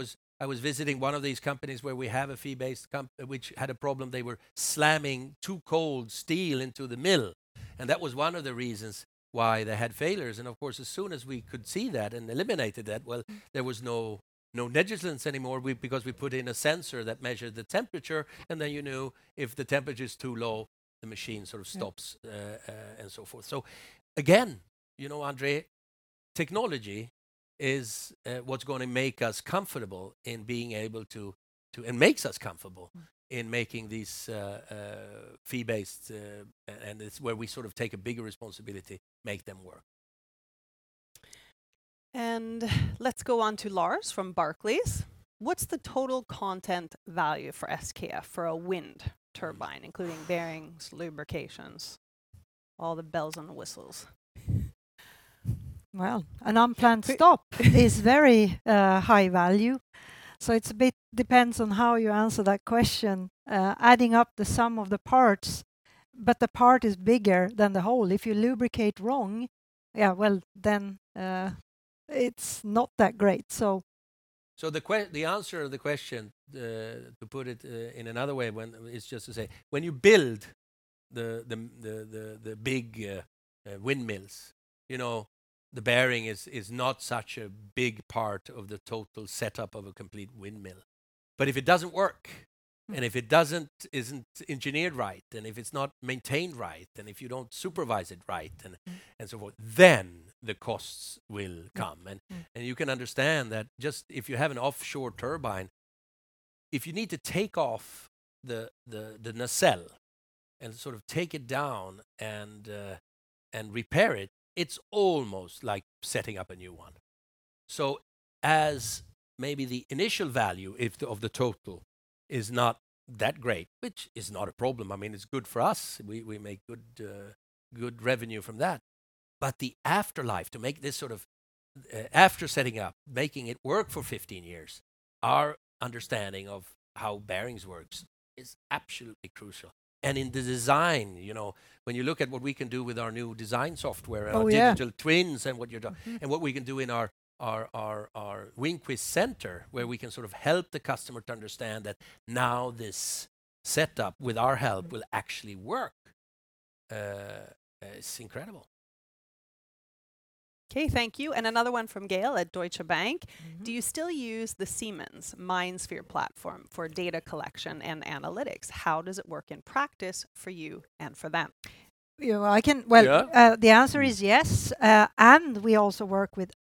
was visiting one of these companies where we have a fee-based comp, which had a problem. They were slamming too-cold steel into the mill, and that was one of the reasons why they had failures. Of course, as soon as we could see that and eliminated that, well, there was no negligence anymore because we put in a sensor that measured the temperature, and then you knew if the temperature's too low, the machine sort of stops, and so forth. Again, Andre, technology is what's going to make us comfortable in being able to, and makes us comfortable in making these fee-based, and it's where we sort of take a bigger responsibility, make them work. Let's go on to Lars from Barclays: "What's the total content value for SKF for a wind turbine, including bearings, lubrications, all the bells and whistles? Well, an unplanned stop is very high value, so it a bit depends on how you answer that question, adding up the sum of the parts, but the part is bigger than the whole. If you lubricate wrong, yeah, well, then it's not that great. The answer to the question, to put it in another way, when it's just to say, when you build the big windmills, the bearing is not such a big part of the total setup of a complete windmill. If it doesn't work, and if it isn't engineered right, and if it's not maintained right, and if you don't supervise it right and so forth, then the costs will come. You can understand that just if you have an offshore turbine, if you need to take off the nacelle and sort of take it down and repair it's almost like setting up a new one. As maybe the initial value of the total is not that great, which is not a problem. It's good for us. We make good revenue from that. The afterlife, after setting up, making it work for 15 years, our understanding of how bearings works is absolutely crucial. In the design, when you look at what we can do with our new design software. Oh, yeah. our digital twins and what we can do in our Wingquist Center, where we can sort of help the customer to understand that now this setup with our help will actually work. It's incredible. Okay, thank you. Another one from Gaël at Deutsche Bank. Do you still use the Siemens MindSphere platform for data collection and analytics? How does it work in practice for you and for them? Well, I can- Yeah. The answer is yes, and we also work with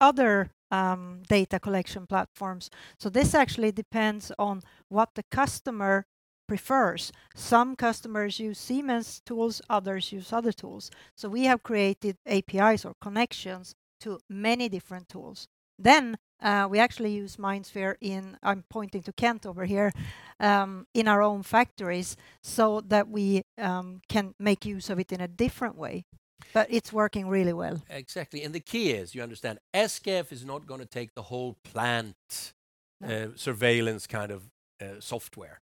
other data collection platforms. This actually depends on what the customer prefers. Some customers use Siemens tools, others use other tools. We have created APIs or connections to many different tools. We actually use MindSphere in, I'm pointing to Kent over here, in our own factories so that we can make use of it in a different way. But it's working really well. Exactly, the key is, you understand, SKF is not going to take the whole plant surveillance kind of software.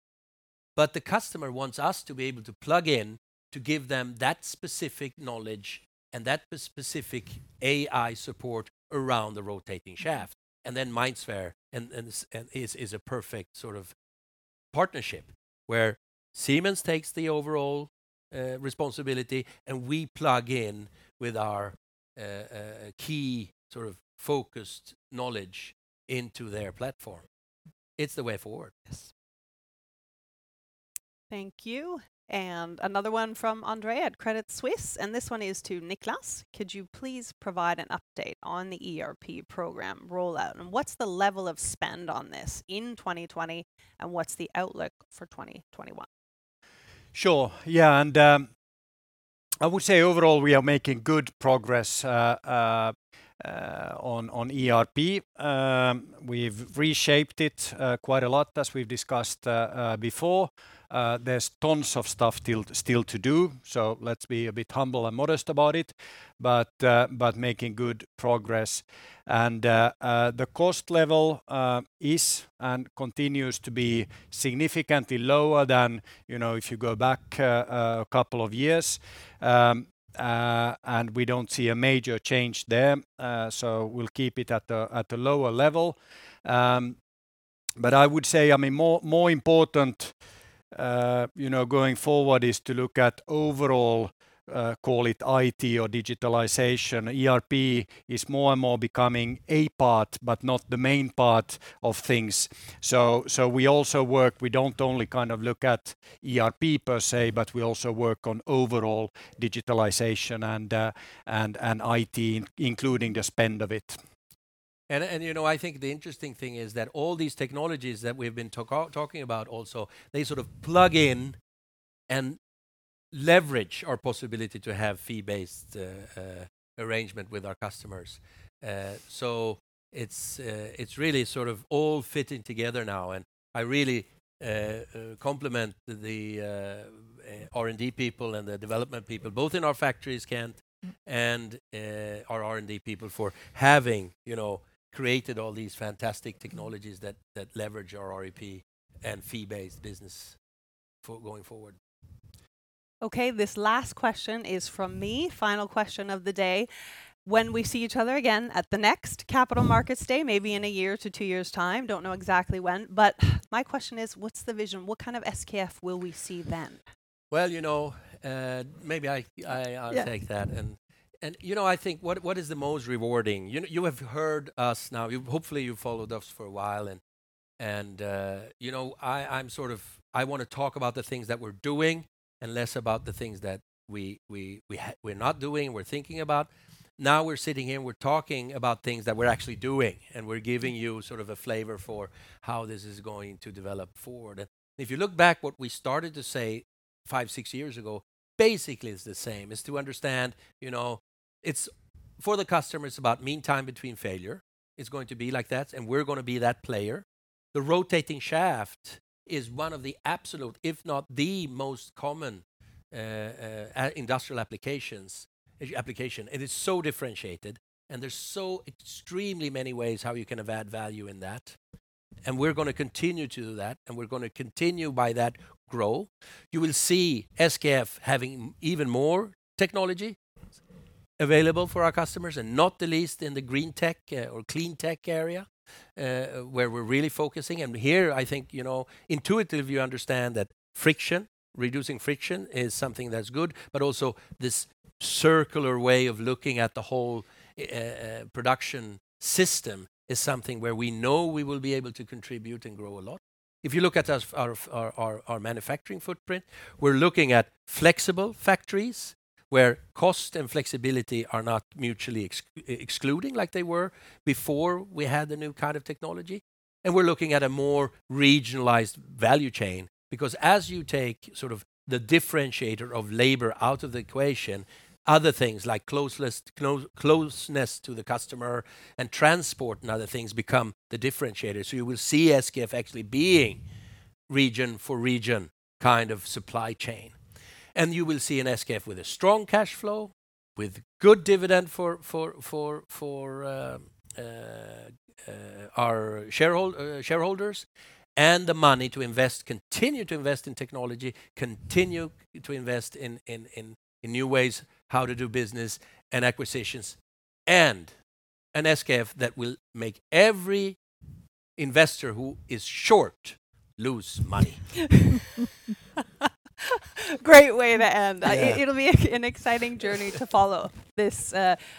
The customer wants us to be able to plug in to give them that specific knowledge and that specific AI support around the rotating shaft. MindSphere is a perfect sort of partnership where Siemens takes the overall responsibility, and we plug in with our key sort of focused knowledge into their platform. It's the way forward. Yes. Thank you. Another one from Andre at Credit Suisse, and this one is to Niclas. "Could you please provide an update on the ERP program rollout, and what's the level of spend on this in 2020, and what's the outlook for 2021? Sure. Yeah, I would say overall, we are making good progress on ERP. We've reshaped it quite a lot, as we've discussed before. There's tons of stuff still to do, so let's be a bit humble and modest about it, but making good progress. The cost level is and continues to be significantly lower than if you go back a couple of years, and we don't see a major change there. We'll keep it at a lower level. I would say more important going forward is to look at overall, call it IT or digitalization. ERP is more and more becoming a part but not the main part of things. We also work, we don't only kind of look at ERP per se, but we also work on overall digitalization and IT, including the spend of it. I think the interesting thing is that all these technologies that we've been talking about also, they sort of plug in and leverage our possibility to have fee-based arrangement with our customers. It's really sort of all fitting together now, and I really compliment the R&D people and the development people, both in our factories, Kent. Our R&D people for having created all these fantastic technologies that leverage our ERP and fee-based business going forward. Okay, this last question is from me, final question of the day. When we see each other again at the next Capital Markets Day, maybe in a year to two years' time, don't know exactly when, My question is: What's the vision? What kind of SKF will we see then? Well, maybe I'll take that. Yeah. I think what is the most rewarding, you have heard us now, hopefully you've followed us for a while, and I want to talk about the things that we're doing and less about the things that we're not doing, we're thinking about. We're sitting here, and we're talking about things that we're actually doing, and we're giving you sort of a flavor for how this is going to develop forward. If you look back, what we started to say five, six years ago basically is the same, is to understand, for the customer, it's about mean time between failure. It's going to be like that, and we're going to be that player. The rotating shaft is one of the absolute, if not the most common industrial application. It is so differentiated, and there's so extremely many ways how you can add value in that, and we're going to continue to do that, and we're going to continue by that grow. You will see SKF having even more technology available for our customers, and not the least in the green tech or clean tech area, where we're really focusing. Here, I think intuitively you understand that friction, reducing friction is something that's good, but also this circular way of looking at the whole production system is something where we know we will be able to contribute and grow a lot. If you look at our manufacturing footprint, we're looking at flexible factories where cost and flexibility are not mutually excluding like they were before we had the new kind of technology. We're looking at a more regionalized value chain, because as you take the differentiator of labor out of the equation, other things like closeness to the customer and transport and other things become the differentiator. You will see SKF actually being region for region kind of supply chain. You will see an SKF with a strong cash flow, with good dividend for our shareholders, and the money to continue to invest in technology, continue to invest in new ways how to do business and acquisitions, and an SKF that will make every investor who is short lose money. Great way to end. Yeah. It'll be an exciting journey to follow this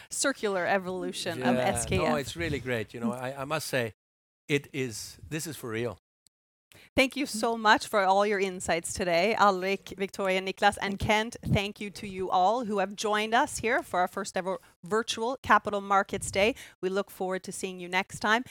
circular evolution of SKF. It's really great. I must say, this is for real. Thank you so much for all your insights today, Alrik, Victoria, Niclas, and Kent. Thank you to you all who have joined us here for our first-ever virtual Capital Markets Day. We look forward to seeing you next time.